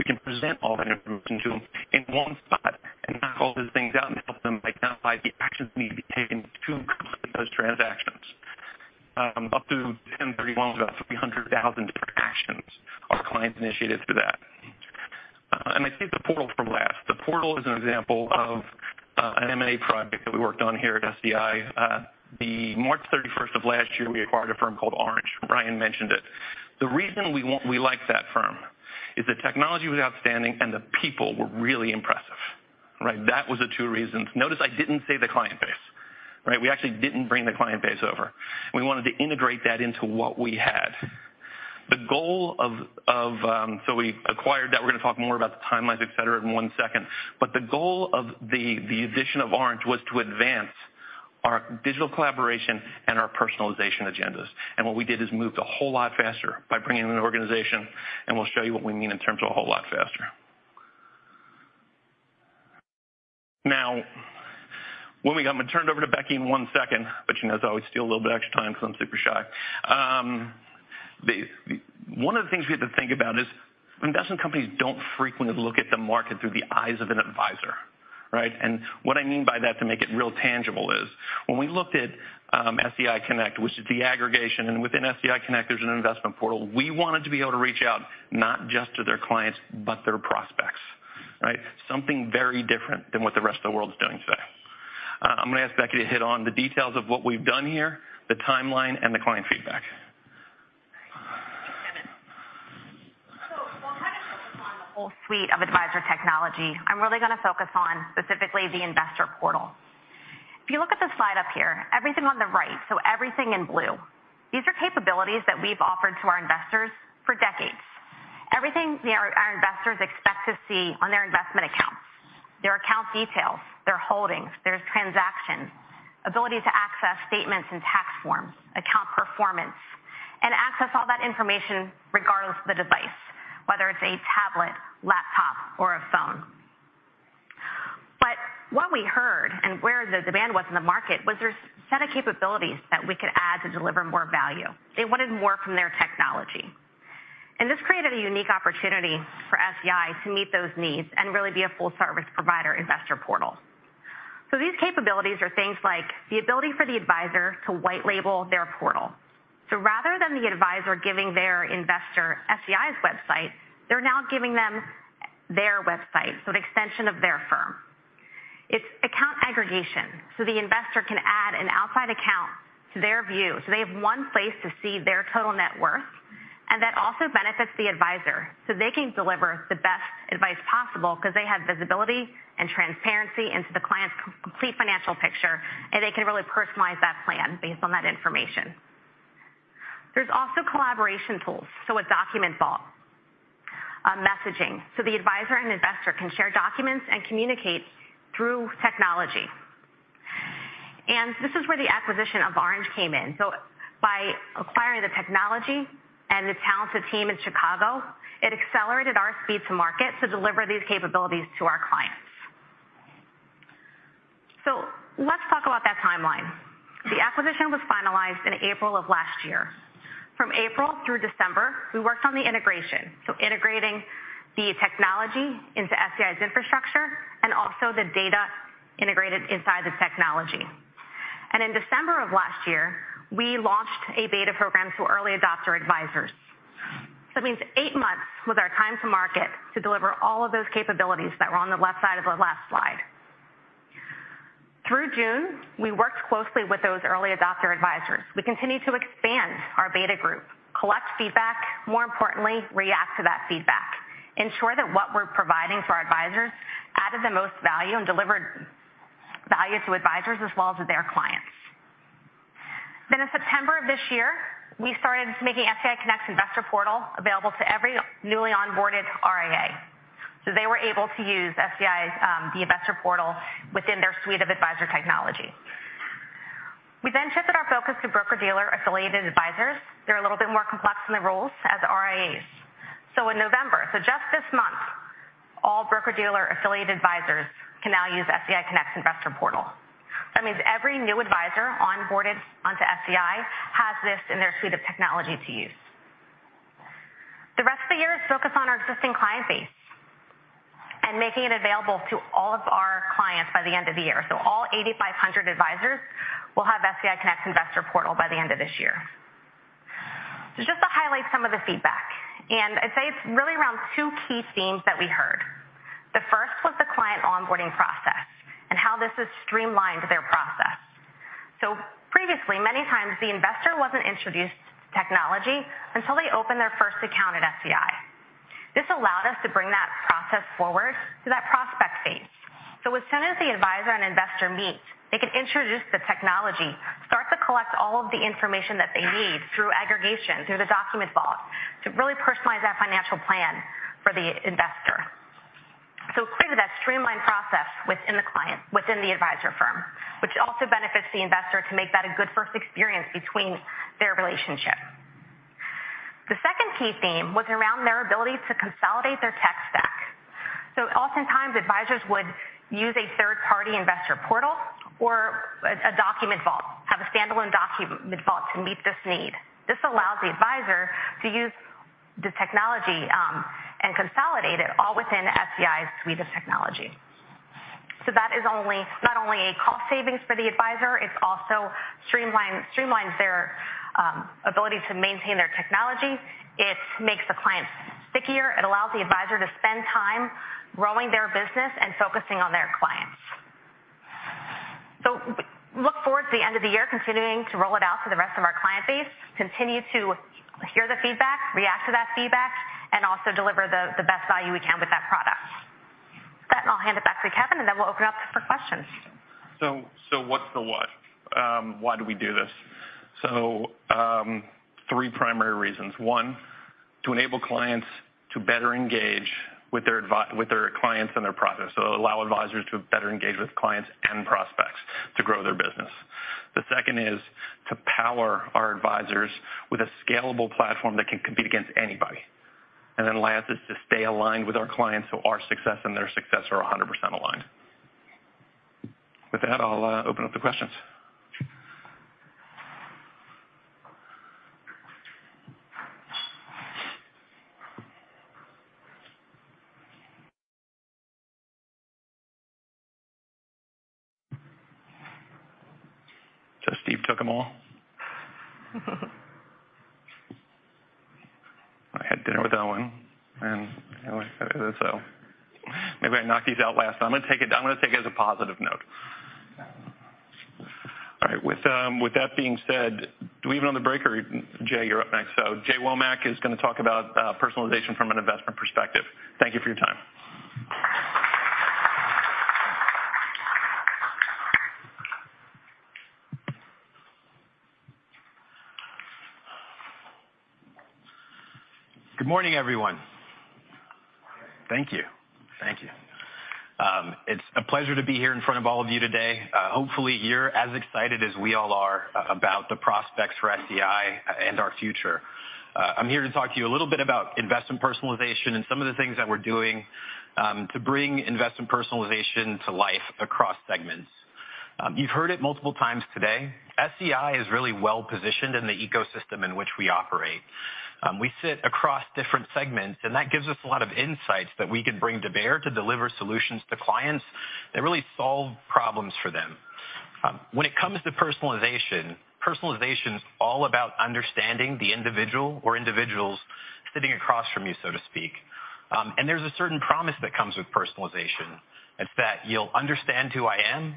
We can present all that information to them in one spot and knock all those things out and help them identify the actions need to be taken to complete those transactions. Up through 10/31 was about 300,000 different actions our clients initiated through that. I saved the portal for last. The portal is an example of an M&A product that we worked on here at SEI. On March 31st of last year, we acquired a firm called Oranj. Ryan mentioned it. The reason we liked that firm is the technology was outstanding and the people were really impressive, right? That was the two reasons. Notice I didn't say the client base, right? We actually didn't bring the client base over. We wanted to integrate that into what we had. The goal. We acquired that. We're gonna talk more about the timelines, et cetera, in one second. The goal of the addition of Oranj was to advance our digital collaboration and our personalization agendas. What we did is moved a whole lot faster by bringing in an organization, and we'll show you what we mean in terms of a whole lot faster. Now, I'm gonna turn it over to Becky in one second, but she knows I always steal a little bit extra time 'cause I'm super shy. One of the things we have to think about is investment companies don't frequently look at the market through the eyes of an advisor, right? What I mean by that, to make it real tangible, is when we looked at SEI Connect, which is the aggregation, and within SEI Connect, there's an investment portal. We wanted to be able to reach out not just to their clients, but their prospects. Right? Something very different than what the rest of the world is doing today. I'm gonna ask Becky to hit on the details of what we've done here, the timeline, and the client feedback. Thanks, Kevin. While Kevin focused on the whole suite of advisor technology, I'm really gonna focus on specifically the investor portal. If you look at the slide up here, everything on the right, so everything in blue, these are capabilities that we've offered to our investors for decades. Everything our investors expect to see on their investment accounts, their account details, their holdings, their transactions, ability to access statements and tax forms, account performance, and access all that information regardless of the device, whether it's a tablet, laptop, or a phone. What we heard and where the demand was in the market was there's a set of capabilities that we could add to deliver more value. They wanted more from their technology. This created a unique opportunity for SEI to meet those needs and really be a full-service provider investor portal. These capabilities are things like the ability for the advisor to white label their portal. Rather than the advisor giving their investor SEI's website, they're now giving them their website, so an extension of their firm. It's account aggregation, so the investor can add an outside account to their view. They have one place to see their total net worth, and that also benefits the advisor, so they can deliver the best advice possible 'cause they have visibility and transparency into the client's complete financial picture, and they can really personalize that plan based on that information. There's also collaboration tools, so a document vault, messaging, so the advisor and investor can share documents and communicate through technology. This is where the acquisition of Oranj came in. By acquiring the technology and the talented team in Chicago, it accelerated our speed to market to deliver these capabilities to our clients. Let's talk about that timeline. The acquisition was finalized in April of last year. From April through December, we worked on the integration, so integrating the technology into SEI's infrastructure and also the data integrated inside the technology. In December of last year, we launched a beta program to early adopter advisors. That means eight months was our time to market to deliver all of those capabilities that were on the left side of the last slide. Through June, we worked closely with those early adopter advisors. We continued to expand our beta group, collect feedback, more importantly, react to that feedback, ensure that what we're providing for our advisors added the most value and delivered value to advisors as well as their clients. In September of this year, we started making SEI Connect - Investor available to every newly onboarded RIA. They were able to use FTI's the Investor Portal within their suite of advisor technology. We then shifted our focus to broker-dealer-affiliated advisors. They're a little bit more complex in their roles as RIAs. In November, just this month, all broker-dealer-affiliated advisors can now use SEI Connect - Investor. That means every new advisor onboarded onto FTI has this in their suite of technology to use. The rest of the year is focused on our existing client base and making it available to all of our clients by the end of the year. All 8,500 advisors will have SEI Connect - Investor by the end of this year. Just to highlight some of the feedback, and I'd say it's really around two key themes that we heard. The first was the client onboarding process and how this has streamlined their process. Previously, many times the investor wasn't introduced to technology until they opened their first account at FTI. This allowed us to bring that process forward to that prospect phase. As soon as the advisor and investor meet, they could introduce the technology, start to collect all of the information that they need through aggregation, through the document vault, to really personalize that financial plan for the investor. Clearly, that streamlined process within the client, within the advisor firm, which also benefits the investor to make that a good first experience between their relationship. The second key theme was around their ability to consolidate their tech stack. Oftentimes, advisors would use a third-party investor portal or a document vault, have a standalone document vault to meet this need. This allows the advisor to use the technology and consolidate it all within SEI's suite of technology. That is not only a cost savings for the advisor, it's also streamlines their ability to maintain their technology. It makes the client stickier. It allows the advisor to spend time growing their business and focusing on their clients. We look forward to the end of the year, continuing to roll it out to the rest of our client base, continue to hear the feedback, react to that feedback, and also deliver the best value we can with that product. With that, I'll hand it back to Kevin, and then we'll open up for questions. What's the what? Why do we do this? Three primary reasons. One, to enable clients to better engage with their clients and their prospects. Allow advisors to better engage with clients and prospects to grow their business. The second is to power our advisors with a scalable platform that can compete against anybody. Last is to stay aligned with our clients so our success and their success are 100% aligned. With that, I'll open up to questions. Steve took them all. I had dinner with Owen, and so maybe I knocked these out last time. I'm going to take it as a positive note. All right. With that being said, do we have any on the break or Jay, you're up next. Jay Womack is going to talk about personalization from an investment perspective. Thank you for your time. Good morning, everyone. Thank you. It's a pleasure to be here in front of all of you today. Hopefully you're as excited as we all are about the prospects for SEI and our future. I'm here to talk to you a little bit about investment personalization and some of the things that we're doing to bring investment personalization to life across segments. You've heard it multiple times today. SEI is really well-positioned in the ecosystem in which we operate. We sit across different segments, and that gives us a lot of insights that we could bring to bear to deliver solutions to clients that really solve problems for them. When it comes to personalization is all about understanding the individual or individuals sitting across from you, so to speak. There's a certain promise that comes with personalization. It's that you'll understand who I am,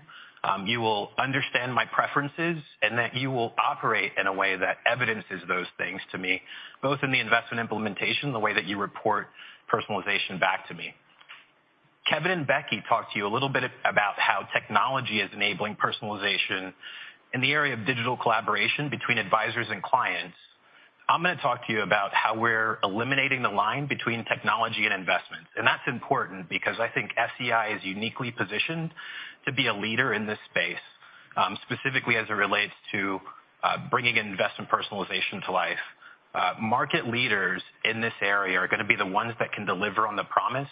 you will understand my preferences, and that you will operate in a way that evidences those things to me, both in the investment implementation, the way that you report personalization back to me. Kevin and Becky talked to you a little bit about how technology is enabling personalization in the area of digital collaboration between advisors and clients. I'm going to talk to you about how we're eliminating the line between technology and investment. That's important because I think SEI is uniquely positioned to be a leader in this space, specifically as it relates to bringing investment personalization to life. Market leaders in this area are going to be the ones that can deliver on the promise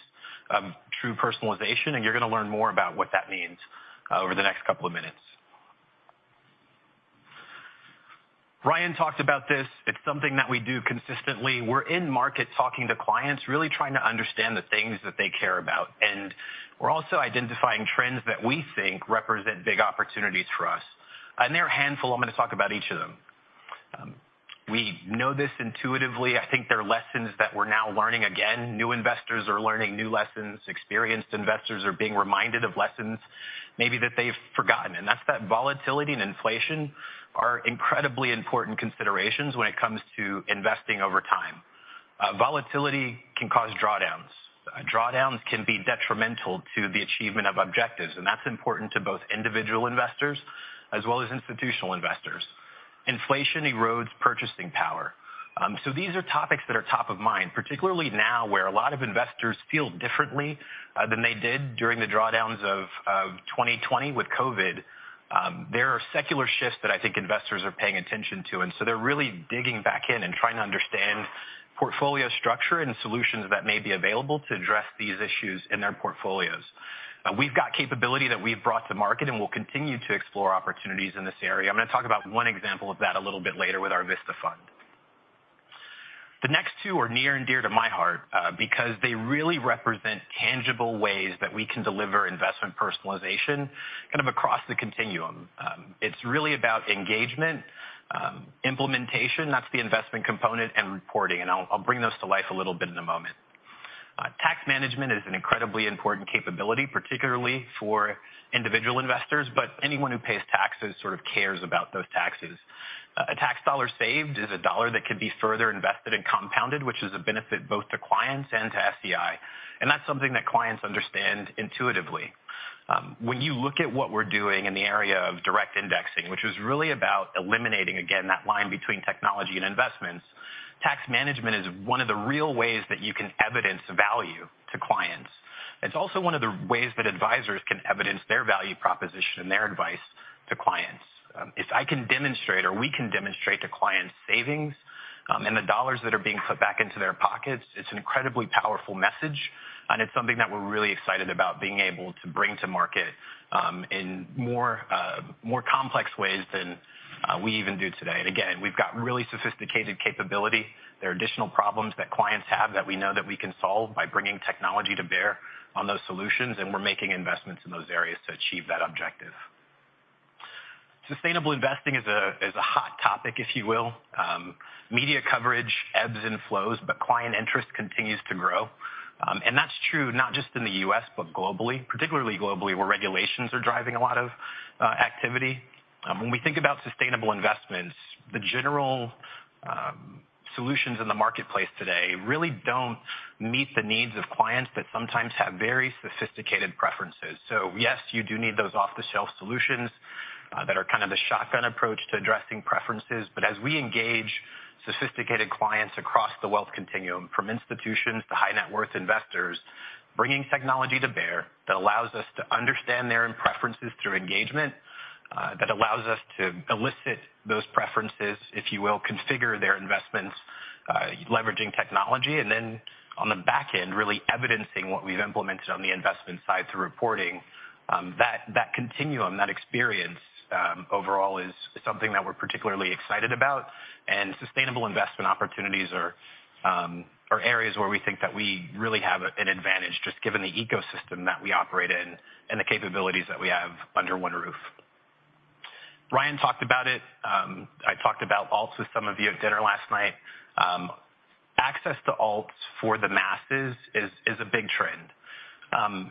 of true personalization, and you're going to learn more about what that means over the next couple of minutes. Ryan talked about this. It's something that we do consistently. We're in market talking to clients, really trying to understand the things that they care about. We're also identifying trends that we think represent big opportunities for us. There are a handful. I'm going to talk about each of them. We know this intuitively. I think there are lessons that we're now learning again. New investors are learning new lessons. Experienced investors are being reminded of lessons maybe that they've forgotten, and that's that volatility and inflation are incredibly important considerations when it comes to investing over time. Volatility can cause drawdowns. Drawdowns can be detrimental to the achievement of objectives, and that's important to both individual investors as well as institutional investors. Inflation erodes purchasing power. These are topics that are top of mind, particularly now, where a lot of investors feel differently than they did during the drawdowns of 2020 with COVID. There are secular shifts that I think investors are paying attention to, and so they're really digging back in and trying to understand portfolio structure and solutions that may be available to address these issues in their portfolios. We've got capability that we've brought to market, and we'll continue to explore opportunities in this area. I'm going to talk about one example of that a little bit later with our Vista Fund. The next two are near and dear to my heart because they really represent tangible ways that we can deliver investment personalization kind of across the continuum. It's really about engagement, implementation, that's the investment component, and reporting, and I'll bring those to life a little bit in a moment. Tax management is an incredibly important capability, particularly for individual investors, but anyone who pays taxes sort of cares about those taxes. A tax dollar saved is a dollar that could be further invested and compounded, which is a benefit both to clients and to SEI. That's something that clients understand intuitively. When you look at what we're doing in the area of direct indexing, which is really about eliminating, again, that line between technology and investments, tax management is one of the real ways that you can evidence value to clients. It's also one of the ways that advisors can evidence their value proposition and their advice to clients. If I can demonstrate or we can demonstrate to clients savings, and the dollars that are being put back into their pockets, it's an incredibly powerful message, and it's something that we're really excited about being able to bring to market, in more complex ways than we even do today. Again, we've got really sophisticated capability. There are additional problems that clients have that we know that we can solve by bringing technology to bear on those solutions, and we're making investments in those areas to achieve that objective. Sustainable investing is a hot topic, if you will. Media coverage ebbs and flows, but client interest continues to grow. That's true not just in the U.S., but globally, particularly globally, where regulations are driving a lot of activity. When we think about sustainable investments, the general solutions in the marketplace today really don't meet the needs of clients that sometimes have very sophisticated preferences. Yes, you do need those off-the-shelf solutions that are kind of the shotgun approach to addressing preferences. As we engage sophisticated clients across the wealth continuum, from institutions to high-net-worth investors, bringing technology to bear that allows us to understand their own preferences through engagement that allows us to elicit those preferences, if you will, configure their investments leveraging technology. Then on the back end, really evidencing what we've implemented on the investment side through reporting, that continuum, that experience overall is something that we're particularly excited about. Sustainable investment opportunities are areas where we think that we really have an advantage, just given the ecosystem that we operate in and the capabilities that we have under one roof. Ryan talked about it. I talked about alts with some of you at dinner last night. Access to alts for the masses is a big trend.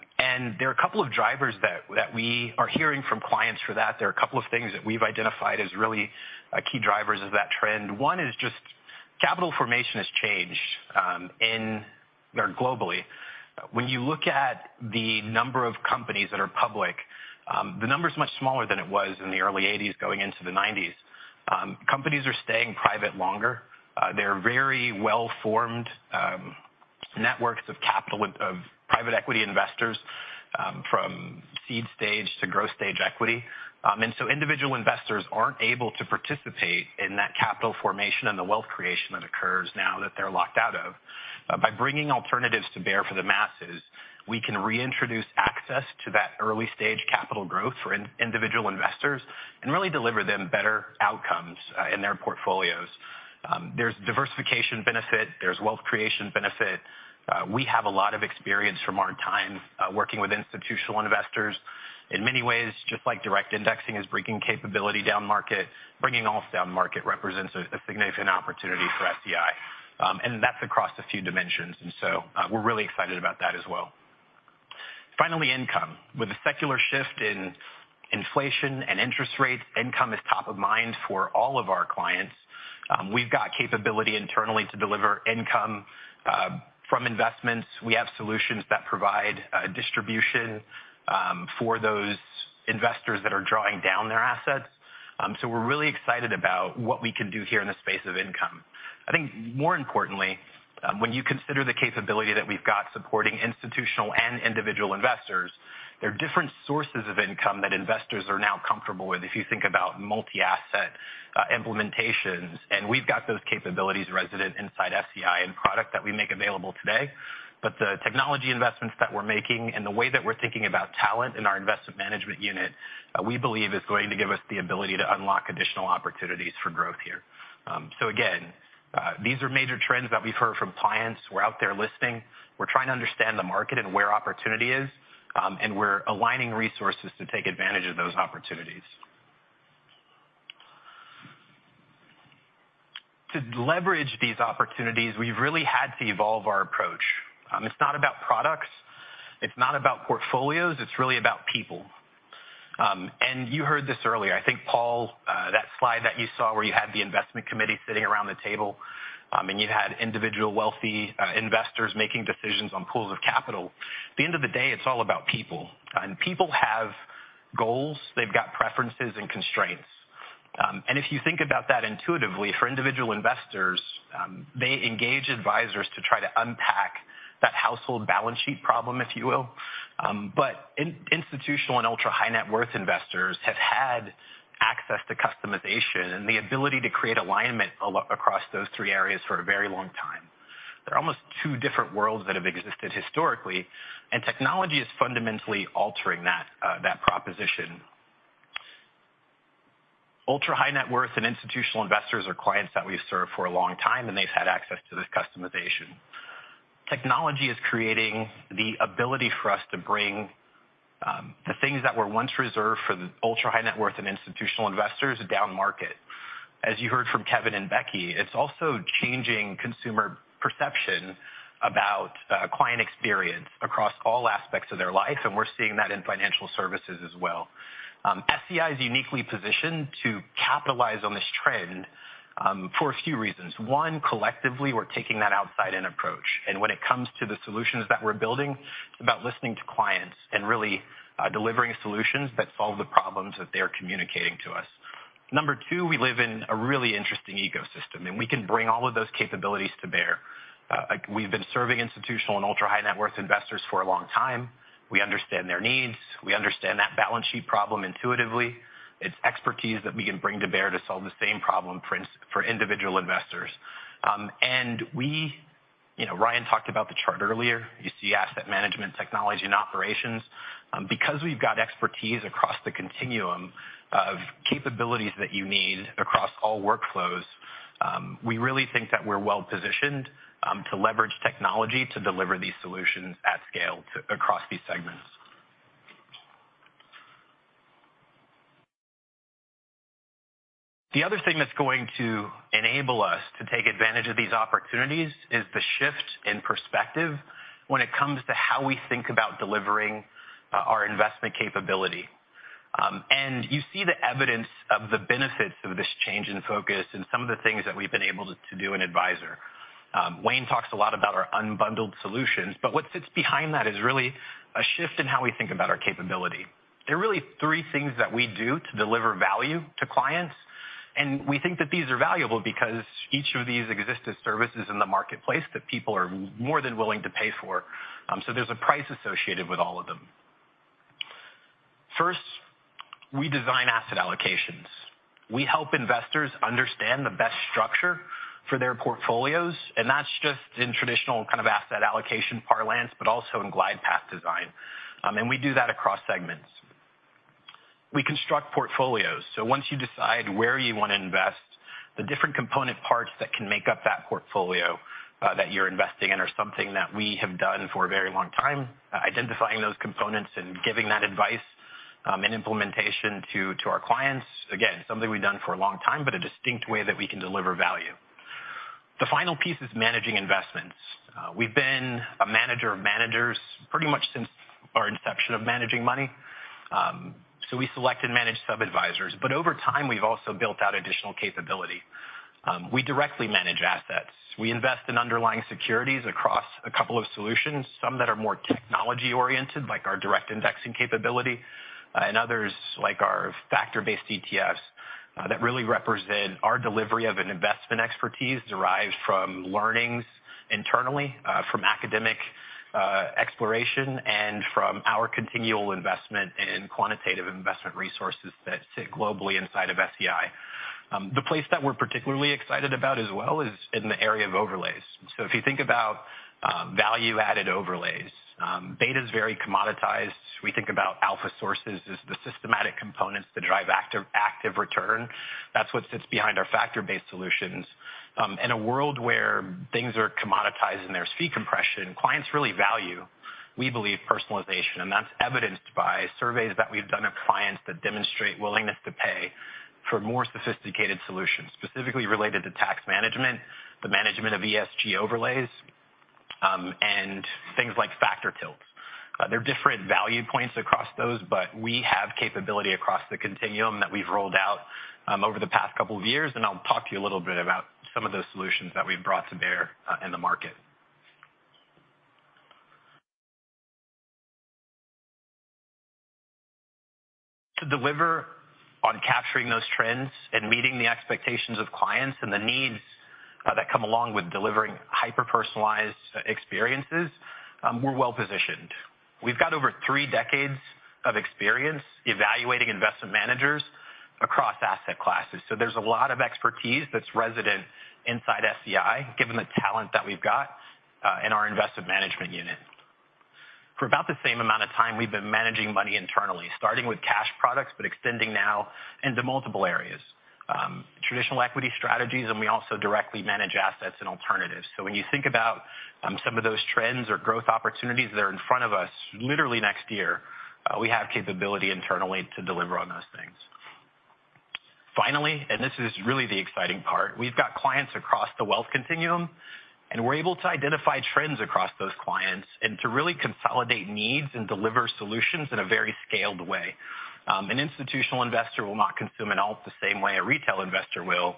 There are a couple of drivers that we are hearing from clients for that. There are a couple of things that we've identified as really key drivers of that trend. One is just capital formation has changed in or globally. When you look at the number of companies that are public, the number is much smaller than it was in the early 1980s going into the 1990s. Companies are staying private longer. They're very well-formed networks of capital of private equity investors from seed stage to growth stage equity. Individual investors aren't able to participate in that capital formation and the wealth creation that occurs now that they're locked out of. By bringing alternatives to bear for the masses, we can reintroduce access to that early-stage capital growth for individual investors and really deliver them better outcomes in their portfolios. There's diversification benefit, there's wealth creation benefit. We have a lot of experience from our time working with institutional investors. In many ways, just like direct indexing is bringing capability down market, bringing alts down market represents a significant opportunity for SEI. That's across a few dimensions, we're really excited about that as well. Finally, income. With a secular shift in inflation and interest rates, income is top of mind for all of our clients. We've got capability internally to deliver income from investments. We have solutions that provide distribution for those investors that are drawing down their assets. We're really excited about what we can do here in the space of income. I think more importantly, when you consider the capability that we've got supporting institutional and individual investors, there are different sources of income that investors are now comfortable with, if you think about multi-asset implementations. We've got those capabilities resident inside SEI and product that we make available today. The technology investments that we're making and the way that we're thinking about talent in our investment management unit, we believe is going to give us the ability to unlock additional opportunities for growth here. These are major trends that we've heard from clients. We're out there listening. We're trying to understand the market and where opportunity is, and we're aligning resources to take advantage of those opportunities. To leverage these opportunities, we've really had to evolve our approach. It's not about products, it's not about portfolios, it's really about people. You heard this earlier. I think, Paul, that slide that you saw where you had the investment committee sitting around the table, and you had individual wealthy investors making decisions on pools of capital. At the end of the day, it's all about people. People have goals. They've got preferences and constraints. If you think about that intuitively, for individual investors, they engage advisors to try to unpack that household balance sheet problem, if you will. Institutional and ultra-high-net-worth investors have had access to customization and the ability to create alignment across those three areas for a very long time. They're almost two different worlds that have existed historically, and technology is fundamentally altering that proposition. Ultra-high-net-worth and institutional investors are clients that we've served for a long time, and they've had access to this customization. Technology is creating the ability for us to bring the things that were once reserved for the ultra-high-net-worth and institutional investors down market. As you heard from Kevin and Becky, it's also changing consumer perception about client experience across all aspects of their life, and we're seeing that in financial services as well. SEI is uniquely positioned to capitalize on this trend for a few reasons. One, collectively, we're taking that outside-in approach, and when it comes to the solutions that we're building, it's about listening to clients and really delivering solutions that solve the problems that they are communicating to us. Number two, we live in a really interesting ecosystem, and we can bring all of those capabilities to bear. We've been serving institutional and ultra-high-net-worth investors for a long time. We understand their needs. We understand that balance sheet problem intuitively. It's expertise that we can bring to bear to solve the same problem for individual investors. You know, Ryan talked about the chart earlier. You see asset management, technology, and operations. Because we've got expertise across the continuum of capabilities that you need across all workflows, we really think that we're well-positioned to leverage technology to deliver these solutions at scale to across these segments. The other thing that's going to enable us to take advantage of these opportunities is the shift in perspective when it comes to how we think about delivering our investment capability. You see the evidence of the benefits of this change in focus and some of the things that we've been able to do in Advisor. Wayne talks a lot about our unbundled solutions, but what sits behind that is really a shift in how we think about our capability. There are really three things that we do to deliver value to clients, and we think that these are valuable because each of these exist as services in the marketplace that people are more than willing to pay for. There's a price associated with all of them. First, we design asset allocations. We help investors understand the best structure for their portfolios, and that's just in traditional kind of asset allocation parlance, but also in glide path design. We do that across segments. We construct portfolios. Once you decide where you wanna invest, the different component parts that can make up that portfolio, that you're investing in are something that we have done for a very long time. Identifying those components and giving that advice, and implementation to our clients, again, something we've done for a long time, but a distinct way that we can deliver value. The final piece is managing investments. We've been a manager of managers pretty much since our inception of managing money. So we select and manage sub-advisors. But over time, we've also built out additional capability. We directly manage assets. We invest in underlying securities across a couple of solutions, some that are more technology-oriented, like our direct indexing capability, and others, like our factor-based ETFs, that really represent our delivery of an investment expertise derived from learnings internally, from academic exploration and from our continual investment in quantitative investment resources that sit globally inside of SEI. The place that we're particularly excited about as well is in the area of overlays. If you think about value-added overlays, beta's very commoditized. We think about alpha sources as the systematic components that drive active return. That's what sits behind our factor-based solutions. In a world where things are commoditized and there's fee compression, clients really value, we believe, personalization, and that's evidenced by surveys that we've done of clients that demonstrate willingness to pay for more sophisticated solutions, specifically related to tax management, the management of ESG overlays, and things like factor tilts. There are different value points across those, but we have capability across the continuum that we've rolled out over the past couple of years, and I'll talk to you a little bit about some of those solutions that we've brought to bear in the market. To deliver on capturing those trends and meeting the expectations of clients and the needs that come along with delivering hyper-personalized experiences, we're well-positioned. We've got over three decades of experience evaluating investment managers across asset classes, so there's a lot of expertise that's resident inside SEI, given the talent that we've got in our investment management unit. For about the same amount of time, we've been managing money internally, starting with cash products, but extending now into multiple areas. Traditional equity strategies, and we also directly manage assets and alternatives. When you think about some of those trends or growth opportunities that are in front of us literally next year, we have capability internally to deliver on those things. Finally, and this is really the exciting part, we've got clients across the wealth continuum, and we're able to identify trends across those clients and to really consolidate needs and deliver solutions in a very scaled way. An institutional investor will not consume an alt the same way a retail investor will,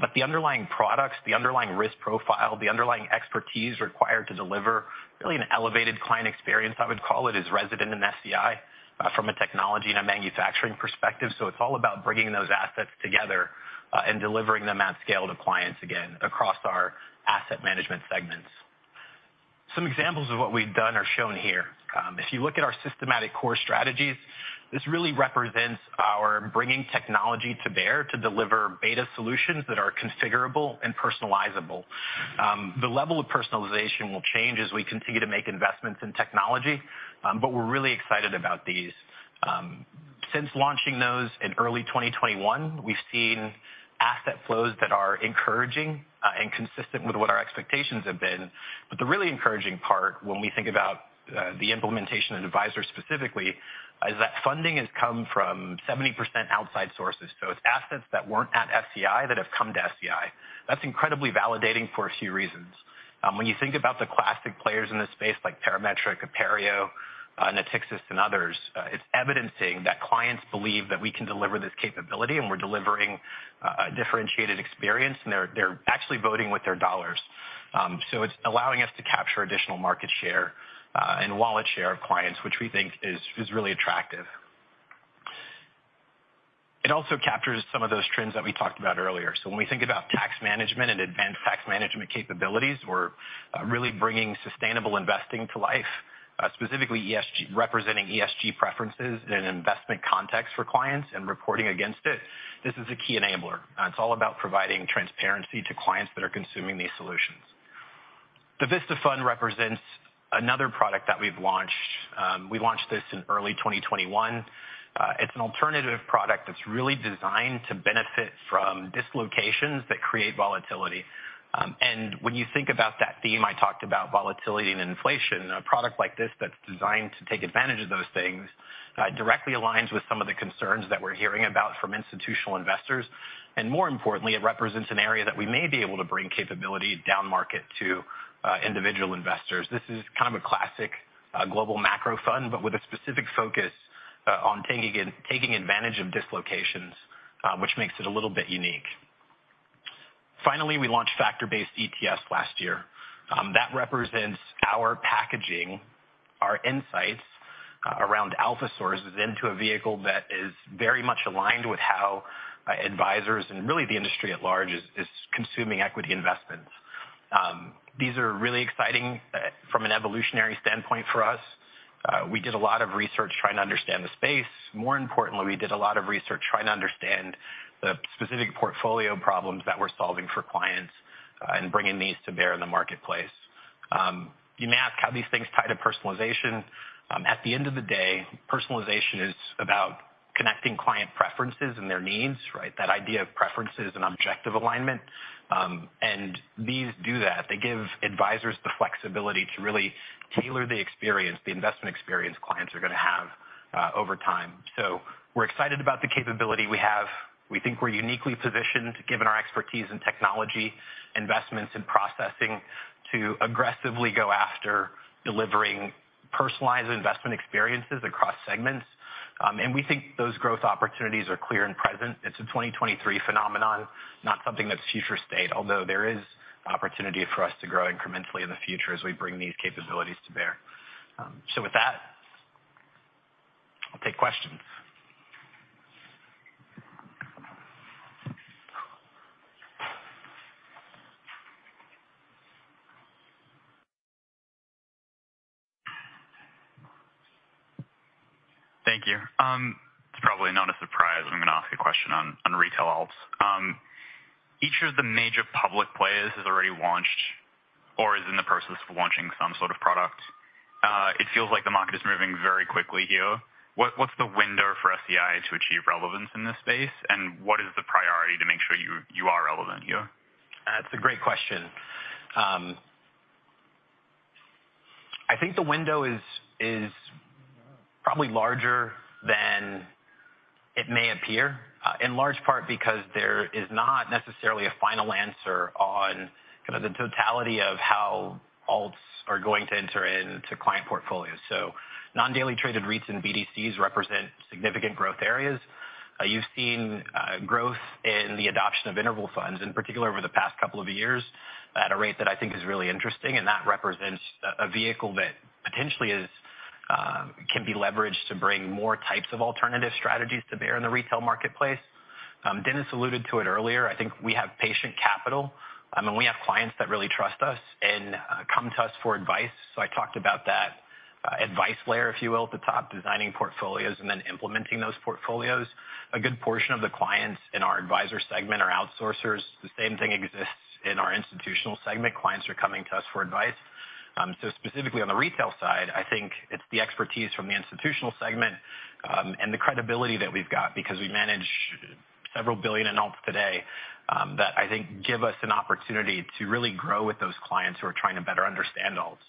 but the underlying products, the underlying risk profile, the underlying expertise required to deliver really an elevated client experience, I would call it, is resident in SEI, from a technology and a manufacturing perspective. It's all about bringing those assets together, and delivering them at scale to clients again across our asset management segments. Some examples of what we've done are shown here. If you look at our Systematic Core Strategies, this really represents our bringing technology to bear to deliver beta solutions that are configurable and personalizable. The level of personalization will change as we continue to make investments in technology, but we're really excited about these. Since launching those in early 2021, we've seen asset flows that are encouraging, and consistent with what our expectations have been. The really encouraging part when we think about the implementation and advisors specifically is that funding has come from 70% outside sources. It's assets that weren't at SEI that have come to SEI. That's incredibly validating for a few reasons. When you think about the classic players in this space, like Parametric, Aperio, Natixis, and others, it's evidencing that clients believe that we can deliver this capability, and we're delivering a differentiated experience, and they're actually voting with their dollars. It's allowing us to capture additional market share and wallet share of clients, which we think is really attractive. It also captures some of those trends that we talked about earlier. When we think about tax management and advanced tax management capabilities or really bringing sustainable investing to life, specifically ESG, representing ESG preferences in an investment context for clients and reporting against it, this is a key enabler. It's all about providing transparency to clients that are consuming these solutions. The Vista Fund represents another product that we've launched. We launched this in early 2021. It's an alternative product that's really designed to benefit from dislocations that create volatility. When you think about that theme, I talked about volatility and inflation. A product like this that's designed to take advantage of those things directly aligns with some of the concerns that we're hearing about from institutional investors. More importantly, it represents an area that we may be able to bring capability downmarket to individual investors. This is kind of a classic global macro fund, but with a specific focus on taking advantage of dislocations, which makes it a little bit unique. Finally, we launched factor-based ETFs last year. That represents packaging our insights around alpha sources into a vehicle that is very much aligned with how advisors and really the industry at large is consuming equity investments. These are really exciting from an evolutionary standpoint for us. We did a lot of research trying to understand the space. More importantly, we did a lot of research trying to understand the specific portfolio problems that we're solving for clients, and bringing these to bear in the marketplace. You may ask how these things tie to personalization. At the end of the day, personalization is about connecting client preferences and their needs, right? That idea of preferences and objective alignment. And these do that. They give advisors the flexibility to really tailor the experience, the investment experience clients are going to have, over time. We're excited about the capability we have. We think we're uniquely positioned, given our expertise in technology, investments in processing, to aggressively go after delivering personalized investment experiences across segments. And we think those growth opportunities are clear and present. It's a 2023 phenomenon, not something that's future state, although there is opportunity for us to grow incrementally in the future as we bring these capabilities to bear. With that, I'll take questions. Thank you. It's probably not a surprise I'm going to ask a question on retail alts. Each of the major public players has already launched or is in the process of launching some sort of product. It feels like the market is moving very quickly here. What's the window for SEI to achieve relevance in this space? What is the priority to make sure you are relevant here? That's a great question. I think the window is probably larger than it may appear, in large part because there is not necessarily a final answer on kind of the totality of how alts are going to enter into client portfolios. Non-daily traded REITs and BDCs represent significant growth areas. You've seen growth in the adoption of interval funds, in particular over the past couple of years, at a rate that I think is really interesting. That represents a vehicle that potentially can be leveraged to bring more types of alternative strategies to bear in the retail marketplace. Dennis alluded to it earlier. I think we have patient capital. I mean, we have clients that really trust us and come to us for advice. I talked about that, advice layer, if you will, at the top, designing portfolios and then implementing those portfolios. A good portion of the clients in our advisor segment are outsourcers. The same thing exists in our institutional segment. Clients are coming to us for advice. Specifically on the retail side, I think it's the expertise from the institutional segment, and the credibility that we've got because we manage several billion in alts today, that I think give us an opportunity to really grow with those clients who are trying to better understand alts.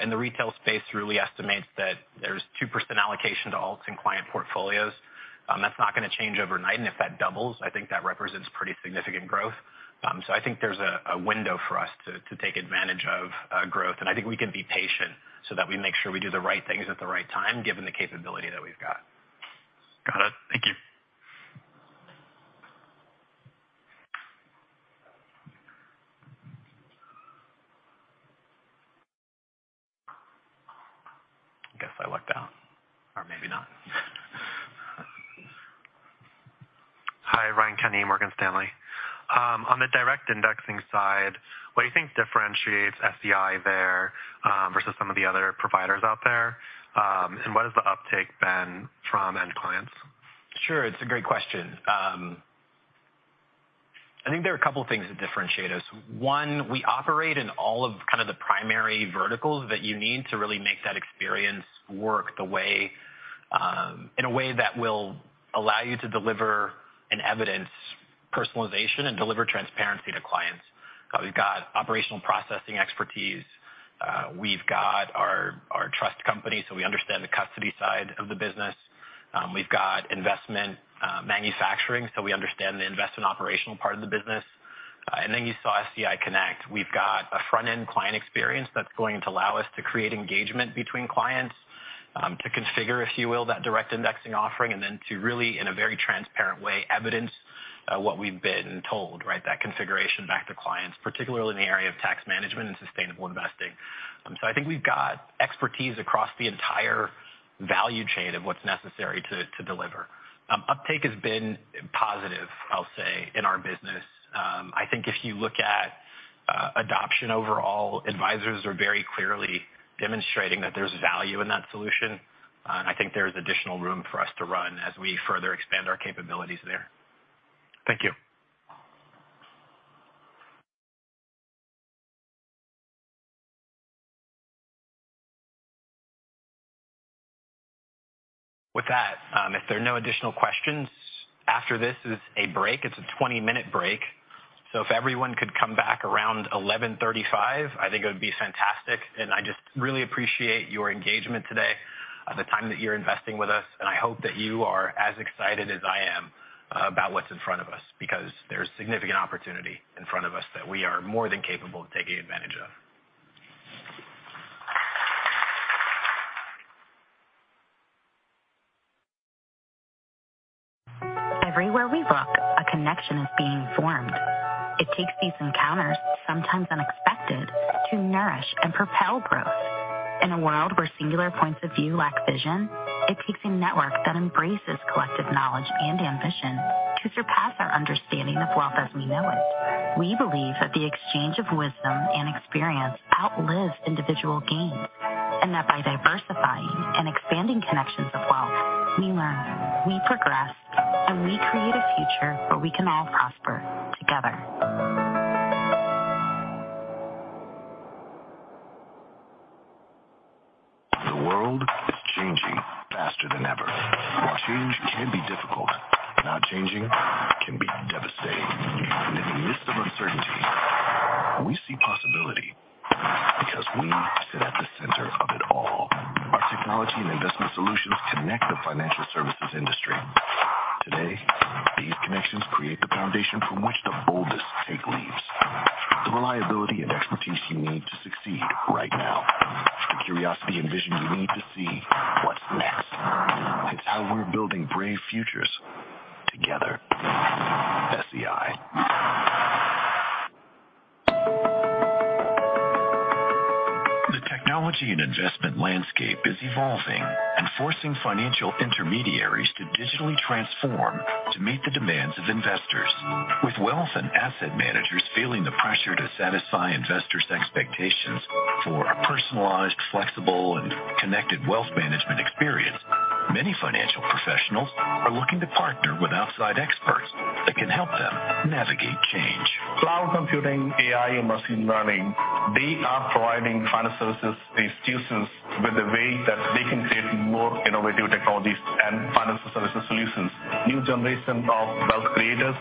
And the retail space really estimates that there's 2% allocation to alts in client portfolios. That's not going to change overnight. If that doubles, I think that represents pretty significant growth. I think there's a window for us to take advantage of growth, and I think we can be patient so that we make sure we do the right things at the right time, given the capability that we've got. Got it. Thank you. I guess I lucked out, or maybe not. Hi. Ryan Kenney, Morgan Stanley. On the direct indexing side, what do you think differentiates SEI there, versus some of the other providers out there? What has the uptake been from end clients? Sure. It's a great question. I think there are a couple of things that differentiate us. One, we operate in all of kind of the primary verticals that you need to really make that experience work the way, in a way that will allow you to deliver an evidence personalization and deliver transparency to clients. We've got operational processing expertise. We've got our trust company, so we understand the custody side of the business. We've got investment manufacturing, so we understand the investment operational part of the business. And then you saw SEI Connect. We've got a front-end client experience that's going to allow us to create engagement between clients, to configure, if you will, that direct indexing offering, and then to really, in a very transparent way, evidence what we've been told, right, that configuration back to clients, particularly in the area of tax management and sustainable investing. I think we've got expertise across the entire value chain of what's necessary to deliver. Uptake has been positive, I'll say, in our business. I think if you look at adoption overall, advisors are very clearly demonstrating that there's value in that solution. I think there's additional room for us to run as we further expand our capabilities there. Thank you. With that, if there are no additional questions, after this is a break. It's a 20-minute break. If everyone could come back around 11:35 A.M., I think it would be fantastic. I just really appreciate your engagement today, the time that you're investing with us. I hope that you are as excited as I am about what's in front of us, because there's significant opportunity in front of us that we are more than capable of taking advantage of. Everywhere we look, a connection is being formed. It takes these encounters, sometimes unexpected, to nourish and propel growth. In a world where singular points of view lack vision, it takes a network that embraces collective knowledge and ambition to surpass our understanding of wealth as we know it. We believe that the exchange of wisdom and experience outlives individual gain, and that by expanding connections of wealth, we learn, we progress, and we create a future where we can all prosper together. The world is changing faster than ever. While change can be difficult, not changing can be devastating. In the midst of uncertainty, we see possibility because we sit at the center of it all. Our technology and investment solutions connect the financial services industry. Today, these connections create the foundation from which the boldest take leads. The reliability and expertise you need to succeed right now. The curiosity and vision you need to see what's next. It's how we're building brave futures together. SEI. The technology and investment landscape is evolving and forcing financial intermediaries to digitally transform to meet the demands of investors. With wealth and asset managers feeling the pressure to satisfy investors' expectations for a personalized, flexible, and connected wealth management experience, many financial professionals are looking to partner with outside experts that can help them navigate change. Cloud computing, AI, and machine learning, they are providing financial services institutions with a way that they can create more innovative technologies and financial services solutions. New generation of wealth creators,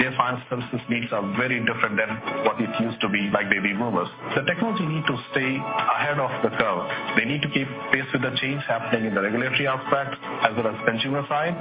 their financial services needs are very different than what it used to be like baby boomers. The technology need to stay ahead of the curve. They need to keep pace with the change happening in the regulatory aspect as well as consumer side,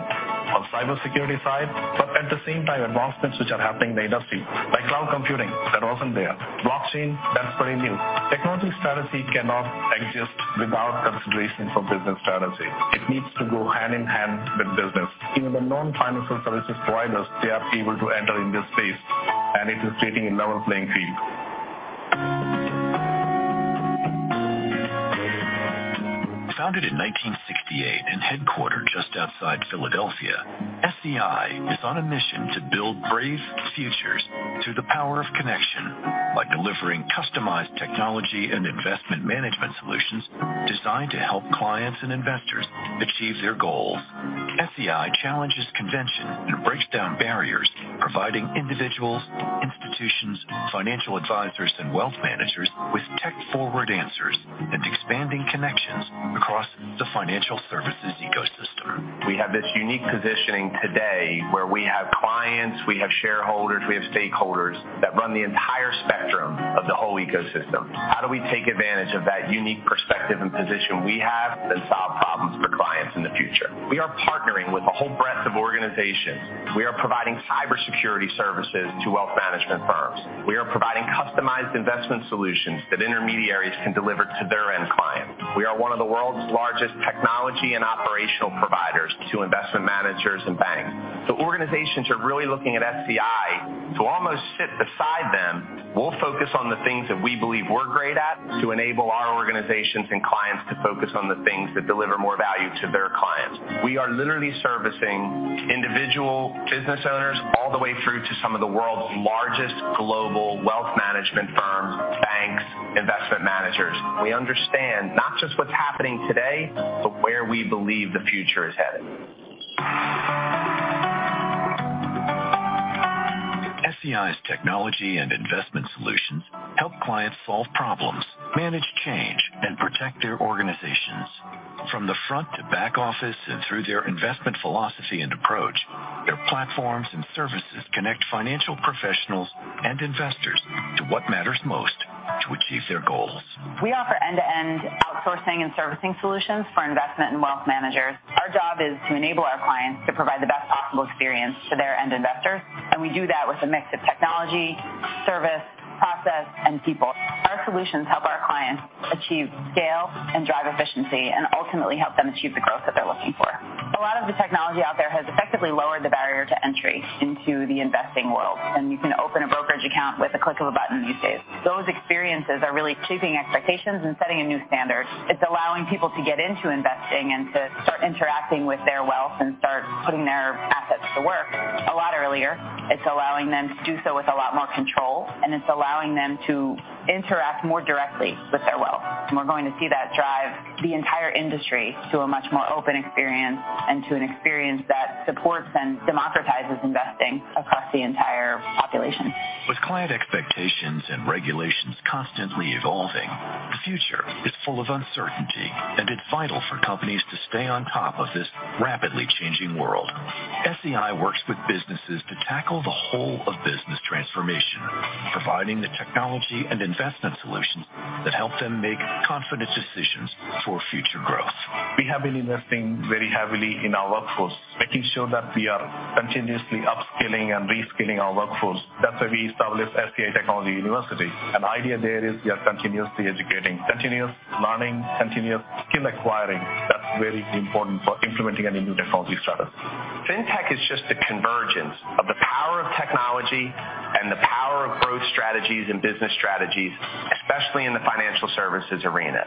on cybersecurity side, but at the same time, advancements which are happening in the industry by cloud computing that wasn't there. Blockchain, that's very new. Technology strategy cannot exist without consideration for business strategy. It needs to go hand in hand with business. Even the non-financial services providers, they are able to enter in this space, and it is creating a level playing field. Founded in 1968 and headquartered just outside Philadelphia, SEI is on a mission to build brave futures through the power of connection by delivering customized technology and investment management solutions designed to help clients and investors achieve their goals. SEI challenges convention and breaks down barriers, providing individuals, institutions, financial advisors, and wealth managers with tech forward answers and expanding connections across the financial services ecosystem. We have this unique positioning today where we have clients, we have shareholders, we have stakeholders that run the entire spectrum of the whole ecosystem. How do we take advantage of that unique perspective and position we have and solve problems for clients in the future? We are partnering with a whole breadth of organizations. We are providing cybersecurity services to wealth management firms. We are providing customized investment solutions that intermediaries can deliver to their end clients. We are one of the world's largest technology and operational providers to investment managers and banks. The organizations are really looking at SEI to almost sit beside them. We'll focus on the things that we believe we're great at to enable our organizations and clients to focus on the things that deliver more value to their clients. We are literally servicing individual business owners all the way through to some of the world's largest global wealth management firms, banks, investment managers. We understand not just what's happening today, but where we believe the future is headed. SEI's technology and investment solutions help clients solve problems, manage change, and protect their organizations. process, and people. Our solutions help our clients achieve scale and drive efficiency and ultimately help them achieve the growth that they're looking for. A lot of the technology out there has effectively lowered the barrier to entry into the investing world, and you can open a brokerage account with a click of a button these days. Those experiences are really shaping expectations and setting a new standard. It's allowing people to get into investing and to start interacting with their wealth and start putting their assets to work a lot earlier. It's allowing them to do so with a lot more control, and it's allowing them to interact more directly with their wealth. We're going to see that drive the entire industry to a much more open experience and to an experience that supports and democratizes investing across the entire population. With client expectations and regulations constantly evolving, the future is full of uncertainty, and it's vital for companies to stay on top of this rapidly changing world. SEI works with businesses to tackle the whole of business transformation, providing the technology and investment solutions that help them make confident decisions for future growth. We have been investing very heavily in our workforce, making sure that we are continuously upskilling and reskilling our workforce. That's why we established SEI Technology University. The idea there is we are continuously educating, continuous learning, continuous skill acquiring. That's very important for implementing any new technology strategy. FinTech is just the convergence of the power of technology and the power of growth strategies and business strategies, especially in the financial services arena.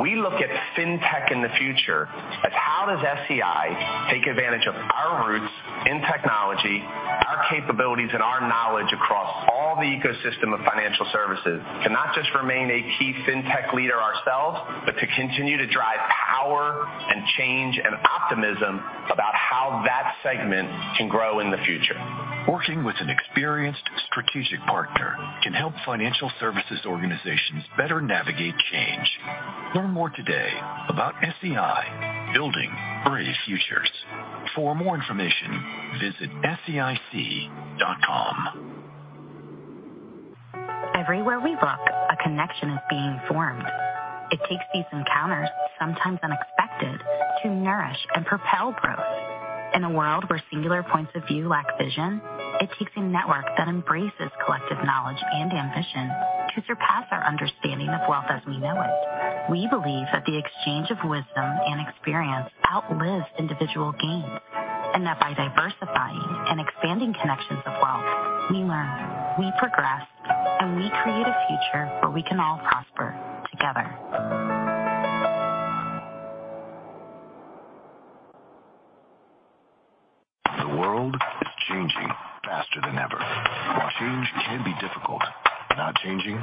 We look at FinTech in the future as how does SEI take advantage of our roots in technology, our capabilities, and our knowledge across all the ecosystem of financial services to not just remain a key FinTech leader ourselves, but to continue to drive power and change and optimism about how that segment can grow in the future. Working with an experienced strategic partner can help financial services organizations better navigate change. Learn more today about SEI building brave futures. For more information, visit seic.com. Everywhere we look, a connection is being formed. It takes these encounters, sometimes unexpected, to nourish and propel growth. In a world where singular points of view lack vision, it takes a network that embraces collective knowledge and ambition to surpass our understanding of wealth as we know it. We believe that the exchange of wisdom and experience outlives individual gain, and that by diversifying and expanding connections of wealth, we learn, we progress, and we create a future where we can all prosper together. The world is changing faster than ever. While change can be difficult, not changing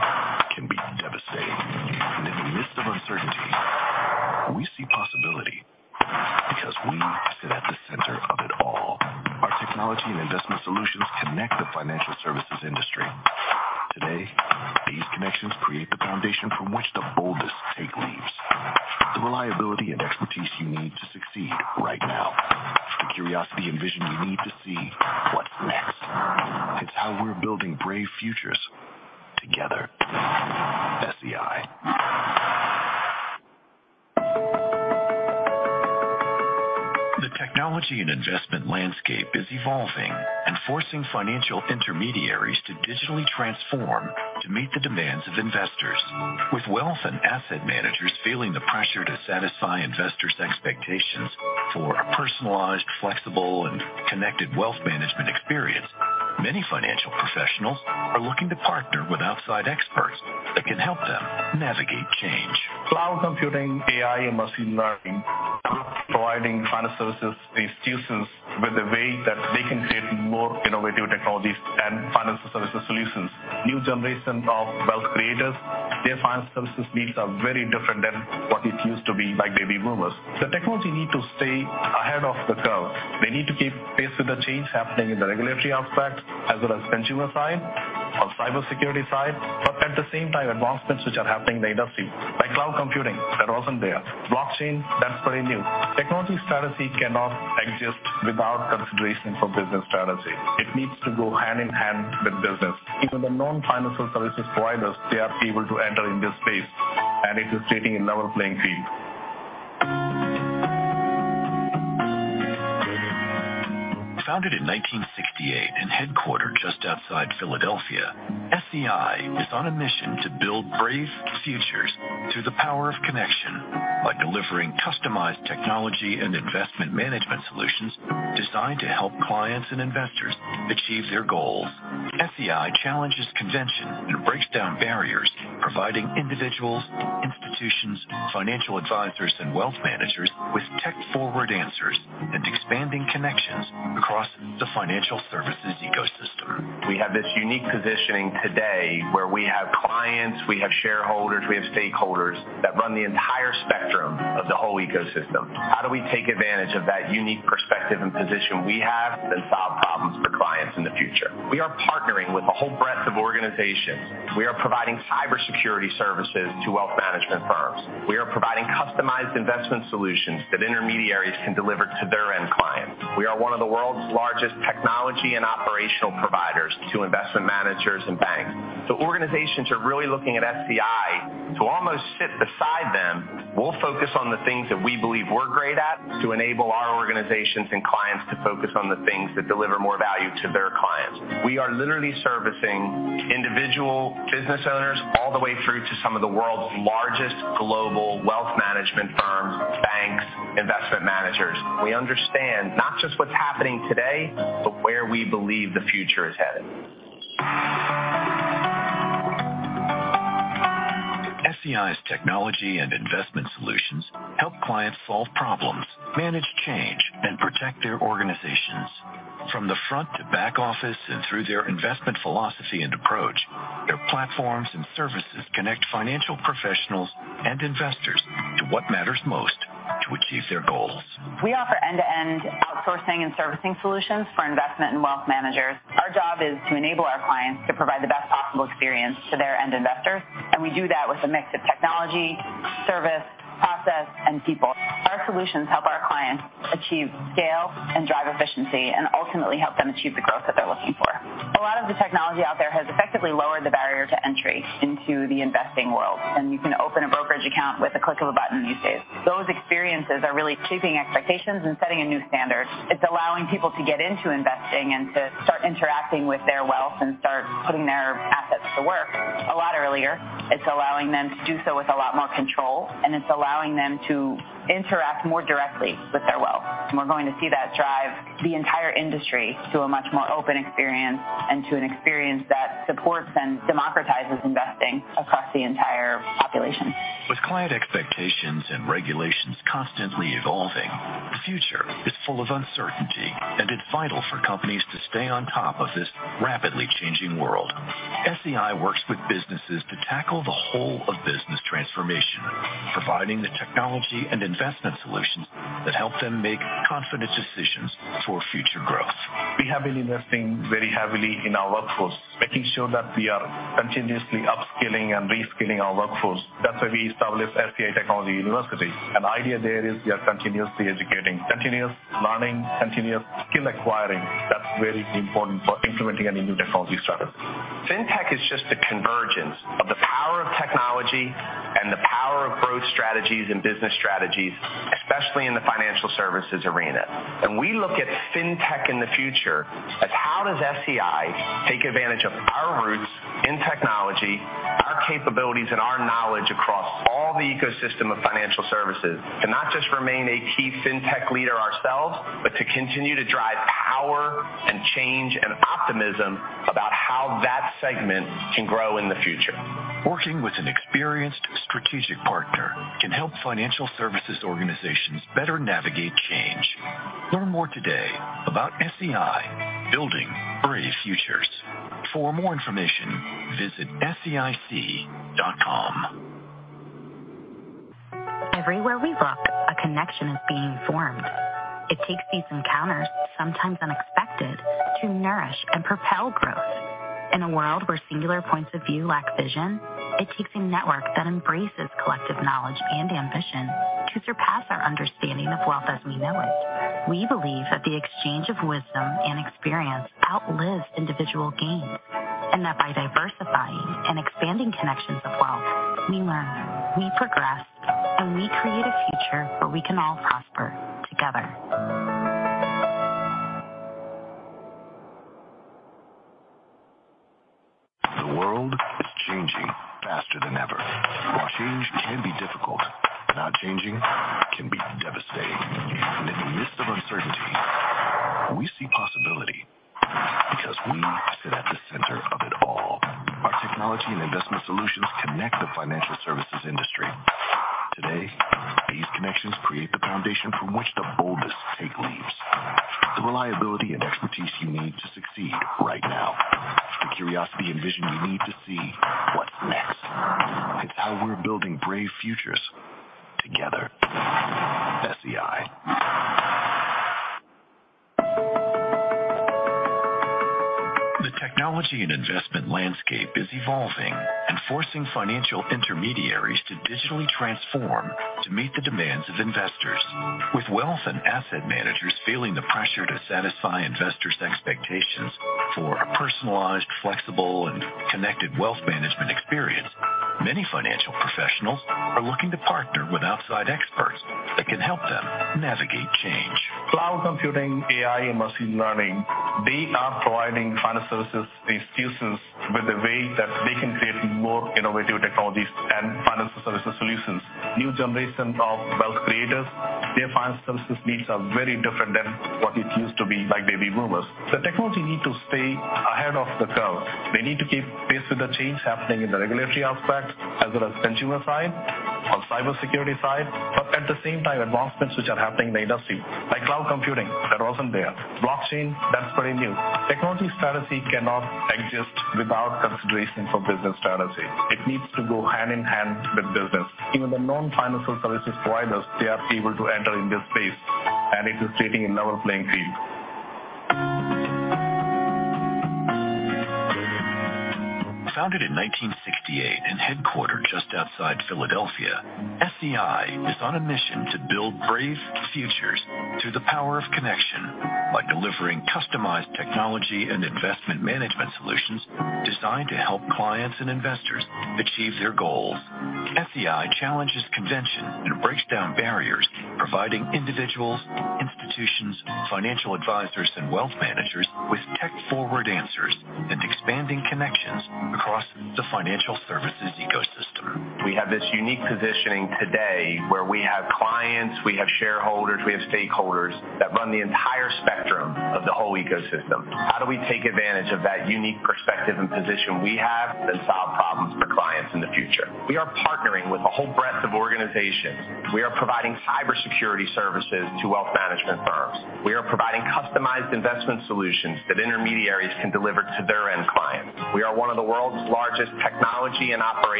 can be devastating. In the midst of uncertainty, we see possibility because we sit at the center of it all. Our technology and investment solutions connect the financial services industry. Today, these connections create the foundation from which the boldest take leads. The reliability and expertise you need to succeed right now. The curiosity and vision you need to see what's next. It's how we're building brave futures together. SEI. The technology and investment landscape is evolving and forcing financial intermediaries to digitally transform to meet the demands of investors. With wealth and asset managers feeling the pressure to satisfy investors' expectations for a personalized, flexible, and connected wealth management experience, many financial professionals are looking to partner with outside experts that can help them navigate change. Cloud computing, AI, and machine learning, they are providing financial services institutions with a way that they can create more innovative technologies and financial services solutions. New generations of wealth creators, their financial services needs are very different than what it used to be by Baby Boomers. The technology need to stay ahead of the curve. They need to keep pace with the change happening in the regulatory aspect as well as consumer side, on cybersecurity side, but at the same time, advancements which are happening in the industry, like cloud computing, that wasn't there. Blockchain, that's pretty new. Technology strategy cannot exist without consideration for business strategy. It needs to go hand in hand with business. Even the non-financial services providers, they are able to enter in this space, and it is creating a level playing field. Founded in 1968 and headquartered just outside Philadelphia, SEI is on a mission to build brave futures through the power of connection by delivering customized technology and investment management solutions designed to help clients and investors achieve their goals. SEI challenges convention and breaks down barriers, providing individuals, institutions, financial advisors and wealth managers with tech forward answers and expanding connections across the financial services ecosystem. We have this unique positioning today where we have clients, we have shareholders, we have stakeholders that run the entire spectrum of the whole ecosystem. How do we take advantage of that unique perspective and position we have and solve problems for clients in the future? We are partnering with a whole breadth of organizations. We are providing cybersecurity services to wealth management firms. We are providing customized investment solutions that intermediaries can deliver to their end clients. We are one of the world's largest technology and operational providers to investment managers and banks. Organizations are really looking at SEI to almost sit beside them. We'll focus on the things that we believe we're great at to enable our organizations and clients to focus on the things that deliver more value to their clients. We are literally servicing individual business owners all the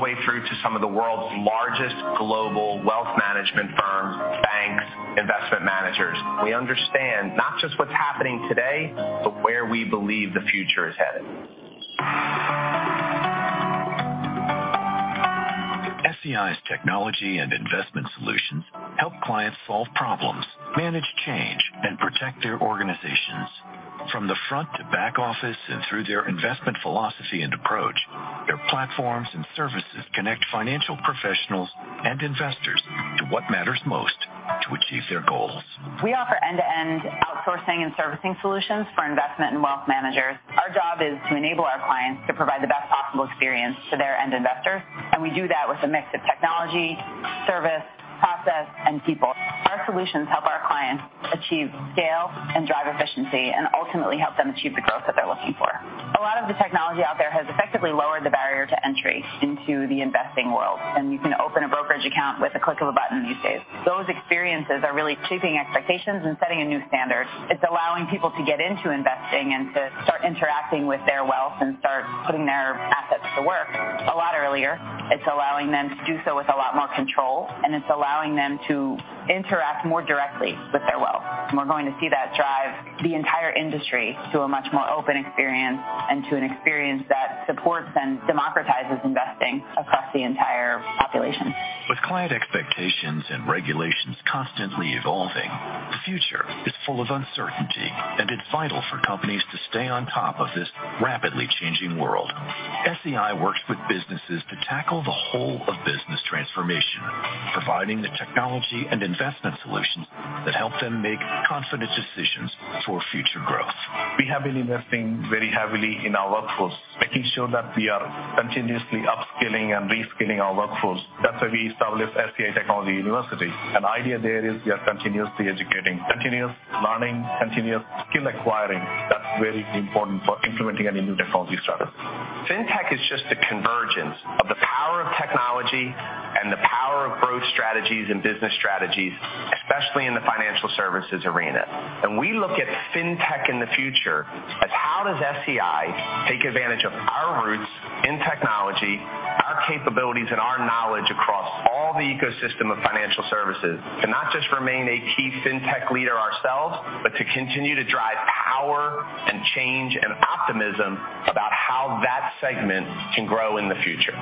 way through to some of the world's largest global wealth management firms, banks, investment managers. We understand not just what's happening today, but where we believe the future is headed. SEI's technology and investment solutions help clients solve problems, manage change, and protect their organizations. From the front to back office and through their investment philosophy and approach. Their platforms and services connect financial professionals and investors to what matters most to achieve their goals. We offer end-to-end outsourcing and servicing solutions for investment and wealth managers. Our job is to enable our clients to provide the best possible experience to their end investors, and we do that with a mix of technology, service, process, and people. Our solutions help our clients achieve scale and drive efficiency and ultimately help them achieve the growth that they're looking for. A lot of the technology out there has effectively lowered the barrier to entry into the investing world, and you can open a brokerage account with a click of a button these days. Those experiences are really shaping expectations and setting a new standard. It's allowing people to get into investing and to start interacting with their wealth and start putting their assets to work a lot earlier. It's allowing them to do so with a lot more control, and it's allowing them to interact more directly with their wealth. We're going to see that drive the entire industry to a much more open experience and to an experience that supports and democratizes investing across the entire population. With client expectations and regulations constantly evolving, the future is full of uncertainty, and it's vital for companies to stay on top of this rapidly changing world. SEI works with businesses to tackle the whole of business transformation, providing the technology and investment solutions that help them make confident decisions for future growth. We have been investing very heavily in our workforce, making sure that we are continuously upskilling and reskilling our workforce. That's why we established SEI Technology University. The idea there is we are continuously educating, continuous learning, continuous skill acquiring. That's very important for implementing any new technology strategy. FinTech is just a convergence of the power of technology and the power of growth strategies and business strategies, especially in the financial services arena. We look at FinTech in the future as how does SEI take advantage of our roots in technology, our capabilities, and our knowledge across all the ecosystem of financial services to not just remain a key FinTech leader ourselves, but to continue to drive power and change and optimism about how that segment can grow in the future.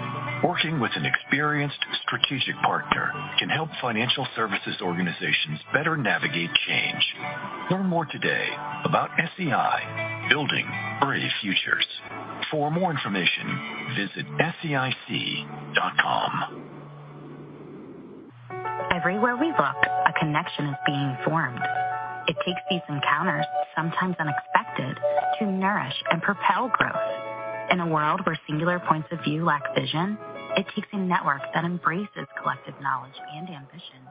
Working with an experienced strategic partner can help financial services organizations better navigate change. Learn more today about SEI building brave futures. For more information, visit seic.com. Everywhere we look, a connection is being formed. It takes these encounters, sometimes unexpected, to nourish and propel growth. In a world where singular points of view lack vision, it takes a network that embraces collective knowledge and ambition.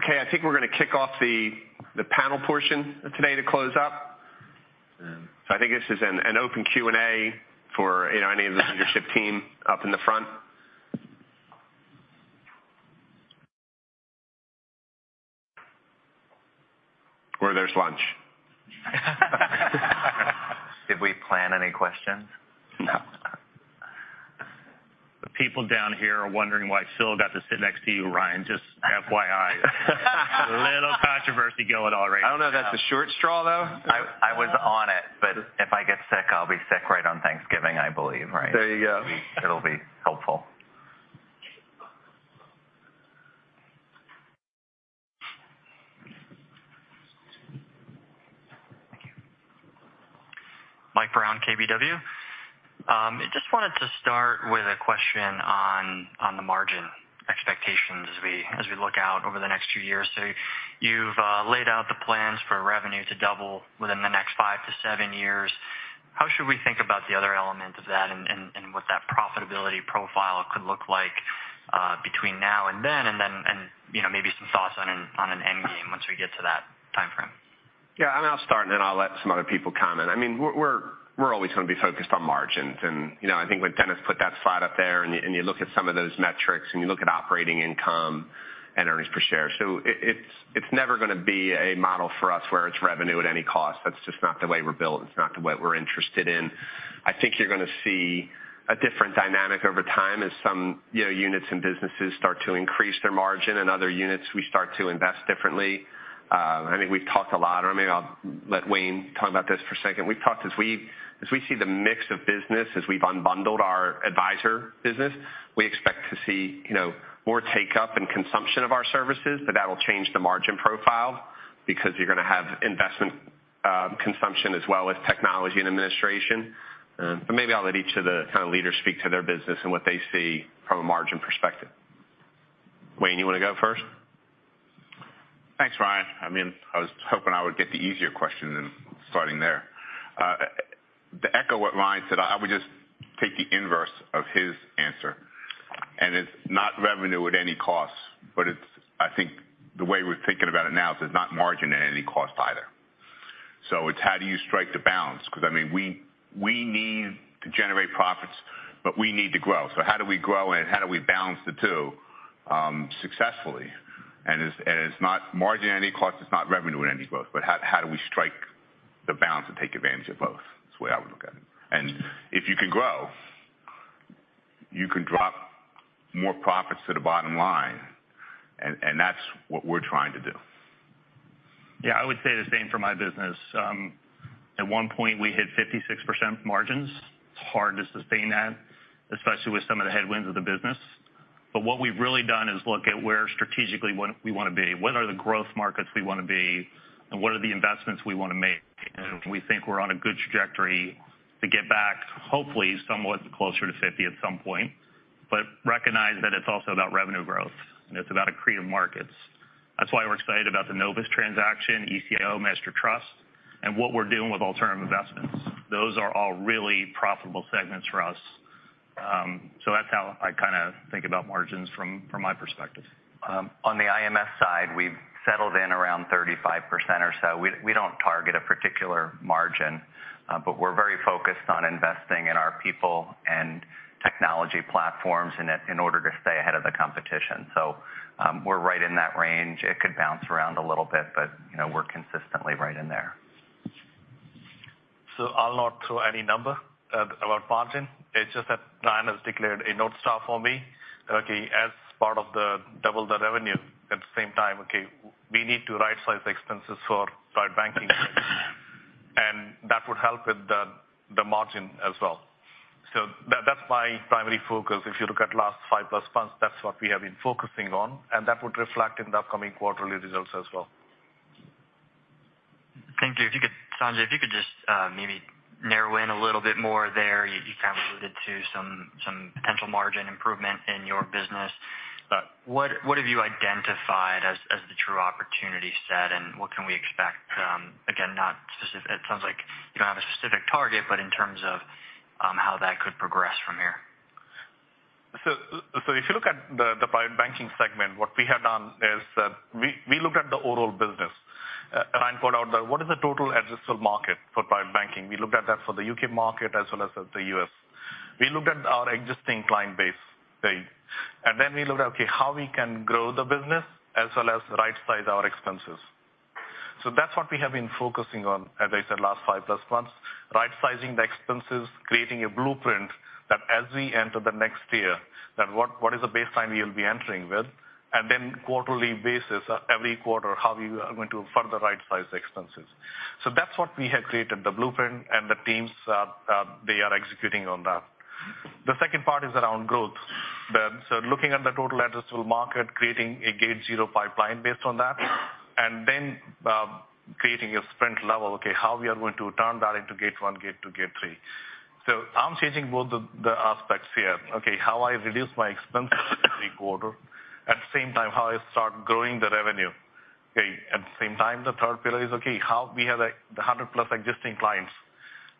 Okay, I think we're gonna kick off the panel portion of today to close up. I think this is an open Q&A for any of the leadership team up in the front. There's lunch. Did we plan any questions? No. The people down here are wondering why Phil got to sit next to you, Ryan, just FYI. A little controversy going on right now. I don't know if that's a short straw, though. I was on it, but if I get sick, I'll be sick right on Thanksgiving, I believe, right? There you go. It'll be helpful. Mike Brown, KBW. I just wanted to start with a question on the margin expectations as we look out over the next few years. You've laid out the plans for revenue to double within the next five-seven years. How should we think about the other element of that and what that profitability profile could look like between now and then? You know, maybe some thoughts on an end game once we get to that timeframe. Yeah. I'll start, and then I'll let some other people comment. I mean, we're always gonna be focused on margins. You know, I think when Dennis put that slide up there, and you look at some of those metrics, and you look at operating income and earnings per share. It's never gonna be a model for us where it's revenue at any cost. That's just not the way we're built. It's not the way we're interested in. I think you're gonna see a different dynamic over time as some units and businesses start to increase their margin and other units, we start to invest differently. I think we've talked a lot, or maybe I'll let Wayne talk about this for a second. We've talked as we see the mix of business as we've unbundled our advisor business, we expect to see, you know, more take-up and consumption of our services. That'll change the margin profile because you're gonna have investment, consumption as well as technology and administration. Maybe I'll let each of the kind of leaders speak to their business and what they see from a margin perspective. Wayne, you wanna go first? Thanks, Ryan. I mean, I was hoping I would get the easier question than starting there. To echo what Ryan said, I would just take the inverse of his answer. It's not revenue at any cost, but it's I think the way we're thinking about it now is it's not margin at any cost either. It's how do you strike the balance? 'Cause, I mean, we need to generate profits, but we need to grow. How do we grow, and how do we balance the two successfully? It's not margin at any cost, it's not revenue at any cost, but how do we strike the balance to take advantage of both? That's the way I would look at it. If you can grow, you can drop more profits to the bottom line, and that's what we're trying to do. Yeah, I would say the same for my business. At one point we hit 56% margins. It's hard to sustain that, especially with some of the headwinds of the business. What we've really done is look at where strategically what we wanna be, what are the growth markets we wanna be, and what are the investments we wanna make. We think we're on a good trajectory to get back, hopefully, somewhat closer to 50% at some point, but recognize that it's also about revenue growth and it's about accretive markets. That's why we're excited about the Novus transaction, ECIO, SEI Master Trust, and what we're doing with alternative investments. Those are all really profitable segments for us. So that's how I kinda think about margins from my perspective. On the IMS side, we've settled in around 35% or so. We don't target a particular margin, but we're very focused on investing in our people and technology platforms in order to stay ahead of the competition. We're right in that range. It could bounce around a little bit, but, you know, we're consistently right in there. I'll not throw any number at about margin. It's just that Ryan has declared a north star for me. Okay, as part of the double the revenue at the same time, okay, we need to rightsize the expenses for private banking. That would help with the margin as well. That's my primary focus. If you look at last 5+ months, that's what we have been focusing on, and that would reflect in the upcoming quarterly results as well. Thank you. Sanjay, if you could just maybe narrow in a little bit more there. You kind of alluded to some potential margin improvement in your business. What have you identified as the true opportunity set, and what can we expect, again, not specific. It sounds like you don't have a specific target, but in terms of how that could progress from here. If you look at the private banking segment, what we have done is that we looked at the overall business. Ryan called out that what is the total addressable market for private banking? We looked at that for the U.K. market as well as the U.S. We looked at our existing client base pay. Then we looked at, okay, how we can grow the business as well as rightsize our expenses. That's what we have been focusing on, as I said, last 5+ months, rightsizing the expenses, creating a blueprint that as we enter the next year, that what is the baseline we'll be entering with? Then quarterly basis, every quarter, how we are going to further rightsize the expenses. That's what we have created, the blueprint, and the teams are executing on that. The second part is around growth. Looking at the total addressable market, creating a gate zero pipeline based on that, and then creating a sprint level. Okay, how we are going to turn that into gate one, gate two, gate three. I'm changing both the aspects here. Okay, how I reduce my expenses every quarter. At the same time, how I start growing the revenue. Okay, at the same time, the third pillar is, okay, how we have 100+ existing clients,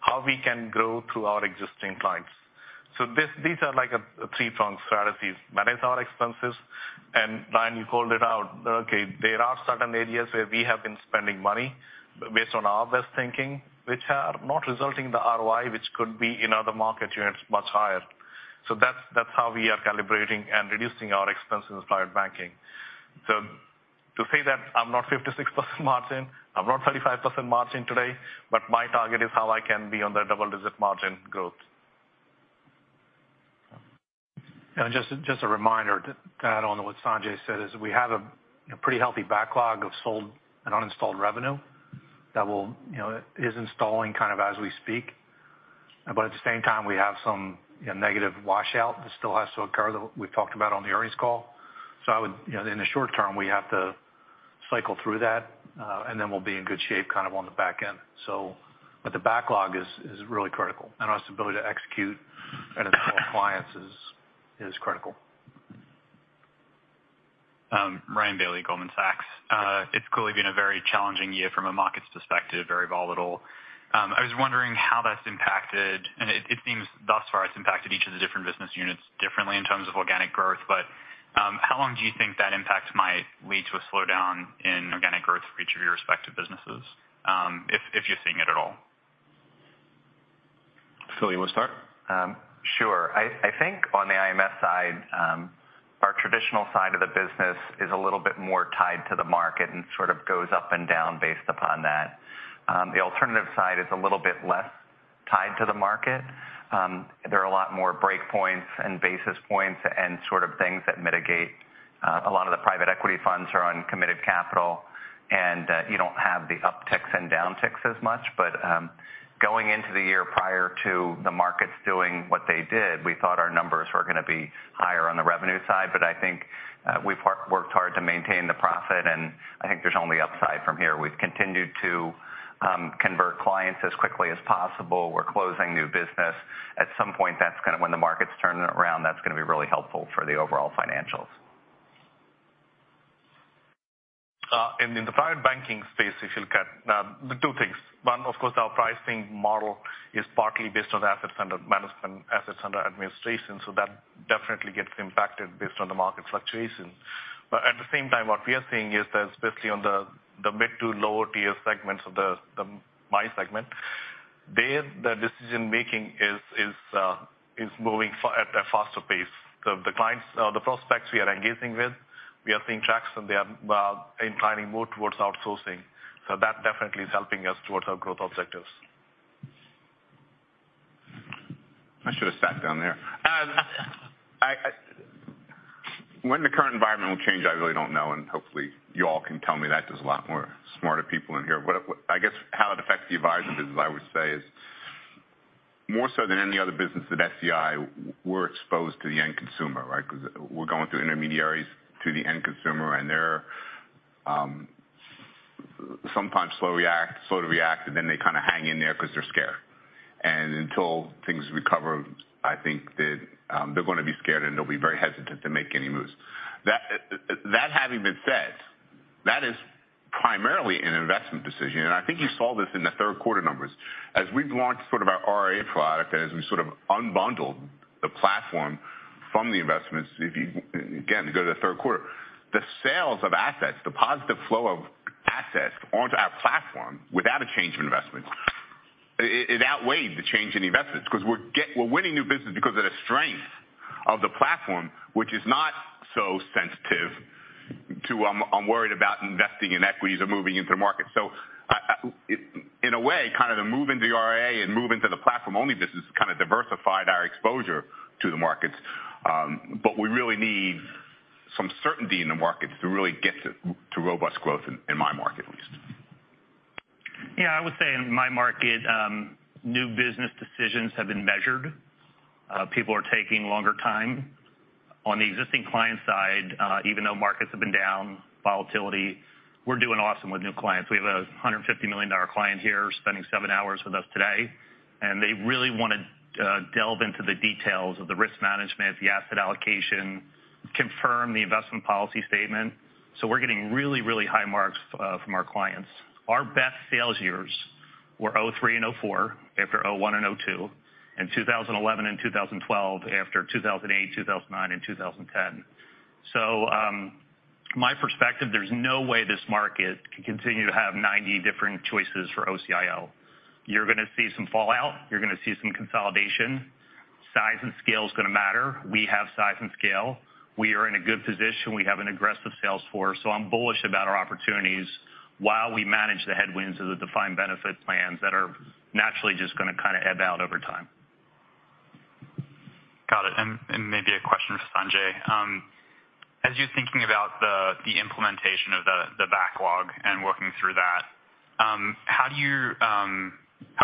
how we can grow through our existing clients. These are like three-pronged strategies. Manage our expenses. Ryan, you called it out. Okay, there are certain areas where we have been spending money based on our risk thinking, which are not resulting the ROI, which could be in other market units much higher. That's how we are calibrating and reducing our expenses in private banking. To say that I'm not 56% margin, I'm not 35% margin today, but my target is how I can be on the double-digit margin growth. Just a reminder to add on to what Sanjay said is we have a pretty healthy backlog of sold and uninstalled revenue that will, you know, is installing kind of as we speak. But at the same time, we have some, you know, negative washout that still has to occur that we've talked about on the earnings call. You know, in the short term, we have to cycle through that, and then we'll be in good shape kind of on the back end. But the backlog is really critical, and our ability to execute and install clients is critical. Ryan Bailey, Goldman Sachs. It's clearly been a very challenging year from a markets perspective, very volatile. I was wondering how that's impacted, and it seems thus far it's impacted each of the different business units differently in terms of organic growth. How long do you think that impact might lead to a slowdown in organic growth for each of your respective businesses, if you're seeing it at all? Phil, you wanna start? Sure. I think on the IMS side, our traditional side of the business is a little bit more tied to the market and sort of goes up and down based upon that. The alternative side is a little bit less tied to the market. There are a lot more breakpoints and basis points and sort of things that mitigate. A lot of the private equity funds are on committed capital, and you don't have the upticks and downticks as much. Going into the year prior to the markets doing what they did, we thought our numbers were gonna be higher on the revenue side. I think we've worked hard to maintain the profit, and I think there's only upside from here. We've continued to convert clients as quickly as possible. We're closing new business. When the market's turning around, that's gonna be really helpful for the overall financials. In the private banking space, if you look at the two things. One, of course, our pricing model is partly based on assets under management, assets under administration, so that definitely gets impacted based on the market fluctuations. At the same time, what we are seeing is that especially on the mid to lower tier segments of the my segment, there the decision-making is moving at a faster pace. The clients, the prospects we are engaging with, we are seeing traction, they are inclining more towards outsourcing. That definitely is helping us towards our growth objectives. When the current environment will change, I really don't know, and hopefully you all can tell me that. There's a lot more smarter people in here. I guess how it affects the advisor business, I would say, is more so than any other business at SEI, we're exposed to the end consumer, right? Because we're going through intermediaries to the end consumer, and they're sometimes slow to react, and then they kind of hang in there because they're scared. Until things recover, I think that they're gonna be scared, and they'll be very hesitant to make any moves. That having been said, that is primarily an investment decision, and I think you saw this in the third quarter numbers. As we've launched sort of our RIA product and as we sort of unbundled the platform from the investments, if you again go to the third quarter, the sales of assets, the positive flow of assets onto our platform without a change of investment, it outweighed the change in investments because we're winning new business because of the strength of the platform, which is not so sensitive to, "I'm worried about investing in equities or moving into the market." So in a way, kind of the move into the RIA and move into the platform-only business kind of diversified our exposure to the markets. But we really need some certainty in the markets to really get to robust growth in my market at least. Yeah, I would say in my market, new business decisions have been measured. People are taking longer time. On the existing client side, even though markets have been down, volatility, we're doing awesome with new clients. We have a $150 million client here spending seven hours with us today, and they really wanna delve into the details of the risk management, the asset allocation, confirm the investment policy statement. We're getting really, really high marks from our clients. Our best sales years were 2003 and 2004 after 2001 and 2002, and 2011 and 2012 after 2008, 2009, and 2010. My perspective, there's no way this market can continue to have 90 different choices for OCIO. You're gonna see some fallout. You're gonna see some consolidation. Size and scale is gonna matter. We have size and scale. We are in a good position. We have an aggressive sales force, so I'm bullish about our opportunities while we manage the headwinds of the defined benefit plans that are naturally just gonna kind of ebb out over time. Got it. Maybe a question for Sanjay. As you're thinking about the implementation of the backlog and working through that, how are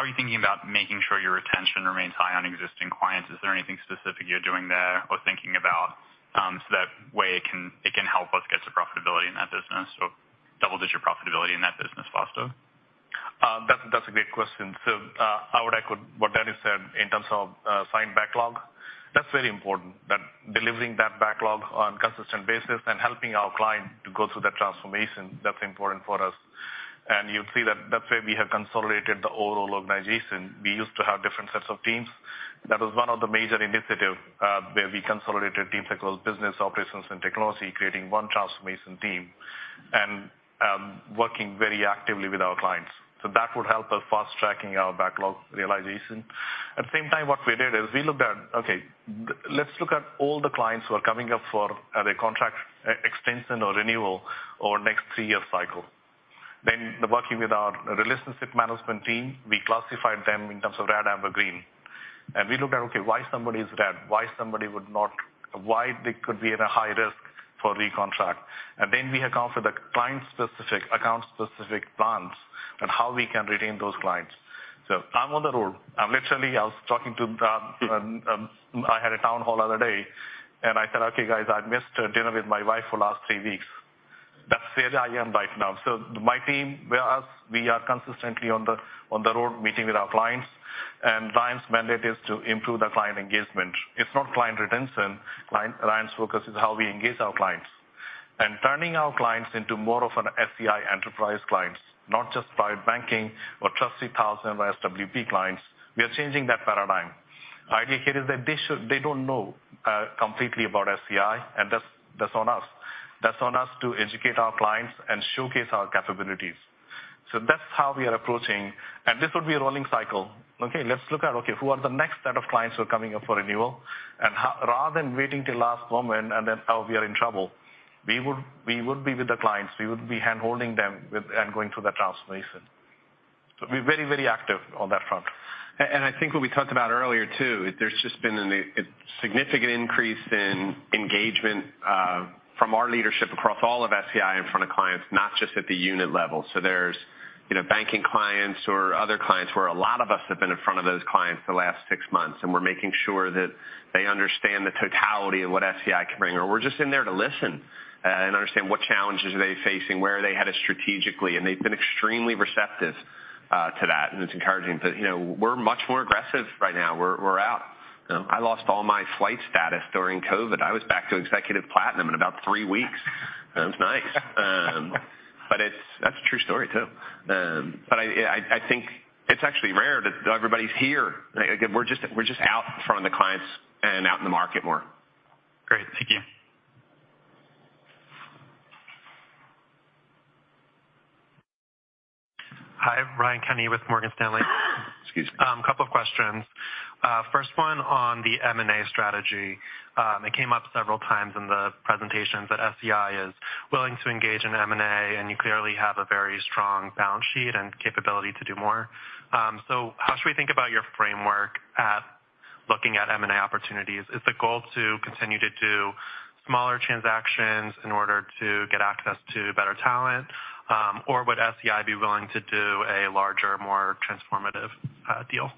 you thinking about making sure your retention remains high on existing clients? Is there anything specific you're doing there or thinking about, so that way it can help us get to profitability in that business or double-digit profitability in that business faster? That's a great question. I would echo what Dennis said in terms of signed backlog. That's very important, delivering that backlog on a consistent basis and helping our clients go through that transformation. That's important for us. You see that's where we have consolidated the overall organization. We used to have different sets of teams. That was one of the major initiatives where we consolidated teams across business operations and technology, creating one transformation team and working very actively with our clients. That would help us fast-tracking our backlog realization. At the same time, what we did is we looked at all the clients who are coming up for either contract extension or renewal over the next three-year cycle. Working with our relationship management team, we classified them in terms of red, amber, green. We looked at, okay, why somebody is red, why they could be at a high risk for recontract. We account for the client-specific, account-specific plans on how we can retain those clients. I'm on the road. I had a town hall the other day, and I said, "Okay, guys, I missed dinner with my wife for the last three weeks." That's where I am right now. My team, whereas we are consistently on the road meeting with our clients, and Ryan's mandate is to improve the client engagement. It's not client retention. Ryan's focus is how we engage our clients. Turning our clients into more of an SEI enterprise clients, not just private banking or TRUST 3000 or SWP clients, we are changing that paradigm. Idea here is that they don't know completely about SEI, and that's on us. That's on us to educate our clients and showcase our capabilities. That's how we are approaching. This would be a rolling cycle. Okay, let's look at who are the next set of clients who are coming up for renewal? Rather than waiting till last moment and then, oh, we are in trouble, we would be with the clients. We would be handholding them with and going through the transformation. We're very, very active on that front. I think what we talked about earlier, too, there's just been a significant increase in engagement from our leadership across all of SEI in front of clients, not just at the unit level. There's, you know, banking clients or other clients where a lot of us have been in front of those clients the last six months, and we're making sure that they understand the totality of what SEI can bring, or we're just in there to listen and understand what challenges are they facing, where are they headed strategically. They've been extremely receptive to that, and it's encouraging. You know, we're much more aggressive right now. We're out. You know? I lost all my flight status during COVID. I was back to executive platinum in about three weeks. That was nice. But it's. That's a true story, too. I think it's actually rare that everybody's here. Like we're just out in front of the clients and out in the market more. Great. Thank you. Hi, Ryan Kenny with Morgan Stanley. Excuse me. Couple of questions. First one on the M&A strategy. It came up several times in the presentations that SEI is willing to engage in M&A, and you clearly have a very strong balance sheet and capability to do more. How should we think about your framework at looking at M&A opportunities? Is the goal to continue to do smaller transactions in order to get access to better talent? Or would SEI be willing to do a larger, more transformative deal?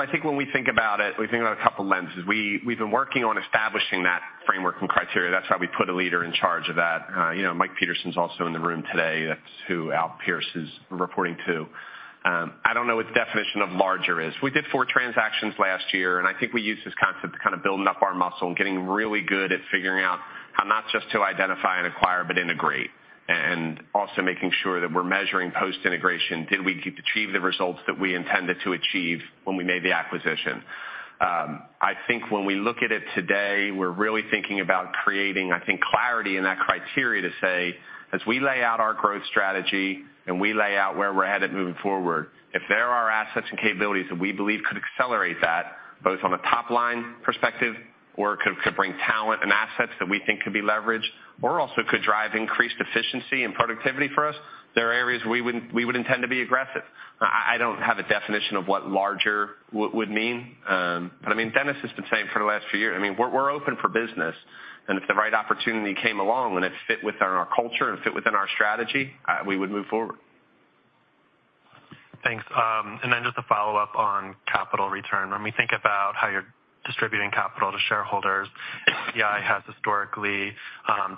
I think when we think about it, we think about a couple lenses. We've been working on establishing that framework and criteria. That's why we put a leader in charge of that. You know, Mike Peterson's also in the room today. That's who Al Pierce is reporting to. I don't know what the definition of larger is. We did 4 transactions last year, and I think we used this concept to kind of building up our muscle and getting really good at figuring out how not just to identify and acquire but integrate. And also making sure that we're measuring post-integration, did we achieve the results that we intended to achieve when we made the acquisition? I think when we look at it today, we're really thinking about creating, I think, clarity in that criteria to say, as we lay out our growth strategy and we lay out where we're headed moving forward, if there are assets and capabilities that we believe could accelerate that, both on a top-line perspective or could bring talent and assets that we think could be leveraged or also could drive increased efficiency and productivity for us, there are areas we would intend to be aggressive. I don't have a definition of what larger would mean. I mean, Dennis has been saying for the last few years, I mean, we're open for business. If the right opportunity came along and it fit within our culture and fit within our strategy, we would move forward. Thanks. Just a follow-up on capital return. When we think about how you're distributing capital to shareholders, SEI has historically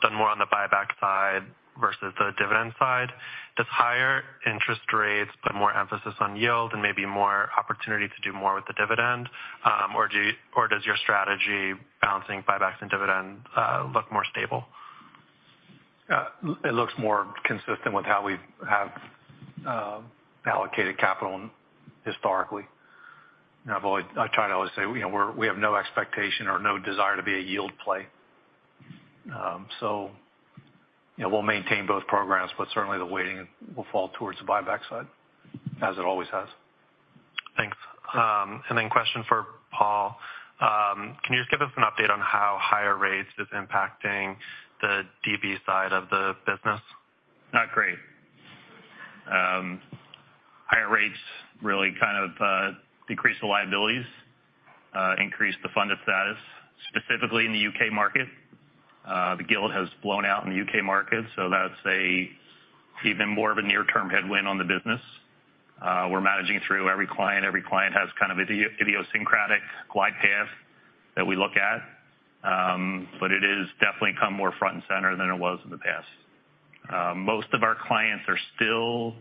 done more on the buyback side versus the dividend side. Does higher interest rates put more emphasis on yield and maybe more opportunity to do more with the dividend? Does your strategy balancing buybacks and dividend look more stable? Yeah. It looks more consistent with how we have allocated capital historically. I try to always say, you know, we have no expectation or no desire to be a yield play. You know, we'll maintain both programs, but certainly the weighting will fall towards the buyback side, as it always has. Thanks. Question for Paul. Can you just give us an update on how higher rates is impacting the DB side of the business? Not great. Higher rates really kind of decrease the liabilities, increase the funded status, specifically in the U.K. market. The gilt has blown out in the U.K. market, so that's an even more of a near-term headwind on the business. We're managing through every client. Every client has kind of idiosyncratic glide path that we look at. It has definitely come more front and center than it was in the past. Most of our clients are still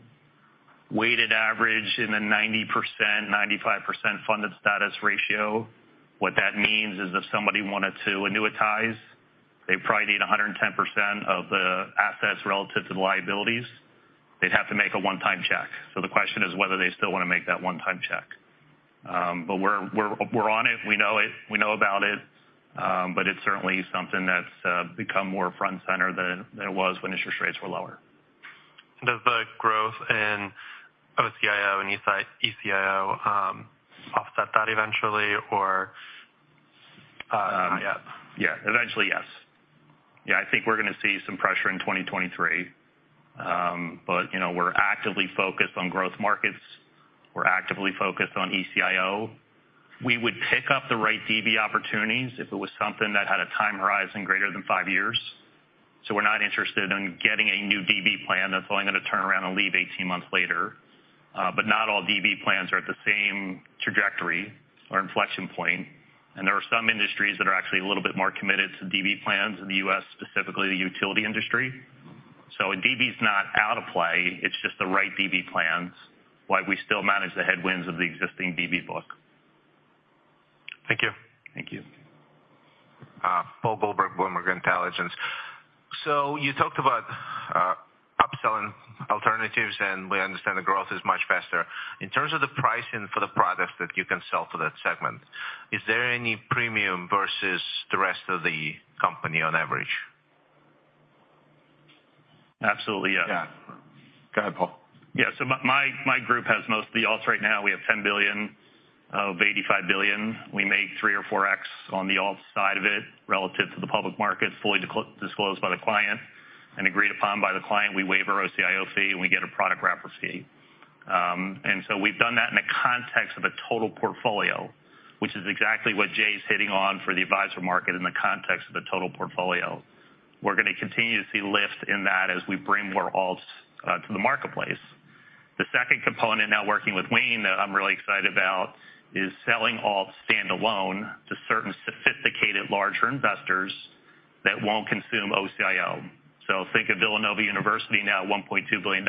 weighted average in the 90%-95% funded status ratio. What that means is if somebody wanted to annuitize, they'd probably need 110% of the assets relative to the liabilities. They'd have to make a one-time check. The question is whether they still wanna make that one-time check. We're on it. We know it. We know about it. It's certainly something that's become more front and center than it was when interest rates were lower. Does the growth in OCIO and ECIO offset that eventually, or not yet? Yeah. Eventually, yes. Yeah, I think we're gonna see some pressure in 2023. You know, we're actively focused on growth markets. We're actively focused on ECIO. We would pick up the right DB opportunities if it was something that had a time horizon greater than five years. We're not interested in getting a new DB plan that's only gonna turn around and leave 18 months later. Not all DB plans are at the same trajectory or inflection point. There are some industries that are actually a little bit more committed to DB plans in the U.S., specifically the utility industry. DB's not out of play, it's just the right DB plans, while we still manage the headwinds of the existing DB book. Thank you. Thank you. Paul Gulberg, Bloomberg Intelligence. You talked about upselling alternatives, and we understand the growth is much faster. In terms of the pricing for the products that you can sell for that segment, is there any premium versus the rest of the company on average? Absolutely, yeah. Yeah. Go ahead, Paul. Yeah. My group has most of the alts right now. We have $10 billion of $85 billion. We make 3x or 4x on the alt side of it relative to the public market, fully disclosed by the client and agreed upon by the client. We waive our OCIO fee, and we get a product wrapper fee. We've done that in the context of a total portfolio, which is exactly what Jay's hitting on for the advisor market in the context of the total portfolio. We're gonna continue to see lift in that as we bring more alts to the marketplace. The second component now working with Wayne that I'm really excited about is selling alts standalone to certain sophisticated larger investors that won't consume OCIO. Think of Villanova University now at $1.2 billion.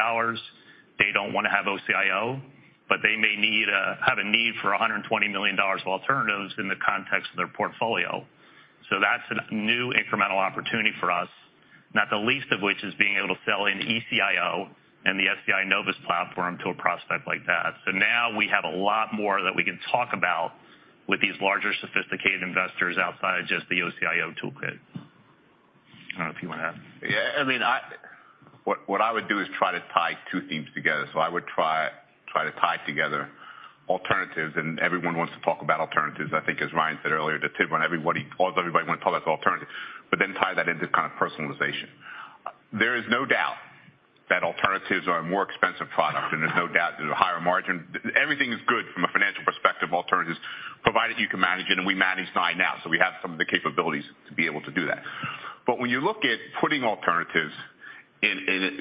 They don't wanna have OCIO, but they may need—have a need for $120 million of alternatives in the context of their portfolio. That's a new incremental opportunity for us, not the least of which is being able to sell into ECIO and the SEI Novus platform to a prospect like that. Now we have a lot more that we can talk about with these larger sophisticated investors outside of just the OCIO toolkit. I don't know if you wanna add. Yeah, I mean, what I would do is try to tie two themes together. I would try to tie together alternatives, and everyone wants to talk about alternatives. I think as Ryan said earlier, although everybody wants to talk about alternatives, but then tie that into kind of personalization. There is no doubt. Alternatives are a more expensive product, and there's no doubt there's a higher margin. Everything is good from a financial perspective, alternatives, provided you can manage it, and we manage nine now, so we have some of the capabilities to be able to do that. When you look at putting alternatives in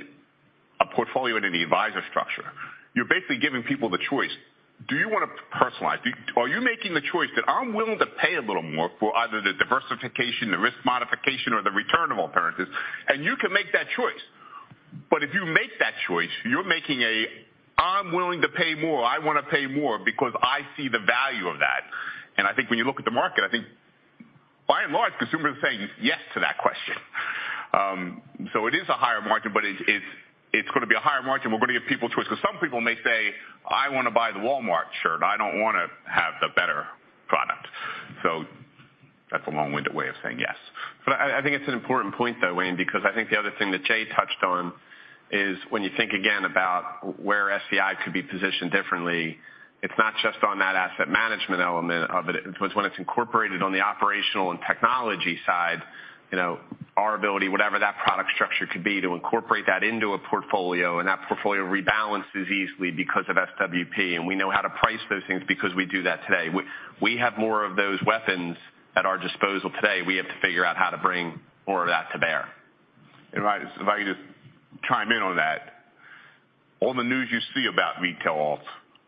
a portfolio in an advisor structure, you're basically giving people the choice. Do you wanna personalize? Are you making the choice that I'm willing to pay a little more for either the diversification, the risk modification or the return of alternatives, and you can make that choice. If you make that choice, you're making a, "I'm willing to pay more. I wanna pay more because I see the value of that." I think when you look at the market, I think by and large, consumers are saying yes to that question. It is a higher margin, but it's gonna be a higher margin. We're gonna give people choice because some people may say, "I wanna buy the Walmart shirt. I don't wanna have the better product." That's a long-winded way of saying yes. I think it's an important point, though, Wayne, because I think the other thing that Jay touched on is when you think again about where SEI could be positioned differently, it's not just on that asset management element of it. It's when it's incorporated on the operational and technology side, you know, our ability, whatever that product structure could be, to incorporate that into a portfolio and that portfolio rebalances easily because of SWP, and we know how to price those things because we do that today. We have more of those weapons at our disposal today. We have to figure out how to bring more of that to bear. If I just chime in on that. All the news you see about retail alt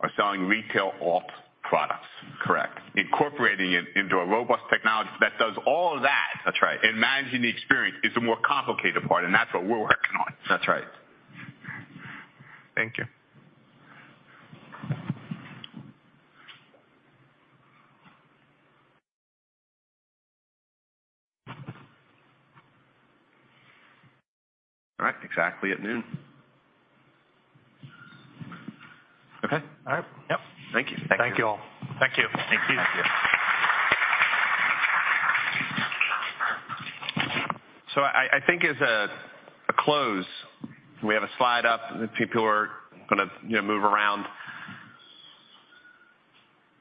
are selling retail alt products. Correct. Incorporating it into a robust technology that does all of that. That's right. Managing the experience is the more complicated part, and that's what we're working on. That's right. Thank you. All right. Exactly at noon. Okay. All right. Yep. Thank you. Thank you all. Thank you. Thank you. Thank you. I think as a close, we have a slide up, and the people are gonna move around.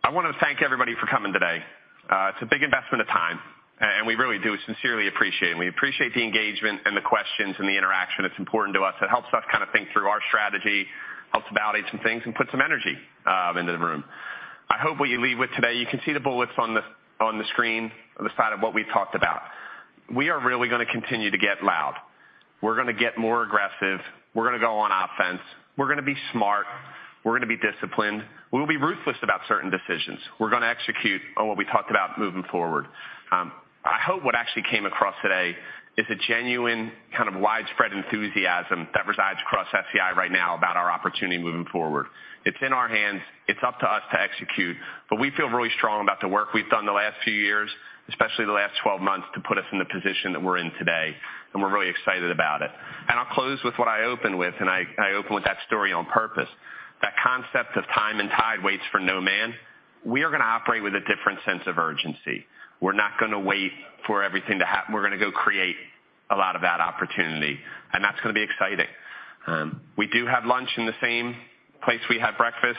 I wanna thank everybody for coming today. It's a big investment of time, and we really do sincerely appreciate it. We appreciate the engagement and the questions and the interaction. It's important to us. It helps us kinda think through our strategy, helps validate some things and put some energy into the room. I hope what you leave with today, you can see the bullets on the screen, on the side of what we've talked about. We are really gonna continue to get loud. We're gonna get more aggressive. We're gonna go on offense. We're gonna be smart. We're gonna be disciplined. We'll be ruthless about certain decisions. We're gonna execute on what we talked about moving forward. I hope what actually came across today is a genuine, kind of widespread enthusiasm that resides across SEI right now about our opportunity moving forward. It's in our hands. It's up to us to execute, but we feel really strong about the work we've done the last few years, especially the last 12 months, to put us in the position that we're in today, and we're really excited about it. I'll close with what I opened with, and I opened with that story on purpose. That concept of time and tide waits for no man. We are gonna operate with a different sense of urgency. We're gonna go create a lot of that opportunity, and that's gonna be exciting. We do have lunch in the same place we had breakfast.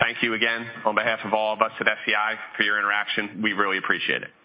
Thank you again on behalf of all of us at SEI for your interaction. We really appreciate it.